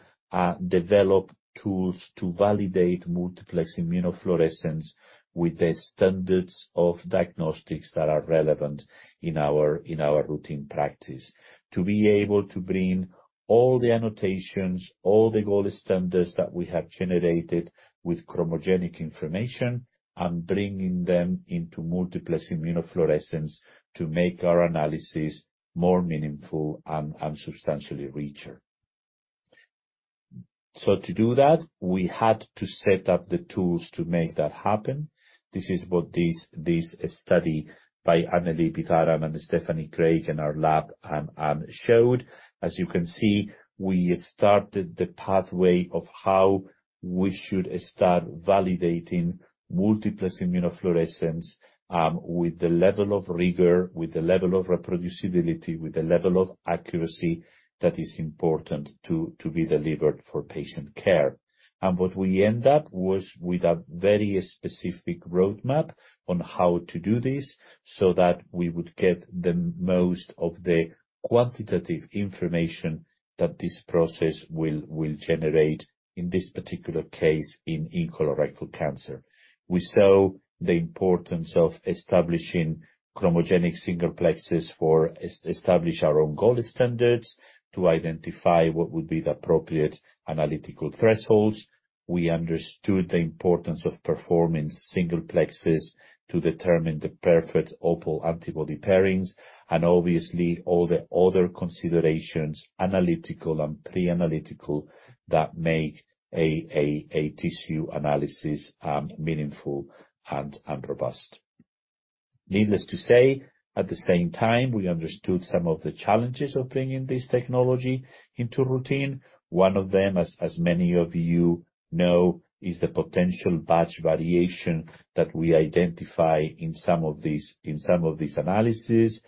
develop tools to validate multiplex immunofluorescence with the standards of diagnostics that are relevant in our routine practice. To be able to bring all the annotations, all the gold standards that we have generated with chromogenic information, and bringing them into multiplex immunofluorescence to make our analysis more meaningful and substantially richer. To do that, we had to set up the tools to make that happen. This is what this study by Anali Pitharam and Stephanie Craig in our lab showed. As you can see, we started the pathway of how we should start validating multiplex immunofluorescence with the level of rigor, with the level of reproducibility, with the level of accuracy that is important to be delivered for patient care. What we end up was with a very specific roadmap on how to do this so that we would get the most of the quantitative information that this process will generate in this particular case in colorectal cancer. We saw the importance of establishing chromogenic singleplexes for establish our own gold standards to identify what would be the appropriate analytical thresholds. We understood the importance of performing singleplexes to determine the perfect Opal antibody pairings and obviously all the other considerations, analytical and pre-analytical, that make a tissue analysis meaningful and robust. Needless to say, at the same time, we understood some of the challenges of bringing this technology into routine. One of them, as many of you know, is the potential batch variation that we identify in some of these analysis,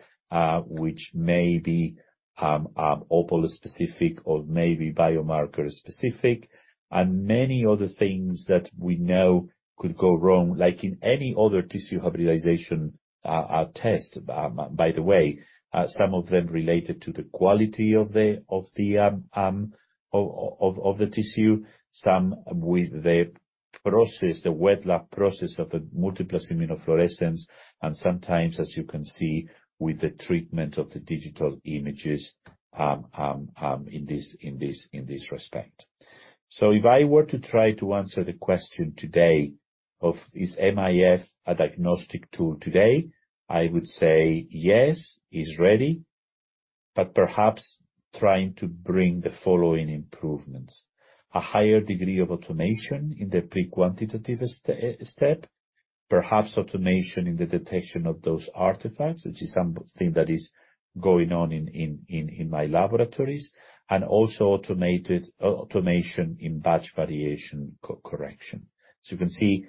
which may be Opal-specific or maybe biomarker-specific, and many other things that we know could go wrong, like in any other tissue hybridization test, by the way, some of them related to the quality of the tissue, some with the process, the wet lab process of a multiplex immunofluorescence, and sometimes, as you can see, with the treatment of the digital images, in this respect. If I were to try to answer the question today of, is MIF a diagnostic tool today, I would say yes, it's ready, but perhaps trying to bring the following improvements. A higher degree of automation in the pre-quantitative step, perhaps automation in the detection of those artifacts, which is something that is going on in my laboratories, and also automation in batch variation co-correction. You can see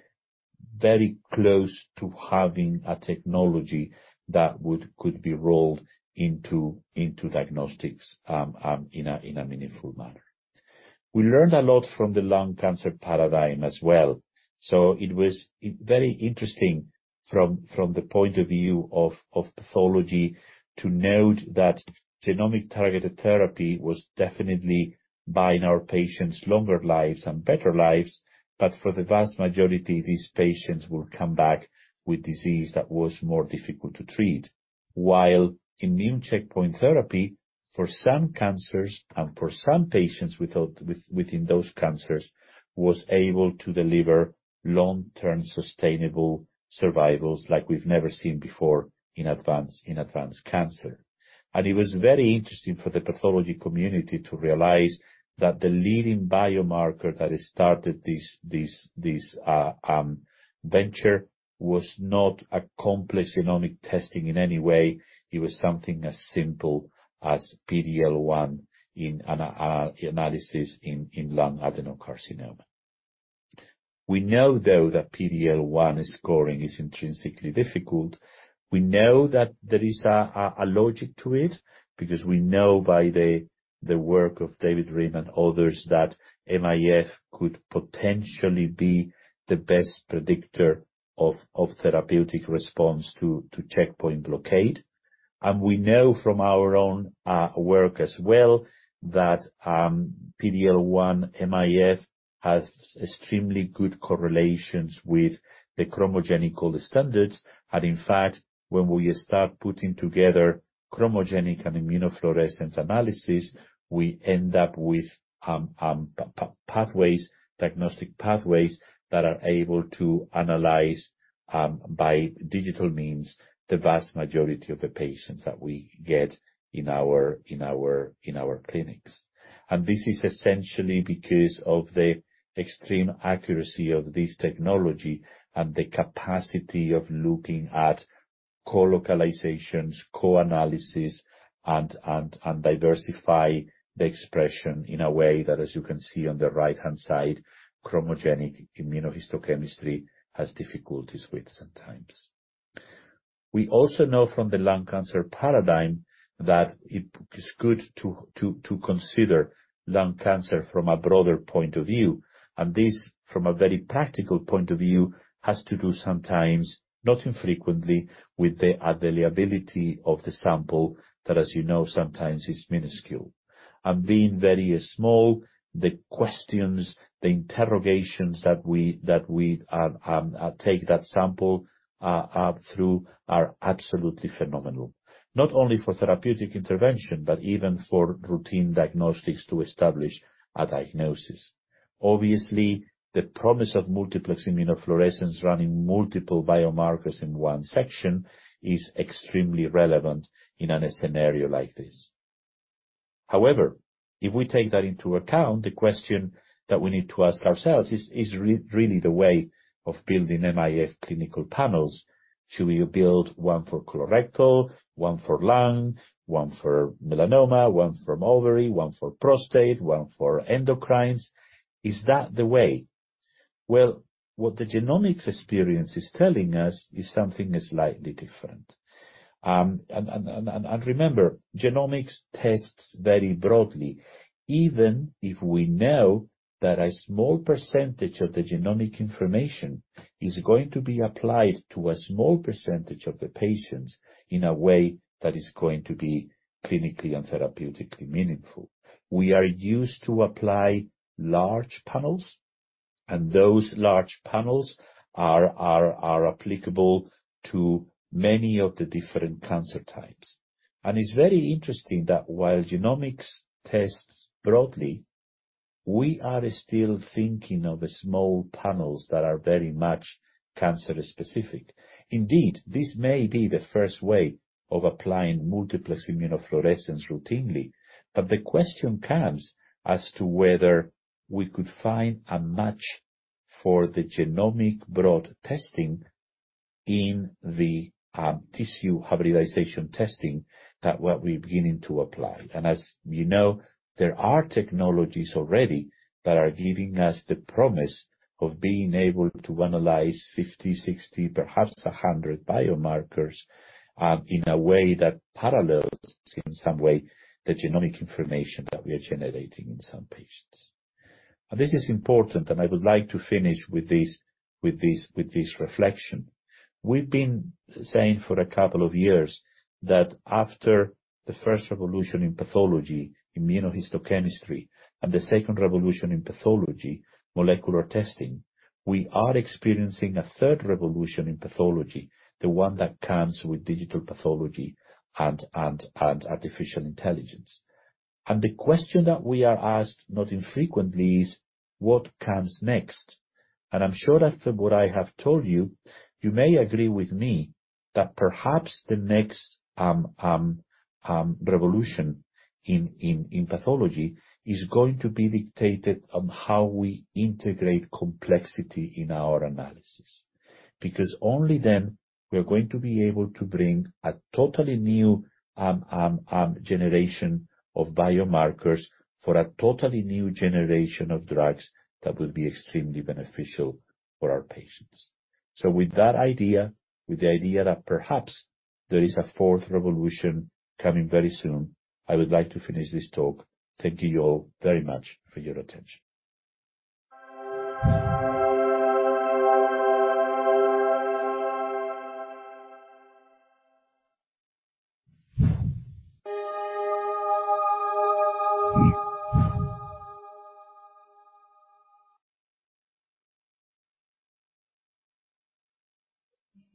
very close to having a technology that could be rolled into diagnostics, in a, in a meaningful manner. We learned a lot from the lung cancer paradigm as well. It was very interesting from the point of view of pathology to note that genomic-targeted therapy was definitely buying our patients longer lives and better lives, but for the vast majority, these patients will come back with disease that was more difficult to treat. While immune checkpoint therapy, for some cancers and for some patients within those cancers, was able to deliver long-term sustainable survivals like we've never seen before in advanced cancer. It was very interesting for the pathology community to realize that the leading biomarker that started this venture was not a complex genomic testing in any way. It was something as simple as PD-L1 in an analysis in lung adenocarcinoma. We know, though, that PD-L1 scoring is intrinsically difficult. We know that there is a logic to it because we know by the work of David Rimm and others that MIF could potentially be the best predictor of therapeutic response to checkpoint blockade. We know from our own work as well that PD-L1 MIF has extremely good correlations with the chromogenical standards. In fact, when we start putting together chromogenic and immunofluorescence analysis, we end up with pathways, diagnostic pathways that are able to analyze by digital means, the vast majority of the patients that we get in our clinics. This is essentially because of the extreme accuracy of this technology and the capacity of looking at co-localizations, co-analysis, and diversify the expression in a way that, as you can see on the right-hand side, chromogenic immunohistochemistry has difficulties with sometimes. We also know from the lung cancer paradigm that it is good to consider lung cancer from a broader point of view, and this from a very practical point of view, has to do sometimes, not infrequently, with the availability of the sample that, as you know, sometimes is minuscule. Being very small, the questions, the interrogations that we take that sample through are absolutely phenomenal, not only for therapeutic intervention, but even for routine diagnostics to establish a diagnosis. Obviously, the promise of multiplex immunofluorescence running multiple biomarkers in one section is extremely relevant in a scenario like this. However, if we take that into account, the question that we need to ask ourselves is really the way of building MIF clinical panels. Should we build one for colorectal, one for lung, one for melanoma, one from ovary, one for prostate, one for endocrines? Is that the way? What the genomics experience is telling us is something slightly different. Remember, genomics tests vary broadly. Even if we know that a small percentage of the genomic information is going to be applied to a small percentage of the patients in a way that is going to be clinically and therapeutically meaningful. We are used to apply large panels, and those large panels are applicable to many of the different cancer types. It's very interesting that while genomics tests broadly, we are still thinking of small panels that are very much cancer-specific. Indeed, this may be the first way of applying multiplex immunofluorescence routinely, but the question comes as to whether we could find a match for the genomic broad testing in the tissue hybridization testing that we're beginning to apply. As you know, there are technologies already that are giving us the promise of being able to analyze 50, 60, perhaps 100 biomarkers in a way that parallels in some way the genomic information that we are generating in some patients. This is important, and I would like to finish with this reflection. We've been saying for a couple of years that after the first revolution in pathology, immunohistochemistry, and the second revolution in pathology, molecular testing, we are experiencing a third revolution in pathology, the one that comes with digital pathology and artificial intelligence. The question that we are asked, not infrequently, is what comes next? I'm sure after what I have told you may agree with me that perhaps the next revolution in pathology is going to be dictated on how we integrate complexity in our analysis. Only then we are going to be able to bring a totally new generation of biomarkers for a totally new generation of drugs that will be extremely beneficial for our patients. With that idea, with the idea that perhaps there is a fourth revolution coming very soon, I would like to finish this talk. Thank you all very much for your attention.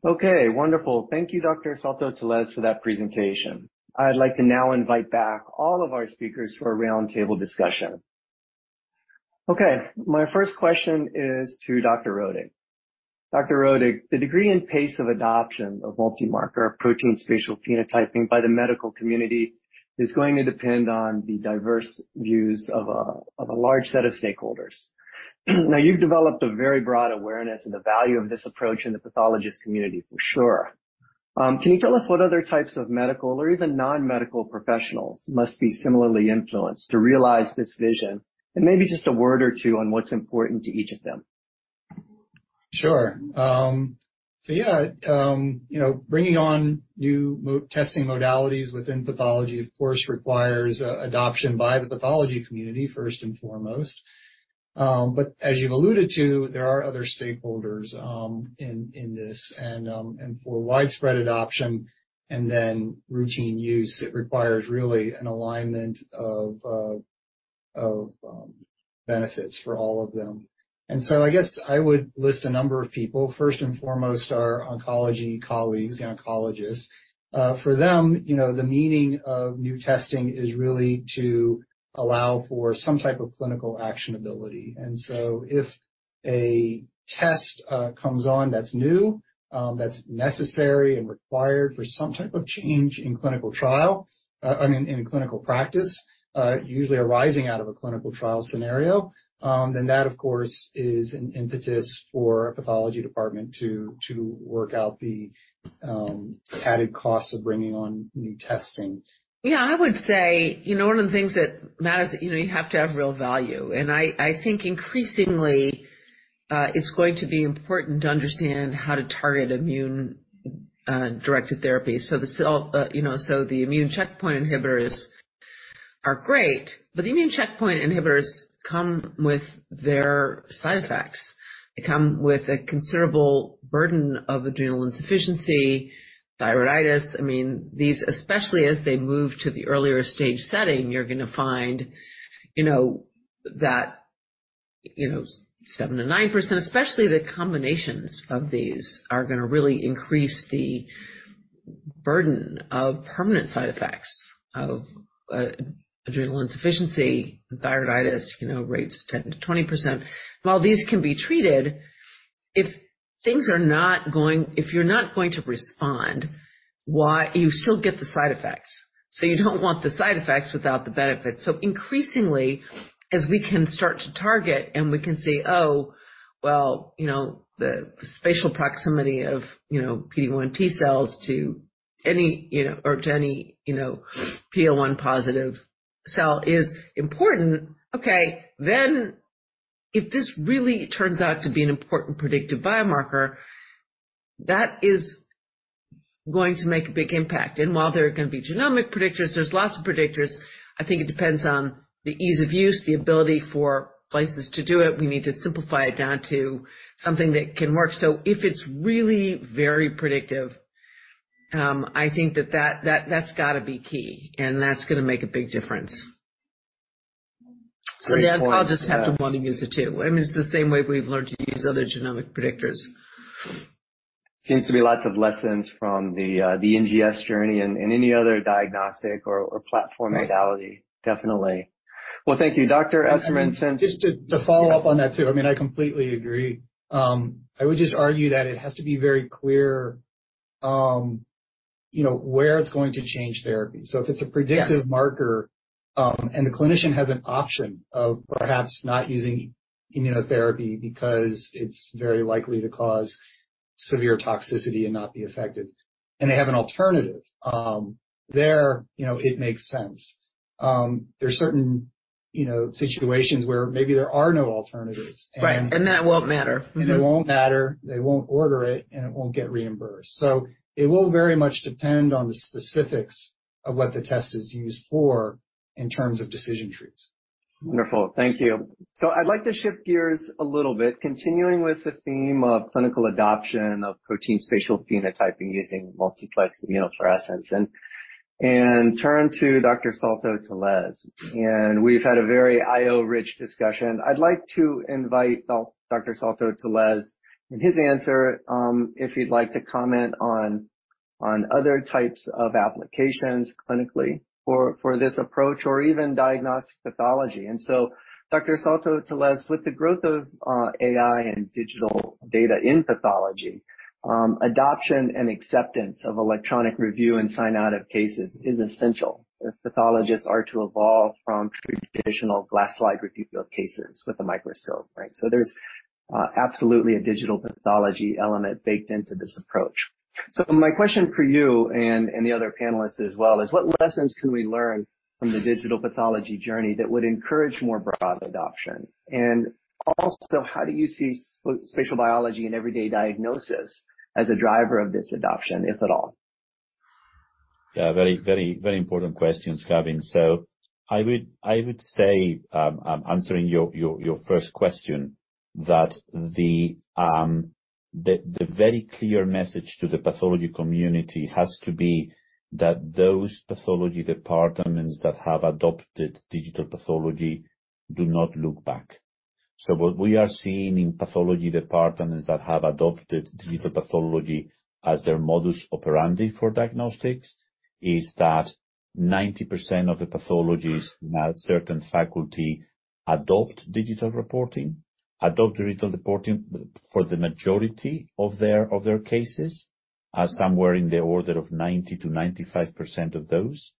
Okay, wonderful. Thank you, Dr. Salto-Tellez, for that presentation. I'd like to now invite back all of our speakers for a round table discussion. Okay, my first question is to Dr. Rodig. Dr. Rodig, the degree and pace of adoption of multi-marker protein spatial phenotyping by the medical community is going to depend on the diverse views of a large set of stakeholders. You've developed a very broad awareness of the value of this approach in the pathologist community for sure. Can you tell us what other types of medical or even non-medical professionals must be similarly influenced to realize this vision? Maybe just a word or two on what's important to each of them. Sure. You know, bringing on new testing modalities within pathology, of course, requires adoption by the pathology community, first and foremost. As you've alluded to, there are other stakeholders in this and for widespread adoption and then routine use, it requires really an alignment of benefits for all of them. I guess I would list a number of people. First and foremost, our oncology colleagues and oncologists. For them, you know, the meaning of new testing is really to allow for some type of clinical actionability. If a test comes on that's new, that's necessary and required for some type of change in clinical trial, I mean, in clinical practice, usually arising out of a clinical trial scenario, that of course is an impetus for a pathology department to work out the added costs of bringing on new testing. Yeah, I would say, you know, one of the things that matters, you know, you have to have real value. I think increasingly, it's going to be important to understand how to target immune directed therapy. The cell, you know, the immune checkpoint inhibitors are great, but the immune checkpoint inhibitors come with their side effects. They come with a considerable burden of adrenal insufficiency, thyroiditis. I mean, these, especially as they move to the earlier stage setting, you're gonna find, you know, that, you know, 7%-9%, especially the combinations of these, are gonna really increase the burden of permanent side effects of adrenal insufficiency and thyroiditis, you know, rates 10%-20%. These can be treated, if you're not going to respond, why you still get the side effects. You don't want the side effects without the benefits. Increasingly, as we can start to target and we can say, "Oh, well, you know, the spatial proximity of, you know, PD-1 T-cells to any, you know, or to any, you know, PD-1 positive cell is important." If this really turns out to be an important predictive biomarker, that is going to make a big impact. While there are gonna be genomic predictors, there's lots of predictors, I think it depends on the ease of use, the ability for places to do it. We need to simplify it down to something that can work. If it's really very predictive, I think that's gotta be key and that's gonna make a big difference. Great point. I'll just have to want to use it too. I mean, it's the same way we've learned to use other genomic predictors. Seems to be lots of lessons from the NGS journey and any other diagnostic or platform modality. Definitely. Well, thank you. Dr. Esserman, Just to follow up on that too, I mean, I completely agree. I would just argue that it has to be very clear, you know, where it's going to change therapy. If it's a predictive. Yes. -marker, and the clinician has an option of perhaps not using immunotherapy because it's very likely to cause severe toxicity and not be effective, and they have an alternative, there, you know, it makes sense. There's certain, you know, situations where maybe there are no alternatives. Right. It won't matter. Mm-hmm. It won't matter, they won't order it, and it won't get reimbursed. It will very much depend on the specifics of what the test is used for in terms of decision trees. Wonderful. Thank you. I'd like to shift gears a little bit, continuing with the theme of clinical adoption of protein spatial phenotyping using multiplex immunofluorescence and turn to Dr. Salto-Tellez. We've had a very IO-rich discussion. I'd like to invite Dr. Salto-Tellez in his answer, if you'd like to comment on other types of applications clinically for this approach or even diagnostic pathology. Dr. Salto-Tellez, with the growth of AI and digital data in pathology, adoption and acceptance of electronic review and sign-out of cases is essential if pathologists are to evolve from traditional glass slide review of cases with a microscope, right? There's absolutely a digital pathology element baked into this approach. My question for you and the other panelists as well is what lessons can we learn from the digital pathology journey that would encourage more broad adoption? Also, how do you see spatial biology in everyday diagnosis as a driver of this adoption, if at all? Yeah. Very important questions, Gavin. I would say, I'm answering your first question, that the very clear message to the pathology community has to be that those pathology departments that have adopted digital pathology do not look back. What we are seeing in pathology departments that have adopted digital pathology as their modus operandi for diagnostics is that 90% of the pathologists, now certain faculty adopt digital reporting for the majority of their cases, somewhere in the order of 90%-95% of those.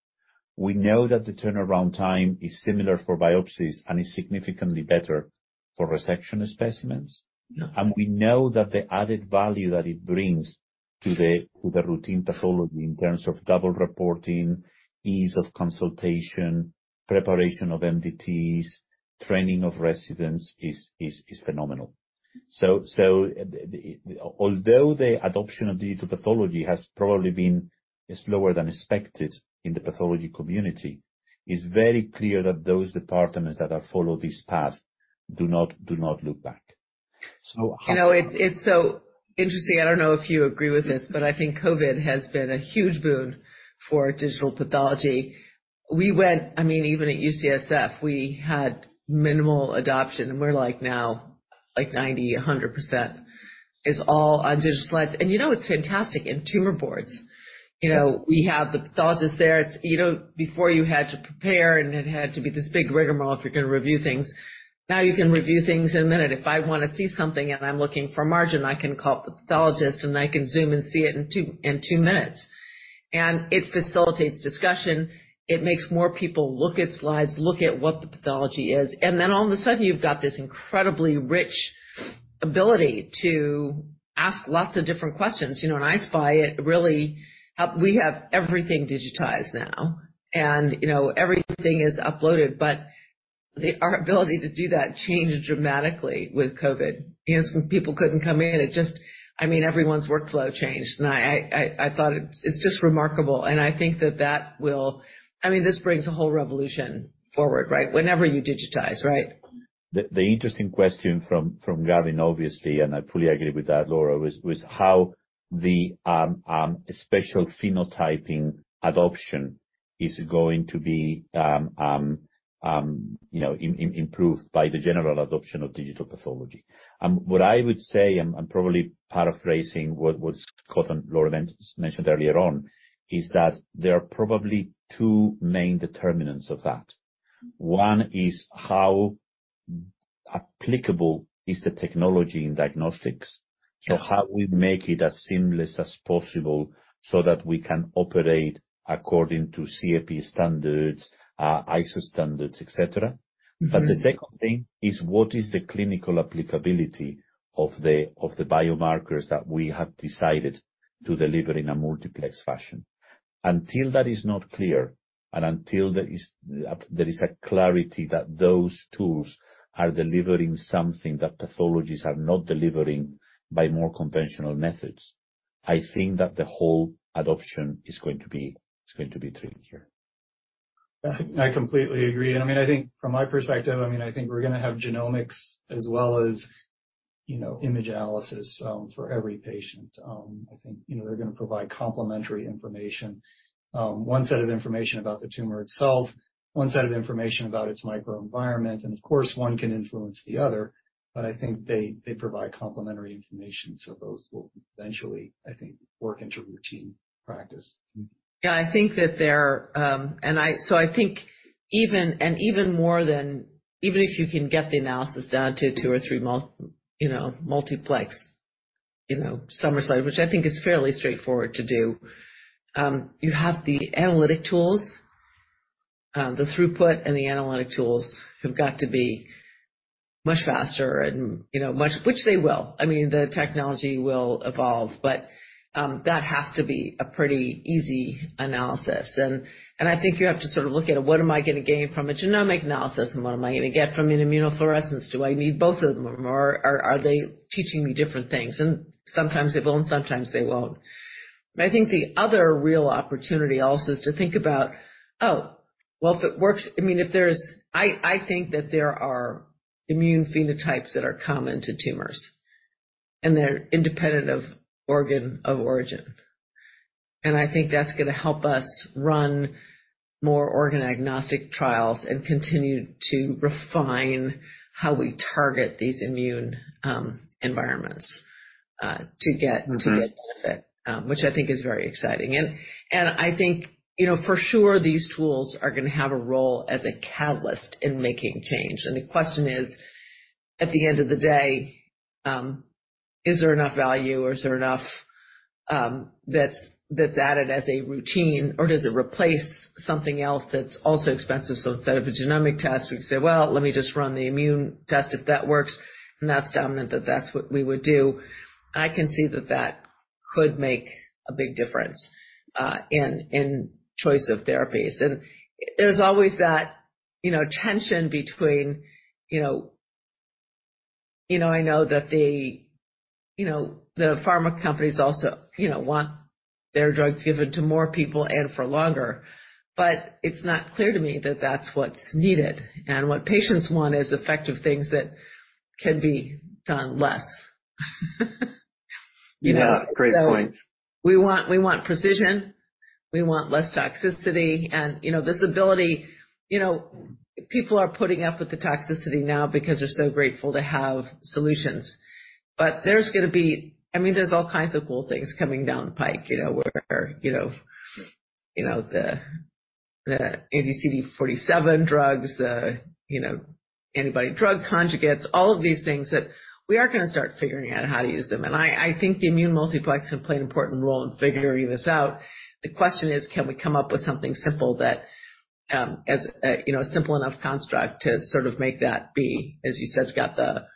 We know that the turnaround time is similar for biopsies and is significantly better for resection specimens. We know that the added value that it brings to the, to the routine pathology in terms of double reporting, ease of consultation, preparation of MDTs, training of residents is phenomenal. Although the adoption of digital pathology has probably been slower than expected in the pathology community, it's very clear that those departments that have followed this path do not look back. You know, it's so interesting. I don't know if you agree with this, but I think COVID has been a huge boon for digital pathology. I mean, even at UCSF, we had minimal adoption, and we're like now, like 90%, 100% is all on digital slides. It's fantastic. In tumor boards, you know, we have the pathologist there. You know, before you had to prepare, and it had to be this big rigmarole if you're gonna review things. Now you can review things in a minute. If I wanna see something and I'm looking for a margin, I can call a pathologist, and I can Zoom and see it in 2 minutes. It facilitates discussion. It makes more people look at slides, look at what the pathology is. All of a sudden, you've got this incredibly rich ability to ask lots of different questions. You know, in I-SPY. We have everything digitized now and, you know, everything is uploaded. Our ability to do that changed dramatically with COVID because when people couldn't come in, it just. I mean, everyone's workflow changed, and I thought it's just remarkable. I think that will. I mean, this brings a whole revolution forward, right? Whenever you digitize, right? The interesting question from Gavin, obviously, and I fully agree with that, Laura, was how the, you know, improved by the general adoption of digital pathology. What I would say, I'm probably paraphrasing what Scott and Laura mentioned earlier on, is that there are probably two main determinants of that. One is how applicable is the technology in diagnostics? Sure. How we make it as seamless as possible so that we can operate according to CAP standards, ISO standards, et cetera. Mm-hmm. The second thing is what is the clinical applicability of the biomarkers that we have decided to deliver in a multiplex fashion? Until that is not clear, and until there is a clarity that those tools are delivering something that pathologies are not delivering by more conventional methods, I think that the whole adoption is going to be, it's going to be tricky. I completely agree. I mean, I think from my perspective, I mean, I think we're gonna have genomics as well as, you know, image analysis for every patient. I think, you know, they're gonna provide complementary information. One set of information about the tumor itself, one set of information about its microenvironment, and of course, one can influence the other. I think they provide complementary information, so those will eventually, I think, work into routine practice. Yeah. I think that there. I think even if you can get the analysis down to two or three you know, multiplex, you know, summary slide, which I think is fairly straightforward to do, you have the analytic tools. The throughput and the analytic tools have got to be much faster and, you know, much, which they will. I mean, the technology will evolve, but that has to be a pretty easy analysis. I think you have to sort of look at what am I gonna gain from a genomic analysis and what am I gonna get from an immunofluorescence? Do I need both of them or are they teaching me different things? Sometimes they will, and sometimes they won't. I think the other real opportunity also is to think about, oh, well, if it works. I mean, I think that there are immune phenotypes that are common to tumors, and they're independent of organ of origin. I think that's gonna help us run more organ-agnostic trials and continue to refine how we target these immune environments. Mm-hmm. To get benefit, which I think is very exciting. I think, you know, for sure these tools are gonna have a role as a catalyst in making change. The question is, at the end of the day, is there enough value or is there enough, that's added as a routine or does it replace something else that's also expensive? Instead of a genomic test, we could say, "Well, let me just run the immune test. If that works and that's dominant, then that's what we would do." I can see that that could make a big difference, in choice of therapies. There's always that, you know, tension between, you know, I know that the, you know, the pharma companies also, you know, want their drugs given to more people and for longer. It's not clear to me that that's what's needed. What patients want is effective things that can be done less. You know? Yeah. Great point. We want precision. We want less toxicity and, you know, this ability, you know, people are putting up with the toxicity now because they're so grateful to have solutions. There's gonna be, I mean, there's all kinds of cool things coming down the pike, you know, where, you know, you know, the anti-CD47 drugs, the, you know, antibody drug conjugates, all of these things that we are gonna start figuring out how to use them. I think immune multiplex have played an important role in figuring this out. The question is, can we come up with something simple that, as a, you know, a simple enough construct to sort of make that be, as you said, Scott, the,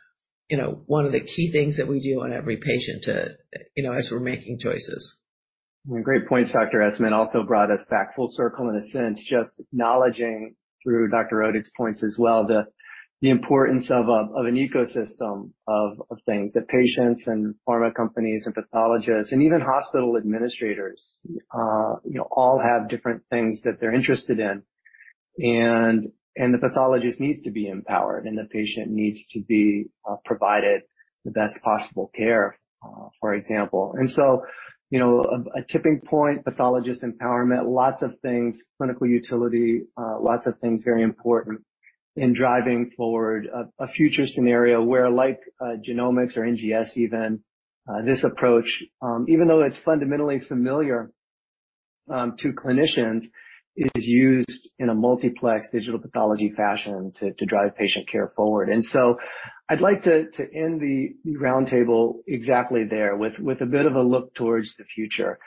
you know, one of the key things that we do on every patient to, you know, as we're making choices. Great points, Dr. Esserman. Brought us back full circle, in a sense, just acknowledging through Dr. Rodig's points as well, the importance of an ecosystem of things. That patients and pharma companies and pathologists and even hospital administrators, you know, all have different things that they're interested in. The pathologist needs to be empowered, and the patient needs to be provided the best possible care, for example. So, you know, a tipping point, pathologist empowerment, lots of things, clinical utility, lots of things very important in driving forward a future scenario where like genomics or NGS even, this approach, even though it's fundamentally familiar, to clinicians, is used in a multiplex digital pathology fashion to drive patient care forward. I'd like to end the roundtable exactly there with a bit of a look towards the future.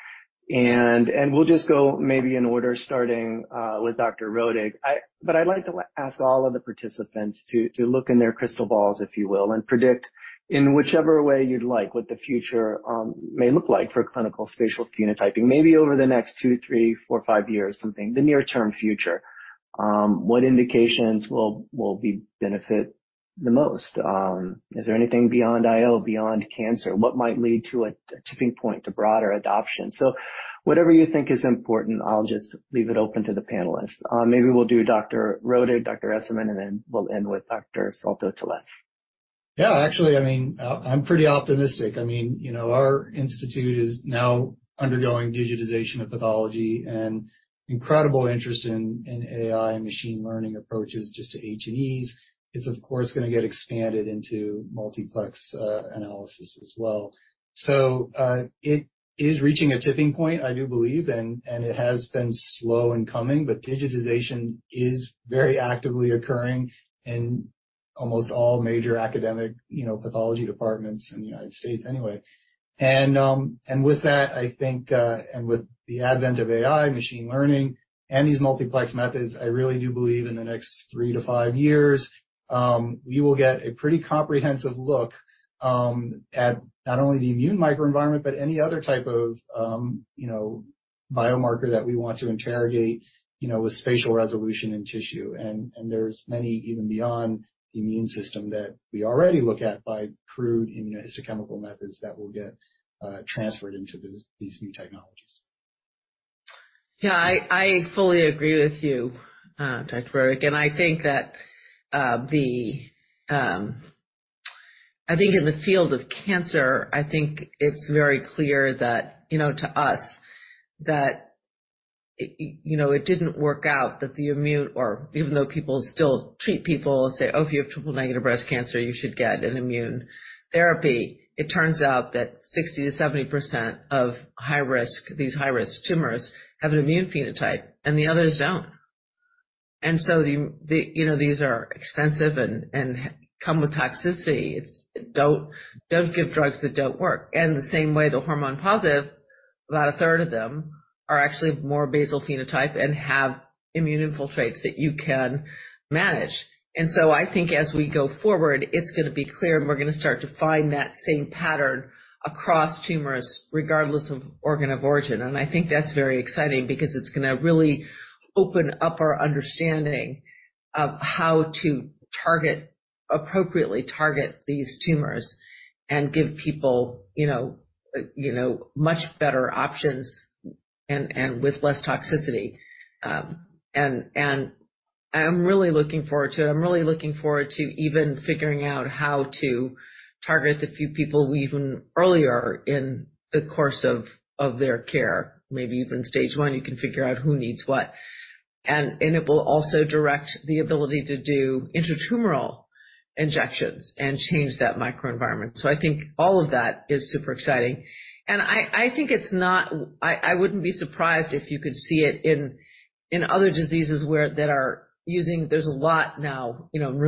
We'll just go maybe in order, starting with Dr. Rodig. I'd like to ask all of the participants to look in their crystal balls, if you will, and predict in whichever way you'd like, what the future may look like for clinical spatial phenotyping, maybe over the next two, three, four, five years, something, the near-term future. What indications will benefit the most? Is there anything beyond IO, beyond cancer? What might lead to a tipping point to broader adoption? Whatever you think is important, I'll just leave it open to the panelists. Maybe we'll do Dr. Rodig, Dr. Esserman, and then we'll end with Dr. Salto-Tellez. Yeah, actually, I mean, I'm pretty optimistic. I mean, you know, our institute is now undergoing digitization of pathology and incredible interest in AI and machine learning approaches just to H&Es. It's of course gonna get expanded into multiplex analysis as well. It is reaching a tipping point, I do believe, and it has been slow in coming, but digitization is very actively occurring in almost all major academic, you know, pathology departments in the United States anyway. With that, I think, with the advent of AI, machine learning, and these multiplex methods, I really do believe in the next three to five years, we will get a pretty comprehensive look at not only the immune microenvironment, but any other type of, you know, biomarker that we want to interrogate, you know, with spatial resolution in tissue. There's many even beyond the immune system that we already look at by crude immunohistochemical methods that will get transferred into these new technologies. Yeah, I fully agree with you, Dr. Rodig. I think that in the field of cancer, I think it's very clear that, you know, to us, that, you know, it didn't work out that the immune or even though people still treat people and say, "Oh, if you have triple-negative breast cancer, you should get an immune therapy." It turns out that 60-70% of these high-risk tumors have an immune phenotype, and the others don't. The, you know, these are expensive and come with toxicities. Don't give drugs that don't work. In the same way, the hormone positive, about a third of them are actually more basal phenotype and have immune infiltrates that you can manage. I think as we go forward, it's gonna be clear, and we're gonna start to find that same pattern across tumors regardless of organ of origin. I think that's very exciting because it's gonna really open up our understanding of how to appropriately target these tumors and give people, you know, much better options and with less toxicity. I'm really looking forward to it. I'm really looking forward to even figuring out how to target the few people we earlier in the course of their care. Maybe even stage 1, you can figure out who needs what. It will also direct the ability to do intratumoral injections and change that microenvironment. I think all of that is super exciting. I think I wouldn't be surprised if you could see it in other diseases where that are using. There's a lot now, you know, in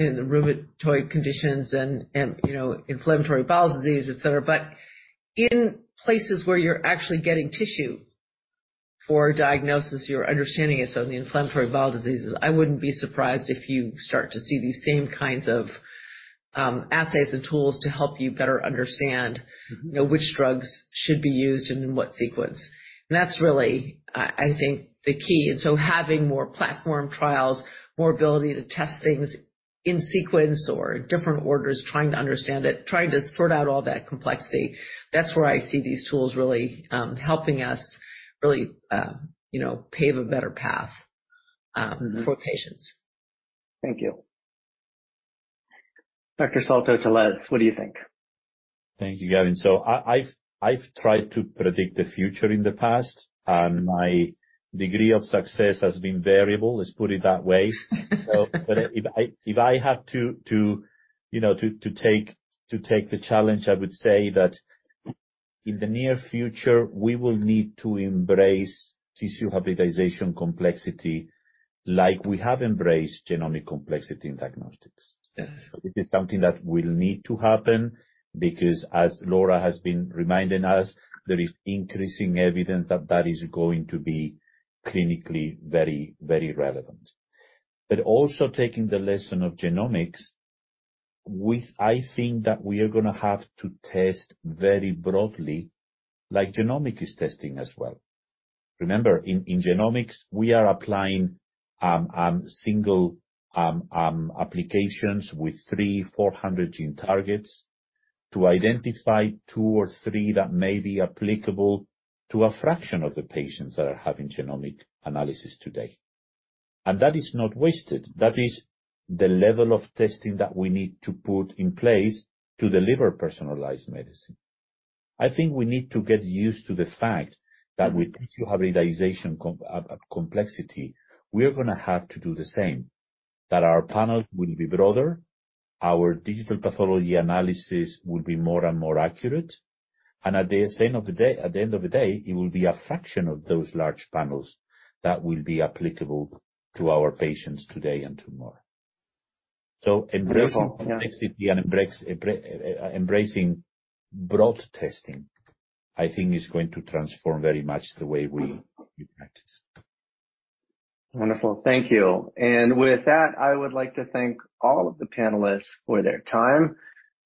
rheumatoid conditions and, you know, inflammatory bowel disease, et cetera. In places where you're actually getting tissue for diagnosis, you're understanding it. In the inflammatory bowel diseases, I wouldn't be surprised if you start to see these same kinds of assays and tools to help you better understand, you know, which drugs should be used and in what sequence. That's really, I think, the key. Having more platform trials, more ability to test things in sequence or different orders, trying to understand it, trying to sort out all that complexity, that's where I see these tools really helping us really, you know, pave a better path for patients. Thank you. Dr. Salto-Tellez, what do you think? Thank you, Gavin. I've tried to predict the future in the past, and my degree of success has been variable, let's put it that way. If I had to, you know, to take the challenge, I would say that in the near future, we will need to embrace tissue hybridization complexity like we have embraced genomic complexity in diagnostics. Yes. It is something that will need to happen because as Laura has been reminding us, there is increasing evidence that that is going to be clinically very, very relevant. Also taking the lesson of genomics, I think that we are going to have to test very broadly, like genomic is testing as well. Remember, in genomics, we are applying single applications with 3, 400 gene targets to identify 2 or 3 that may be applicable to a fraction of the patients that are having genomic analysis today. That is not wasted. That is the level of testing that we need to put in place to deliver personalized medicine. I think we need to get used to the fact that with tissue hybridization complexity, we are going to have to do the same, that our panel will be broader, our digital pathology analysis will be more and more accurate, and at the end of the day, it will be a fraction of those large panels that will be applicable to our patients today and tomorrow. Embracing- Wonderful. Yeah. Complexity embracing broad testing, I think, is going to transform very much the way we practice. Wonderful. Thank you. With that, I would like to thank all of the panelists for their time,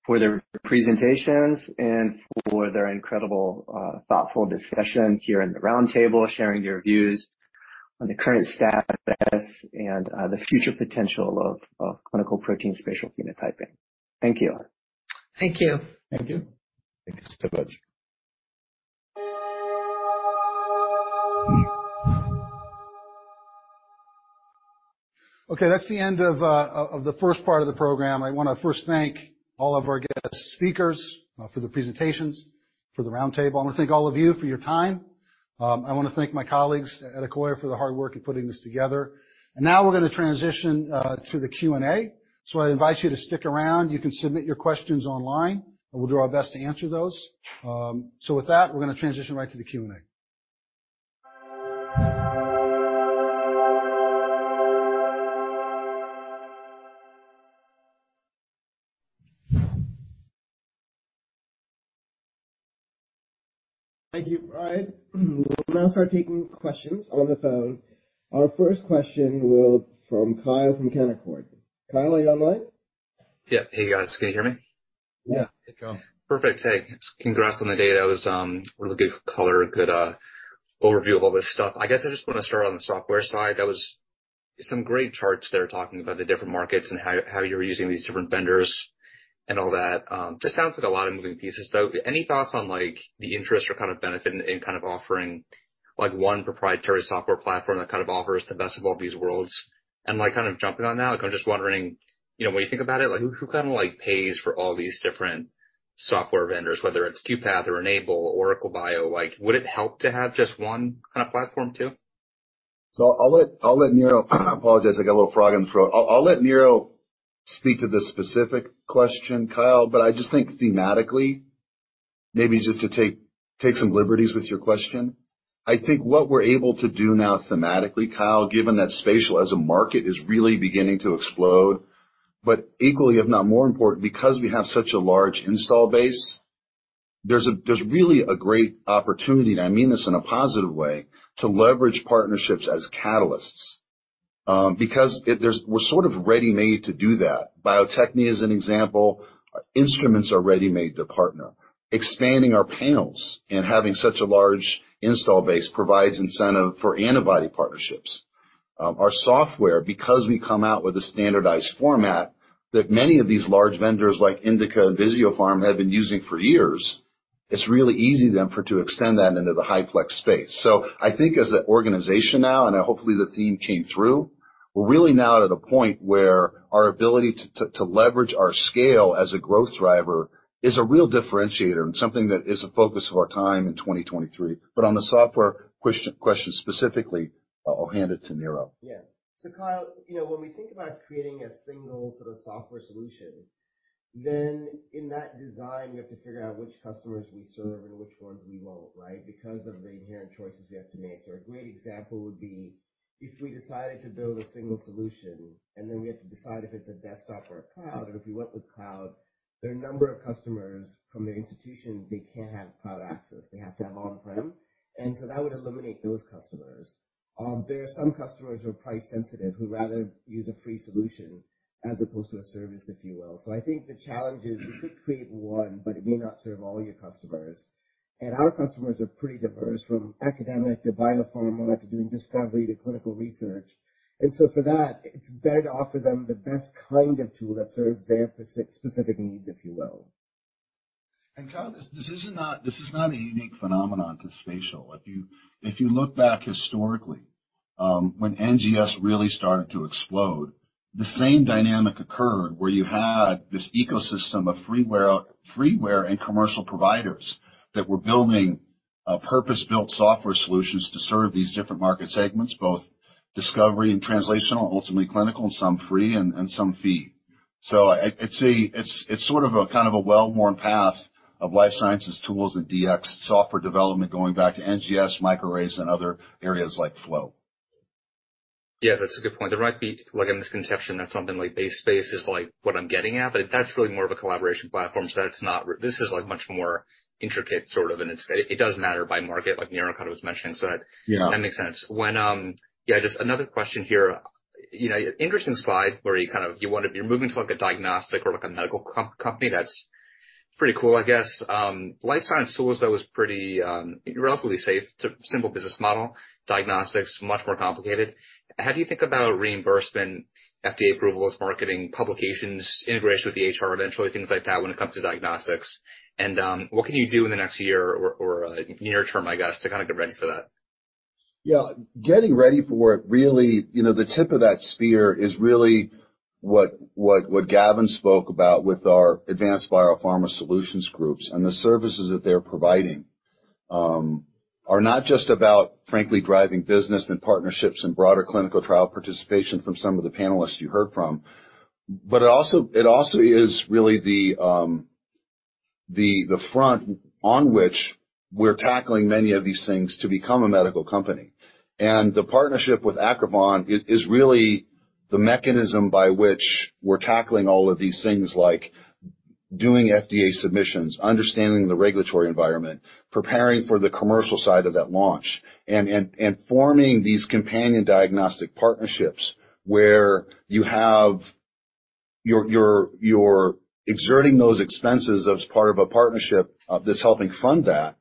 for their presentations, and for their incredible, thoughtful discussion here in the roundtable, sharing your views on the current status and, the future potential of clinical protein spatial phenotyping. Thank you. Thank you. Thank you. Thank you so much. Okay, that's the end of the first part of the program. I want to first thank all of our guest speakers for the presentations for the roundtable. I want to thank all of you for your time. I want to thank my colleagues at Akoya for the hard work in putting this together. Now we're going to transition to the Q&A. I invite you to stick around. You can submit your questions online, and we'll do our best to answer those. With that, we're going to transition right to the Q&A. Thank you. All right. We'll now start taking questions on the phone. Our first question from Kyle from Canaccord. Kyle, are you online? Yeah. Hey, guys. Can you hear me? Yeah. Hey, Kyle. Perfect. Hey, congrats on the day. That was really good color, good overview of all this stuff. I guess I just want to start on the software side. That was some great charts there, talking about the different markets and how you were using these different vendors and all that. Just sounds like a lot of moving pieces, though. Any thoughts on, like, the interest or kind of benefit in kind of offering, like, one proprietary software platform that kind of offers the best of all these worlds? Like, kind of jumping on that, I'm just wondering, you know, when you think about it, like, who kinda like pays for all these different software vendors, whether it's QuPath or Enable Medicine, OracleBio? Like, would it help to have just one kinda platform too? I'll let Niro. I apologize. I got a little frog in throat. I'll let Niro speak to this specific question, Kyle. I just think thematically, maybe just to take some liberties with your question. I think what we're able to do now thematically, Kyle, given that spatial as a market is really beginning to explode, equally, if not more important, because we have such a large install base, there's really a great opportunity, and I mean this in a positive way, to leverage partnerships as catalysts, because we're sort of ready-made to do that. Bio-Techne is an example. Our instruments are ready-made to partner. Expanding our panels and having such a large install base provides incentive for antibody partnerships. Our software, because we come out with a standardized format that many of these large vendors like Indica and Visiopharm have been using for years, it's really easy then for to extend that into the HyFlex space. I think as an organization now, and hopefully the theme came through, we're really now at a point where our ability to leverage our scale as a growth driver is a real differentiator and something that is a focus of our time in 2023. On the software question specifically, I'll hand it to Niro. Yeah. Kyle, you know, when we think about creating a single sort of software solution, then in that design, we have to figure out which customers we serve and which ones we won't, right? Because of the inherent choices we have to make. A great example would be if we decided to build a single solution, and then we have to decide if it's a desktop or a cloud. If we went with cloud, there are a number of customers from their institution, they can't have cloud access. They have to have on-prem. That would eliminate those customers. There are some customers who are price sensitive who rather use a free solution as opposed to a service, if you will. I think the challenge is you could create one, but it may not serve all your customers. Our customers are pretty diverse from academic to biopharma to doing discovery to clinical research. For that, it's better to offer them the best kind of tool that serves their specific needs, if you will. Kyle, this is not a unique phenomenon to spatial. If you look back historically, when NGS really started to explode, the same dynamic occurred where you had this ecosystem of freeware and commercial providers that were building purpose-built software solutions to serve these different market segments, both discovery and translational, ultimately clinical, and some free and some fee. It's sort of a well-worn path of life sciences tools and DX software development going back to NGS, microarrays and other areas like flow. Yeah, that's a good point. There might be, like, a misconception that something like BaseSpace is like what I'm getting at, but that's really more of a collaboration platform. This is, like, much more intricate, sort of, and it does matter by market, like Niro kind of was mentioning. Yeah. When, yeah, just another question here. You know, interesting slide where you're moving to like a diagnostic or like a medical company that's pretty cool, I guess. Life science tools, though, is pretty relatively safe. It's a simple business model. Diagnostics, much more complicated. How do you think about reimbursement, FDA approvals, marketing, publications, integration with EHR eventually, things like that when it comes to diagnostics? What can you do in the next year or near term, I guess, to kinda get ready for that? Yeah. Getting ready for it, really, you know, the tip of that spear is really what Gavin spoke about with our Advanced Biopharma Solutions groups. The services that they're providing are not just about frankly driving business and partnerships and broader clinical trial participation from some of the panelists you heard from, but it also is really the front on which we're tackling many of these things to become a medical company. The partnership with Acrivon is really the mechanism by which we're tackling all of these things, like doing FDA submissions, understanding the regulatory environment, preparing for the commercial side of that launch, and forming these companion diagnostic partnerships where you're exerting those expenses as part of a partnership that's helping fund that,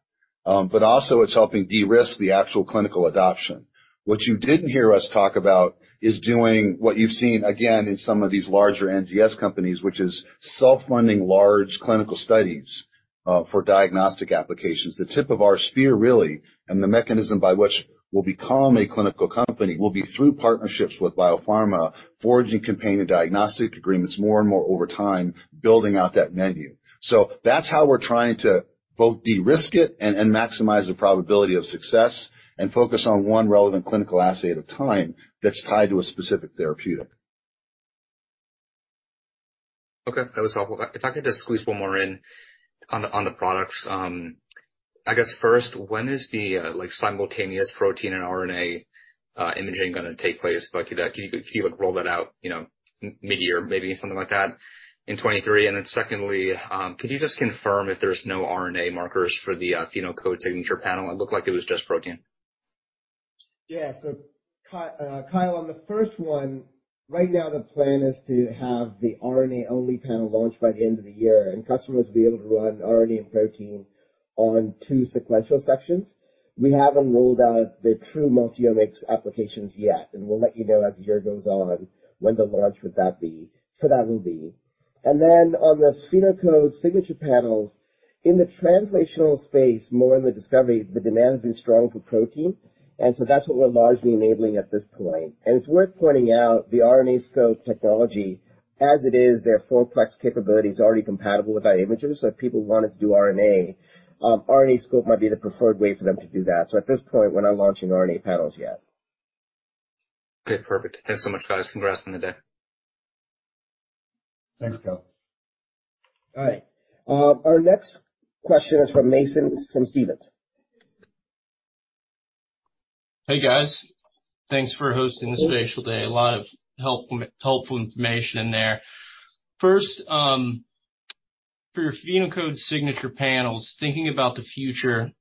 but also it's helping de-risk the actual clinical adoption. What you didn't hear us talk about is doing what you've seen, again, in some of these larger NGS companies, which is self-funding large clinical studies for diagnostic applications. The tip of our spear, really, and the mechanism by which we'll become a clinical company will be through partnerships with biopharma, forging companion diagnostic agreements more and more over time, building out that menu. That's how we're trying to both de-risk it and maximize the probability of success and focus on one relevant clinical assay at a time that's tied to a specific therapeutic. Okay. That was helpful. If I could just squeeze one more in on the, on the products. I guess first, when is the, like, simultaneous protein and RNA imaging gonna take place? Can you, like, roll that out, you know, midyear, maybe something like that, in 2023? Secondly, could you just confirm if there's no RNA markers for the PhenoCode Signature Panels? It looked like it was just protein. Yeah. Kyle, on the first one, right now the plan is to have the RNA-only panel launched by the end of the year, and customers will be able to run RNA and protein on 2 sequential sections. We haven't rolled out the true multiomics applications yet, and we'll let you know as the year goes on when the launch for that will be. On the PhenoCode Signature Panels, in the translational space, more in the discovery, the demand has been strong for protein, and so that's what we're largely enabling at this point. It's worth pointing out the RNAscope technology, as it is, their full plex capability is already compatible with our imagers. If people wanted to do RNA, RNAscope might be the preferred way for them to do that. At this point, we're not launching RNA panels yet. Okay. Perfect. Thanks so much, guys. Congrats on the day. Thanks, Kyle. All right. Our next question is from Mason from Stephens. Hey, guys. Thanks for hosting this virtual day. A lot of helpful information in there. First, for your PhenoCode Signature Panels, thinking about the future,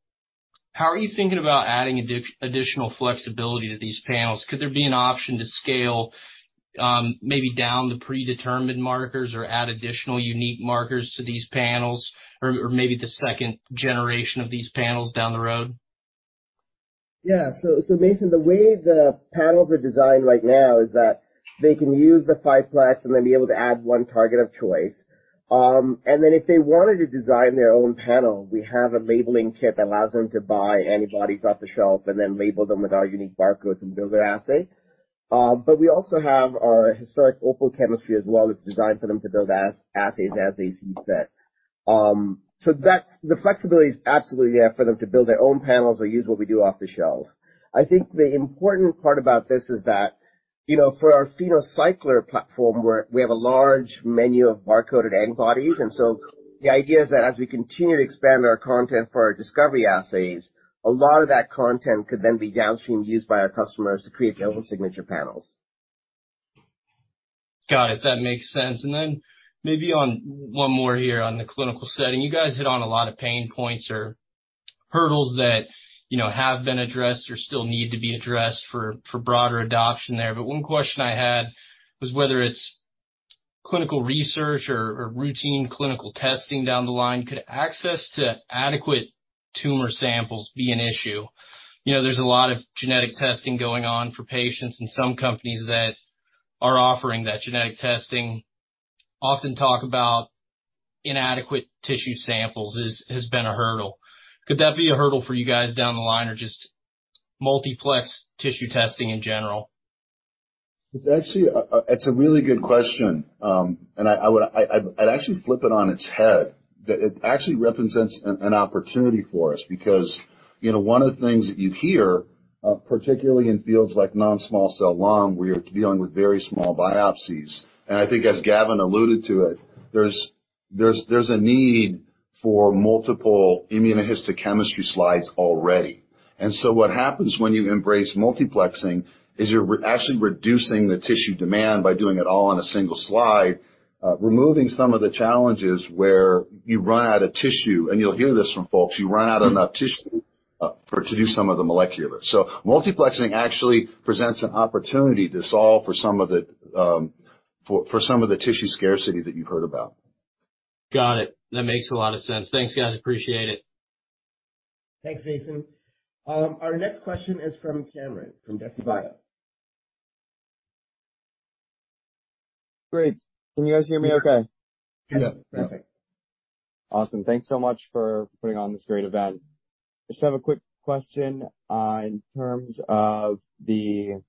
how are you thinking about adding additional flexibility to these panels? Could there be an option to scale, maybe down the predetermined markers or add additional unique markers to these panels or maybe the second generation of these panels down the road? Mason, the way the panels are designed right now is that they can use the Fiplex and be able to add one target of choice. If they wanted to design their own panel, we have a labeling kit that allows them to buy antibodies off the shelf and then label them with our unique barcodes and build their assay. We also have our historic Opal chemistry as well that's designed for them to build assays as they see fit. The flexibility is absolutely there for them to build their own panels or use what we do off the shelf. I think the important part about this is that, you know, for our PhenoCycler platform where we have a large menu of barcoded antibodies. The idea is that as we continue to expand our content for our discovery assays, a lot of that content could then be downstreamed used by our customers to create their own signature panels. Got it. That makes sense. Maybe on one more here on the clinical setting. You guys hit on a lot of pain points or hurdles that, you know, have been addressed or still need to be addressed for broader adoption there. One question I had was whether it's clinical research or routine clinical testing down the line, could access to adequate tumor samples be an issue? You know, there's a lot of genetic testing going on for patients, and some companies that are offering that genetic testing often talk about inadequate tissue samples has been a hurdle. Could that be a hurdle for you guys down the line or just multiplex tissue testing in general? It's actually a really good question. I'd actually flip it on its head, that it actually represents an opportunity for us because one of the things that you hear particularly in fields like non-small cell lung, where you're dealing with very small biopsies, and I think as Gavin alluded to it, there's a need for multiple immunohistochemistry slides already. What happens when you embrace multiplexing is you're actually reducing the tissue demand by doing it all on a single slide, removing some of the challenges where you run out of tissue, and you'll hear this from folks, you run out of enough tissue, or to do some of the molecular. Multiplexing actually presents an opportunity to solve for some of the tissue scarcity that you've heard about. Got it. That makes a lot of sense. Thanks, guys. Appreciate it. Thanks, Mason. Our next question is from Cameron from Deciphex. Great. Can you guys hear me okay? Yes. Perfect. Awesome. Thanks so much for putting on this great event. Just have a quick question, in terms of the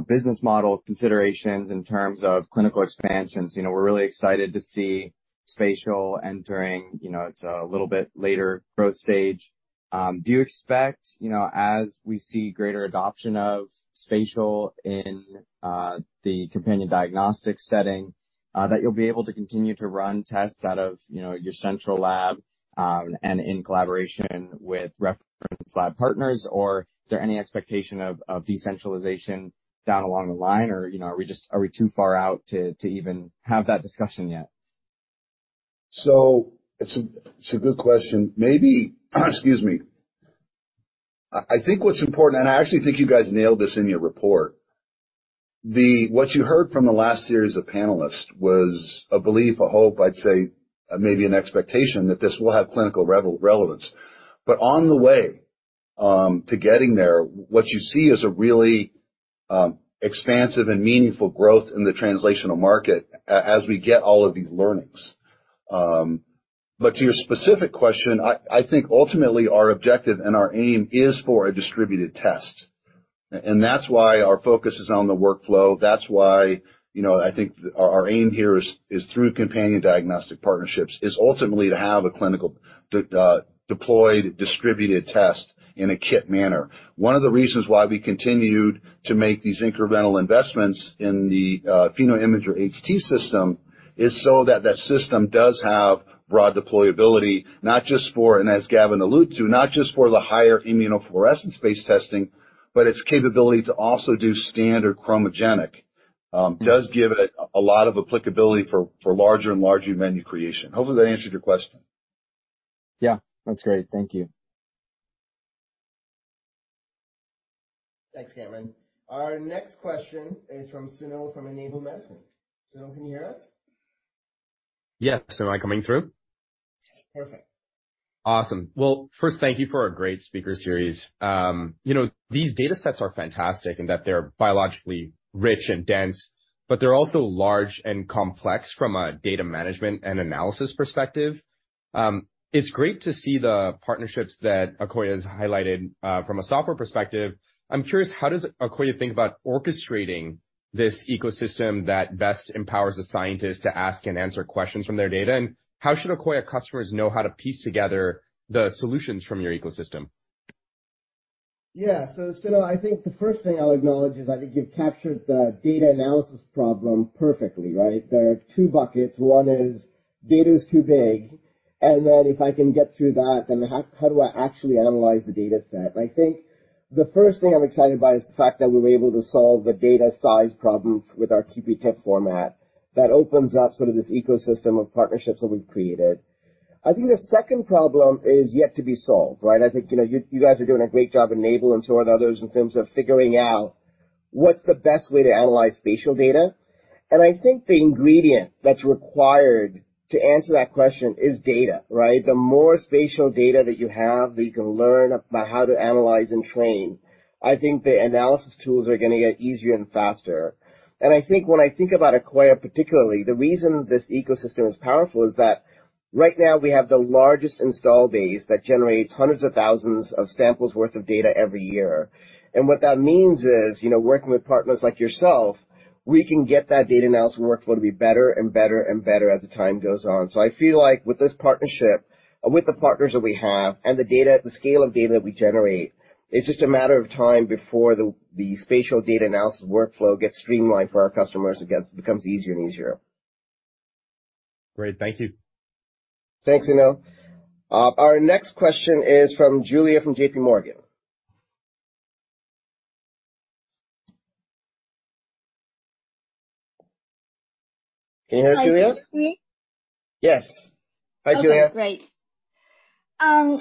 business model considerations in terms of clinical expansions. You know, we're really excited to see spatial entering, you know, it's a little bit later growth stage. Do you expect, you know, as we see greater adoption of spatial in the companion diagnostics setting, that you'll be able to continue to run tests out of, you know, your central lab, and in collaboration with reference lab partners, or is there any expectation of decentralization down along the line? You know, are we too far out to even have that discussion yet? It's a good question. Maybe. Excuse me. I think what's important, and I actually think you guys nailed this in your report, what you heard from the last series of panelists was a belief, a hope, I'd say, maybe an expectation that this will have clinical relevance. On the way to getting there, what you see is a really expansive and meaningful growth in the translational market as we get all of these learnings. To your specific question, I think ultimately our objective and our aim is for a distributed test. That's why our focus is on the workflow. That's why, you know, I think our aim here is through companion diagnostic partnerships, is ultimately to have a clinical deployed, distributed test in a kit manner. One of the reasons why we continued to make these incremental investments in the PhenoImager HT system is so that that system does have broad deployability, not just for, and as Gavin alluded to, not just for the higher immunofluorescence-based testing, but its capability to also do standard chromogenic does give it a lot of applicability for larger and larger menu creation. Hopefully, that answered your question. Yeah. That's great. Thank you. Thanks, Cameron. Our next question is from Sunil from Enable Medicine. Sunil, can you hear us? Yes. Am I coming through? Perfect. Awesome. Well, first, thank you for a great speaker series. you know, these data sets are fantastic in that they're biologically rich and dense, but they're also large and complex from a data management and analysis perspective. It's great to see the partnerships that Akoya has highlighted, from a software perspective. I'm curious, how does Akoya think about orchestrating this ecosystem that best empowers a scientist to ask and answer questions from their data? How should Akoya customers know how to piece together the solutions from your ecosystem? Yeah. Sunil, I think the first thing I'll acknowledge is I think you've captured the data analysis problem perfectly, right? There are two buckets. One is data is too big, and then if I can get through that, how do I actually analyze the data set? I think the first thing I'm excited by is the fact that we were able to solve the data size problems with our QPTIFF format that opens up sort of this ecosystem of partnerships that we've created. I think the second problem is yet to be solved, right? I think, you know, you guys are doing a great job at Enable and so are the others in terms of figuring out what's the best way to analyze spatial data. I think the ingredient that's required to answer that question is data, right? The more spatial data that you have, that you can learn about how to analyze and train, I think the analysis tools are gonna get easier and faster. I think when I think about Akoya, particularly, the reason this ecosystem is powerful is that right now we have the largest install base that generates hundreds of thousands of samples worth of data every year. What that means is, you know, working with partners like yourself, we can get that data analysis workflow to be better and better and better as the time goes on. I feel like with this partnership and with the partners that we have and the data, the scale of data we generate, it's just a matter of time before the spatial data analysis workflow gets streamlined for our customers. Again, it becomes easier and easier. Great. Thank you. Thanks, Sunil. Our next question is from Julia from JP Morgan. Can you hear me, Julia? Hi. Can you hear me? Yes. Hi, Julia. Okay, great. I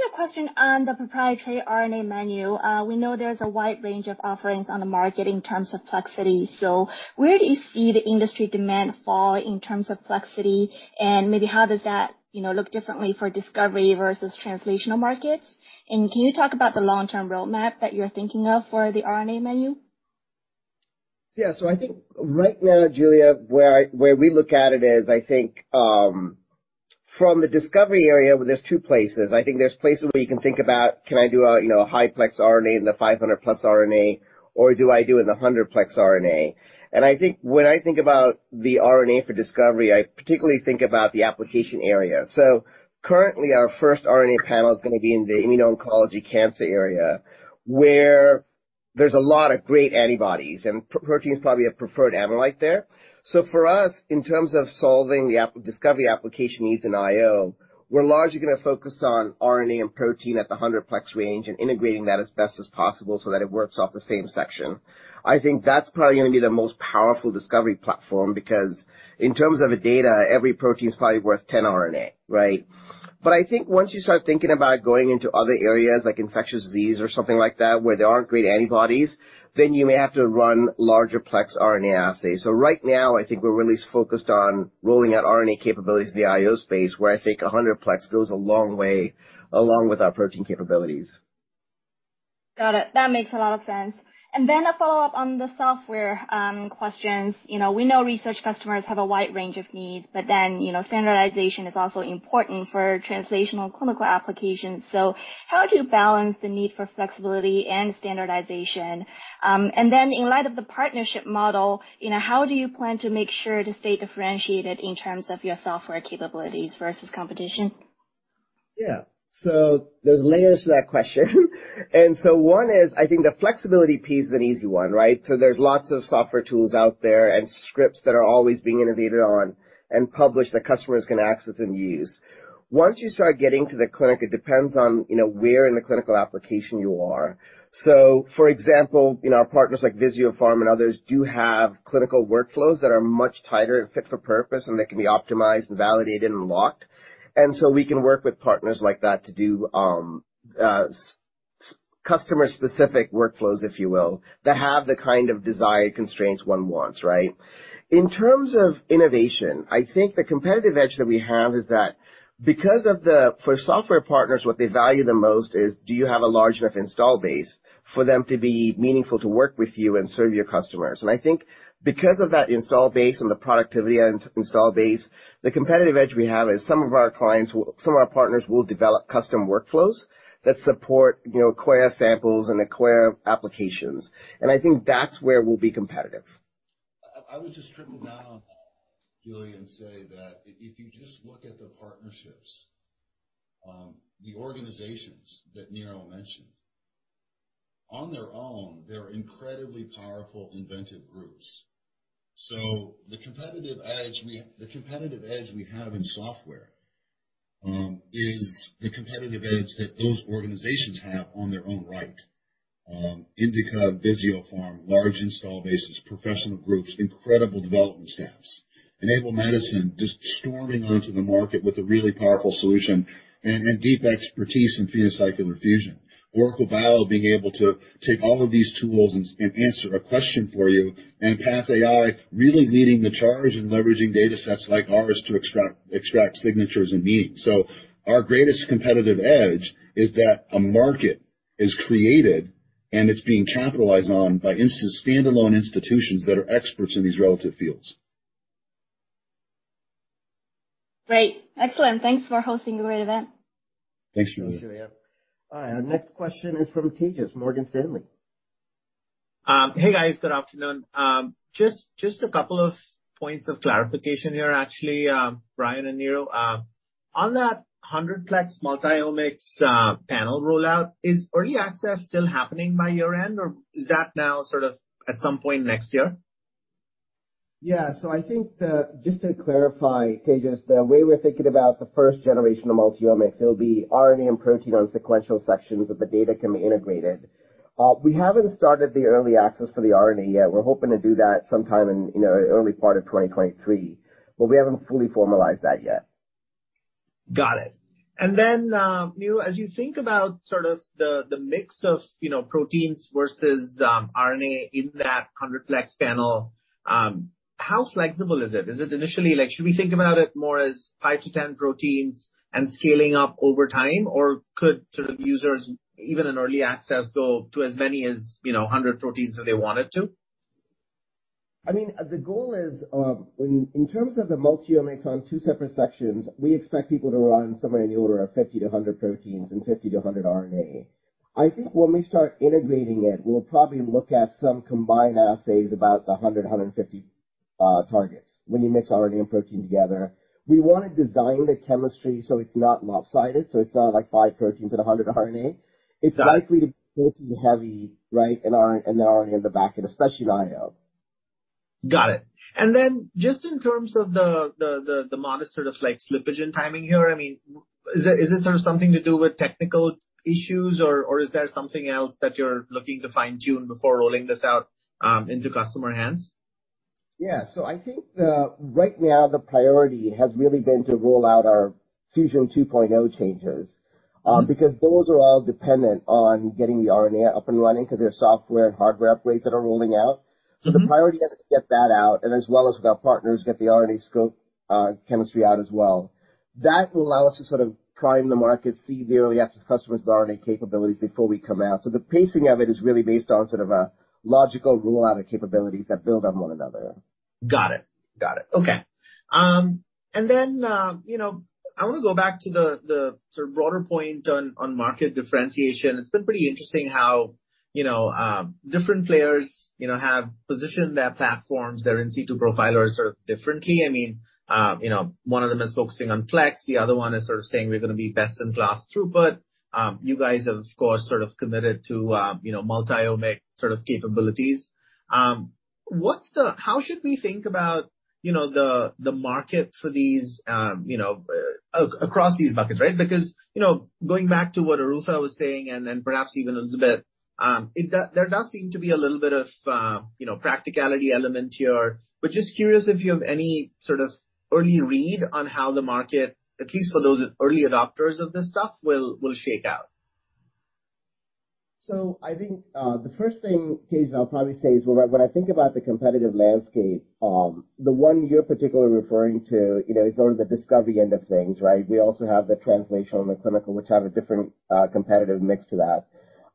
have a question on the proprietary RNA menu. We know there's a wide range of offerings on the market in terms of plexity. Where do you see the industry demand fall in terms of plexity? Maybe how does that, you know, look differently for discovery versus translational markets? Can you talk about the long-term roadmap that you're thinking of for the RNA menu? I think right now, Julia, where we look at it is, I think, from the discovery area, there's two places. I think there's places where you can think about, can I do a, you know, a high plex RNA in the 500+ RNA or do I do in the 100-plex RNA? I think when I think about the RNA for discovery, I particularly think about the application area. Currently, our first RNA panel is gonna be in the immuno-oncology cancer area where. There's a lot of great antibodies, and protein is probably a preferred analyte there. For us, in terms of solving the discovery application needs in IO, we're largely gonna focus on RNA and protein at the 100-plex range and integrating that as best as possible so that it works off the same section. I think that's probably gonna be the most powerful discovery platform because in terms of a data, every protein is probably worth 10 RNA, right? I think once you start thinking about going into other areas like infectious disease or something like that, where there aren't great antibodies, then you may have to run larger plex RNA assays. Right now, I think we're really focused on rolling out RNA capabilities in the IO space, where I think 100 plex goes a long way along with our protein capabilities. Got it. That makes a lot of sense. A follow-up on the software, questions. You know, we know research customers have a wide range of needs, you know, standardization is also important for translational clinical applications. How do you balance the need for flexibility and standardization? In light of the partnership model, you know, how do you plan to make sure to stay differentiated in terms of your software capabilities versus competition? Yeah. There's layers to that question. One is, I think the flexibility piece is an easy one, right? There's lots of software tools out there and scripts that are always being innovated on and published that customers can access and use. Once you start getting to the clinic, it depends on, you know, where in the clinical application you are. For example, you know, our partners like Visiopharm and others do have clinical workflows that are much tighter and fit for purpose, and they can be optimized and validated and locked. We can work with partners like that to do customer-specific workflows, if you will, that have the kind of desired constraints one wants, right? In terms of innovation, I think the competitive edge that we have is that because of the for software partners, what they value the most is, do you have a large enough install base for them to be meaningful to work with you and serve your customers? I think because of that install base and the productivity and install base, the competitive edge we have is some of our clients will some of our partners will develop custom workflows that support, you know, Akoya samples and Akoya applications. I think that's where we'll be competitive. I would just triple down, Julian, say that if you just look at the partnerships, the organizations that Niro mentioned, on their own, they're incredibly powerful, inventive groups. The competitive edge we have in software, is the competitive edge that those organizations have on their own right. Indica, Visiopharm, large install bases, professional groups, incredible development staffs. Enable Medicine just storming onto the market with a really powerful solution and deep expertise in PhenoCycler-Fusion. OracleBio being able to take all of these tools and answer a question for you. PathAI really leading the charge in leveraging datasets like ours to extract signatures and meaning. Our greatest competitive edge is that a market is created, and it's being capitalized on by instant standalone institutions that are experts in these relative fields. Great. Excellent. Thanks for hosting a great event. Thanks, Julian. Thanks, Julian. All right, our next question is from Tejas, Morgan Stanley. Hey, guys. Good afternoon. Just a couple of points of clarification here, actually, Brian and Niro. On that 100-plex multiomics, panel rollout, is early access still happening by your end, or is that now sort of at some point next year? Yeah. I think, just to clarify, Tejas, the way we're thinking about the first generation of multiomics, it'll be RNA and protein on sequential sections, but the data can be integrated. We haven't started the early access for the RNA yet. We're hoping to do that sometime in, you know, early part of 2023, but we haven't fully formalized that yet. Got it. Niro, as you think about sort of the mix of, you know, proteins versus, RNA in that 100-plex panel, how flexible is it? Is it initially like, should we think about it more as 5-10 proteins and scaling up over time? Or could sort of users, even in early access, go to as many as, you know, 100 proteins if they wanted to? I mean, the goal is, in terms of the multiomics on two separate sections, we expect people to run somewhere in the order of 50-100 proteins and 50-100 RNA. I think when we start integrating it, we'll probably look at some combined assays, about 100-150 targets when you mix RNA and protein together. We wanna design the chemistry, so it's not lopsided, so it's not like five proteins and 100 RNA. Got it. It's likely to be protein heavy, right, and the RNA in the back, especially in IO. Got it. Just in terms of the modest sort of like slippage in timing here, I mean, is it sort of something to do with technical issues, or is there something else that you're looking to fine-tune before rolling this out, into customer hands? Yeah. I think, right now the priority has really been to roll out our Fusion 2.0 changes, because those are all dependent on getting the RNA up and running because there are software and hardware upgrades that are rolling out. Mm-hmm. The priority is to get that out and as well as with our partners, get the RNAscope chemistry out as well. That will allow us to sort of prime the market, see the early access customers, the RNA capabilities before we come out. The pacing of it is really based on sort of a logical rollout of capabilities that build on one another. Got it. Got it. Okay. Then, you know, I wanna go back to the sort of broader point on market differentiation. It's been pretty interesting how, you know, different players, you know, have positioned their platforms, their in situ profilers sort of differently. I mean, you know, one of them is focusing on plex. The other one is sort of saying we're gonna be best in class throughput. You guys have, of course, sort of committed to, you know, multiomic sort of capabilities. What's the, how should we think about, you know, the market for these, you know, across these buckets, right? You know, going back to what Arusa was saying, and then perhaps even Elizabeth, there does seem to be a little bit of, you know, practicality element here. Just curious if you have any sort of early read on how the market, at least for those early adopters of this stuff, will shake out. I think the first thing, Tejas, I'll probably say is when I, when I think about the competitive landscape, the one you're particularly referring to, you know, is sort of the discovery end of things, right? We also have the translational and the clinical, which have a different competitive mix to that.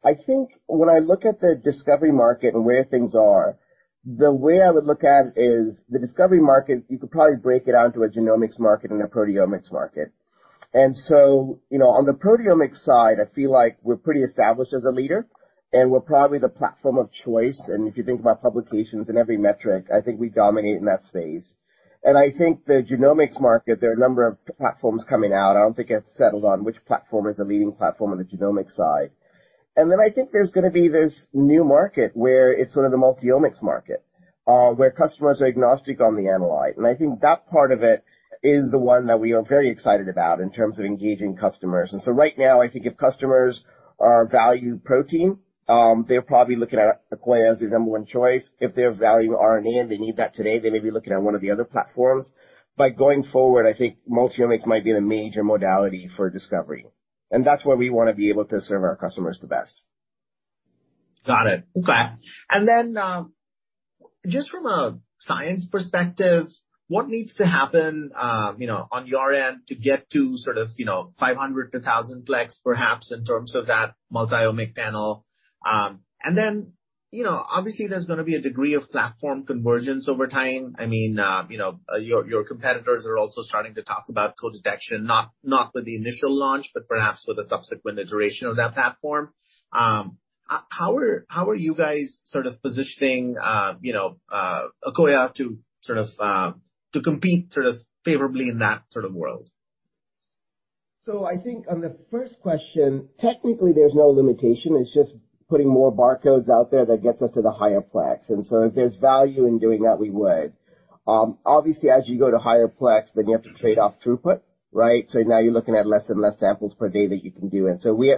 I think when I look at the discovery market and where things are, the way I would look at it is the discovery market, you could probably break it down to a genomics market and a proteomics market. You know, on the proteomics side, I feel like we're pretty established as a leader, and we're probably the platform of choice. If you think about publications in every metric, I think we dominate in that space. I think the genomics market, there are a number of platforms coming out. I don't think it's settled on which platform is a leading platform on the genomics side. I think there's gonna be this new market where it's sort of the multiomics market, where customers are agnostic on the analyte. I think that part of it is the one that we are very excited about in terms of engaging customers. Right now, I think if customers are value protein, they're probably looking at Akoya as their number one choice. If they have value RNA and they need that today, they may be looking at one of the other platforms. Going forward, I think multiomics might be the major modality for discovery, and that's where we wanna be able to serve our customers the best. Got it. Okay. Just from a science perspective, what needs to happen, you know, on your end to get to sort of, you know, 500-1,000 plex, perhaps, in terms of that multiomic panel. You know, obviously, there's gonna be a degree of platform convergence over time. I mean, you know, your competitors are also starting to talk about co-detection, not with the initial launch, but perhaps with the subsequent iteration of that platform. How are you guys sort of positioning, you know, Akoya to sort of, to compete sort of favorably in that sort of world? I think on the first question, technically, there's no limitation. It's just putting more barcodes out there that gets us to the higher plex. If there's value in doing that, we would. Obviously as you go to higher plex, then you have to trade off throughput, right? Now you're looking at less and less samples per day that you can do.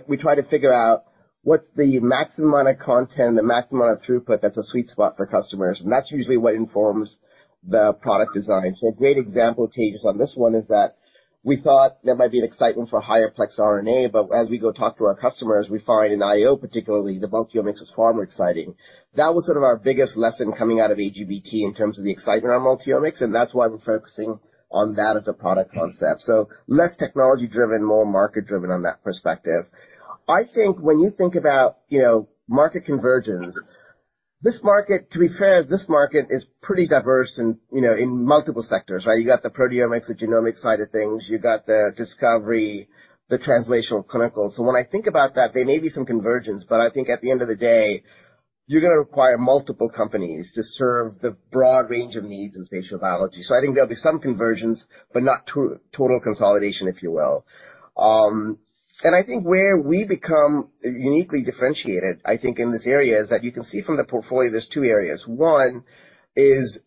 We try to figure out what's the maximum amount of content, the maximum amount of throughput that's a sweet spot for customers, and that's usually what informs the product design. A great example, Tejas, on this one is that we thought there might be an excitement for higher plex RNA, but as we go talk to our customers, we find in IO particularly, the multiomics was far more exciting. That was sort of our biggest lesson coming out of AGBT in terms of the excitement around multiomics, and that's why we're focusing on that as a product concept. Less technology-driven, more market-driven on that perspective. I think when you think about, you know, market convergence, this market, to be fair, this market is pretty diverse in, you know, in multiple sectors, right? You got the proteomics, the genomic side of things. You got the discovery, the translational clinical. When I think about that, there may be some convergence, but I think at the end of the day, you're gonna require multiple companies to serve the broad range of needs in spatial biology. I think there'll be some convergence, but not total consolidation, if you will. I think where we become uniquely differentiated, I think, in this area is that you can see from the portfolio there's two areas. One is,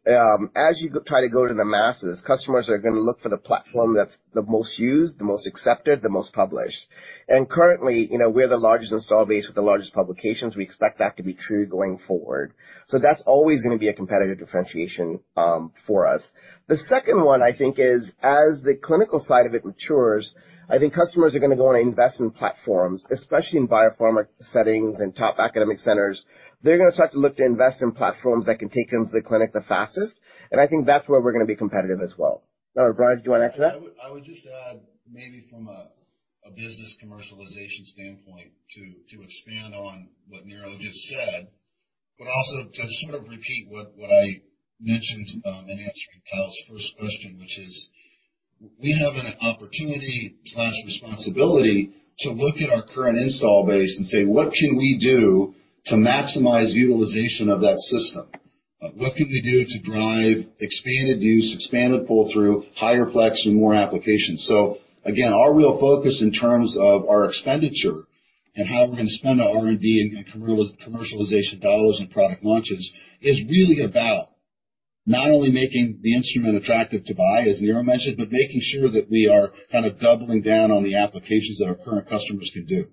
as you try to go to the masses, customers are gonna look for the platform that's the most used, the most accepted, the most published. Currently, you know, we're the largest install base with the largest publications. We expect that to be true going forward. That's always gonna be a competitive differentiation for us. The second one, I think, is as the clinical side of it matures, I think customers are gonna go on and invest in platforms, especially in biopharma settings and top academic centers. They're gonna start to look to invest in platforms that can take them to the clinic the fastest, and I think that's where we're gonna be competitive as well. Brad, do you want to add to that? I would just add maybe from a business commercialization standpoint to expand on what Niro just said, but also to sort of repeat what I mentioned in answering Kyle's first question which is, we have an opportunity/responsibility to look at our current install base and say, "What can we do to maximize utilization of that system? What can we do to drive expanded use, expanded pull-through, higher plex and more applications?" Again, our real focus in terms of our expenditure and how we're gonna spend our R&D and commercialization dollars and product launches is really about not only making the instrument attractive to buy, as Niro mentioned, but making sure that we are kind of doubling down on the applications that our current customers can do.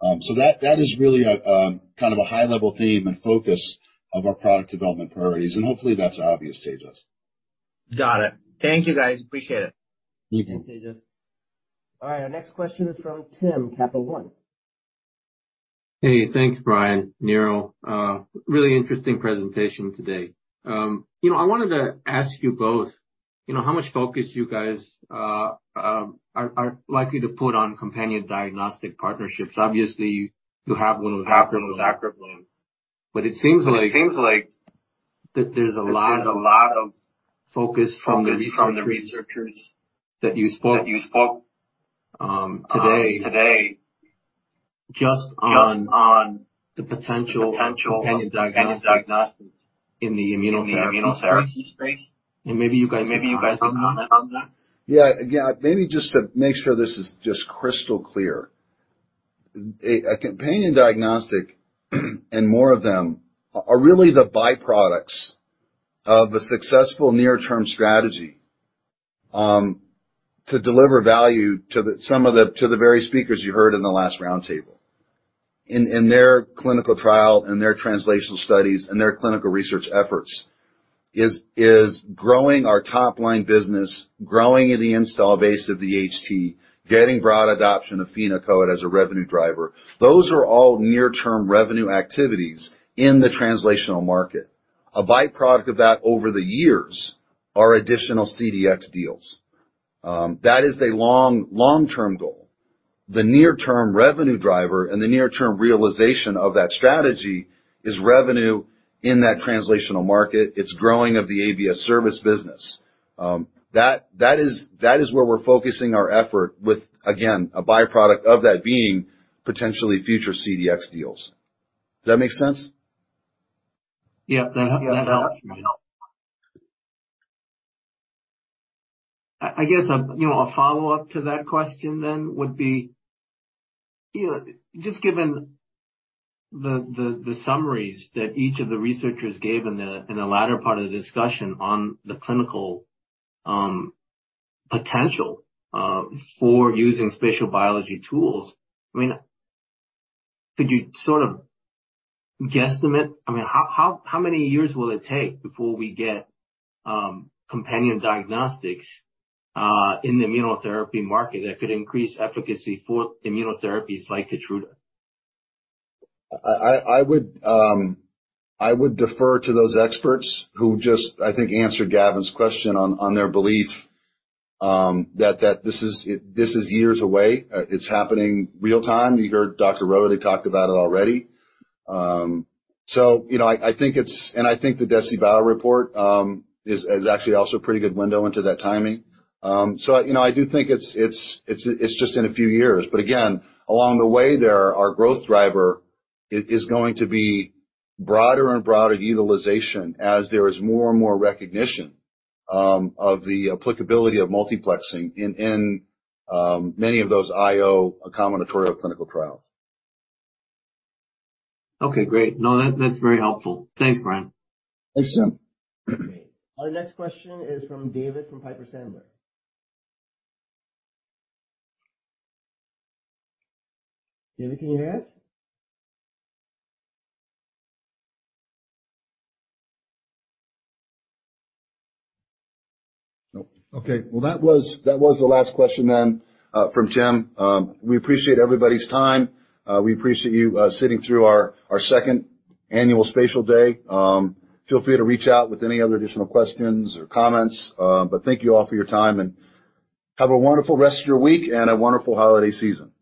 That is really a, kind of a high-level theme and focus of our product development priorities, and hopefully, that's obvious, Tejas. Got it. Thank you, guys. Appreciate it. Thank you. Thank you, Tejas. All right, our next question is from Tim, Capital One. Hey, thanks, Brian, Niro. Really interesting presentation today. You know, I wanted to ask you both, you know, how much focus you guys are likely to put on companion diagnostic partnerships. Obviously, you have one with AcuraBlade. It seems like that there's a lot of focus from the researchers that you spoke today just on the potential of companion diagnostics in the immunotherapy space? Maybe you guys can comment on that. Yeah. Yeah. Maybe just to make sure this is just crystal clear. A companion diagnostic and more of them are really the by-products of a successful near-term strategy, to deliver value to the very speakers you heard in the last roundtable. In their clinical trial and their translational studies and their clinical research efforts is growing our top-line business, growing the install base of the HT, getting broad adoption of PhenoCode as a revenue driver. Those are all near-term revenue activities in the translational market. A by-product of that over the years are additional CDx deals. That is a long-term goal. The near-term revenue driver and the near-term realization of that strategy is revenue in that translational market. It's growing of the ABS service business. That is where we're focusing our effort with, again, a by-product of that being potentially future CDx deals. Does that make sense? Yeah. That helps. I guess, you know, a follow-up to that question then would be, you know, just given the summaries that each of the researchers gave in the latter part of the discussion on the clinical potential for using spatial biology tools, I mean, could you sort of guesstimate, I mean, how many years will it take before we get companion diagnostics in the immunotherapy market that could increase efficacy for immunotherapies like KEYTRUDA? I would defer to those experts who just, I think, answered Gavin's question on their belief that this is years away. It's happening real-time. You heard Dr. Rowley talk about it already. You know, I think it's. I think the DeciBio report is actually also a pretty good window into that timing. You know, I do think it's just in a few years. Again, along the way there, our growth driver is going to be broader and broader utilization as there is more and more recognition of the applicability of multiplexing in many of those IO combinatorial clinical trials. Okay, great. No, that's very helpful. Thanks, Brian. Thanks, Jim. Our next question is from David from Piper Sandler. David, can you hear us? Nope. Okay. Well, that was the last question then, from Jim. We appreciate everybody's time. We appreciate you sitting through our second annual Spatial Day. Feel free to reach out with any other additional questions or comments. Thank you all for your time, and have a wonderful rest of your week and a wonderful holiday season.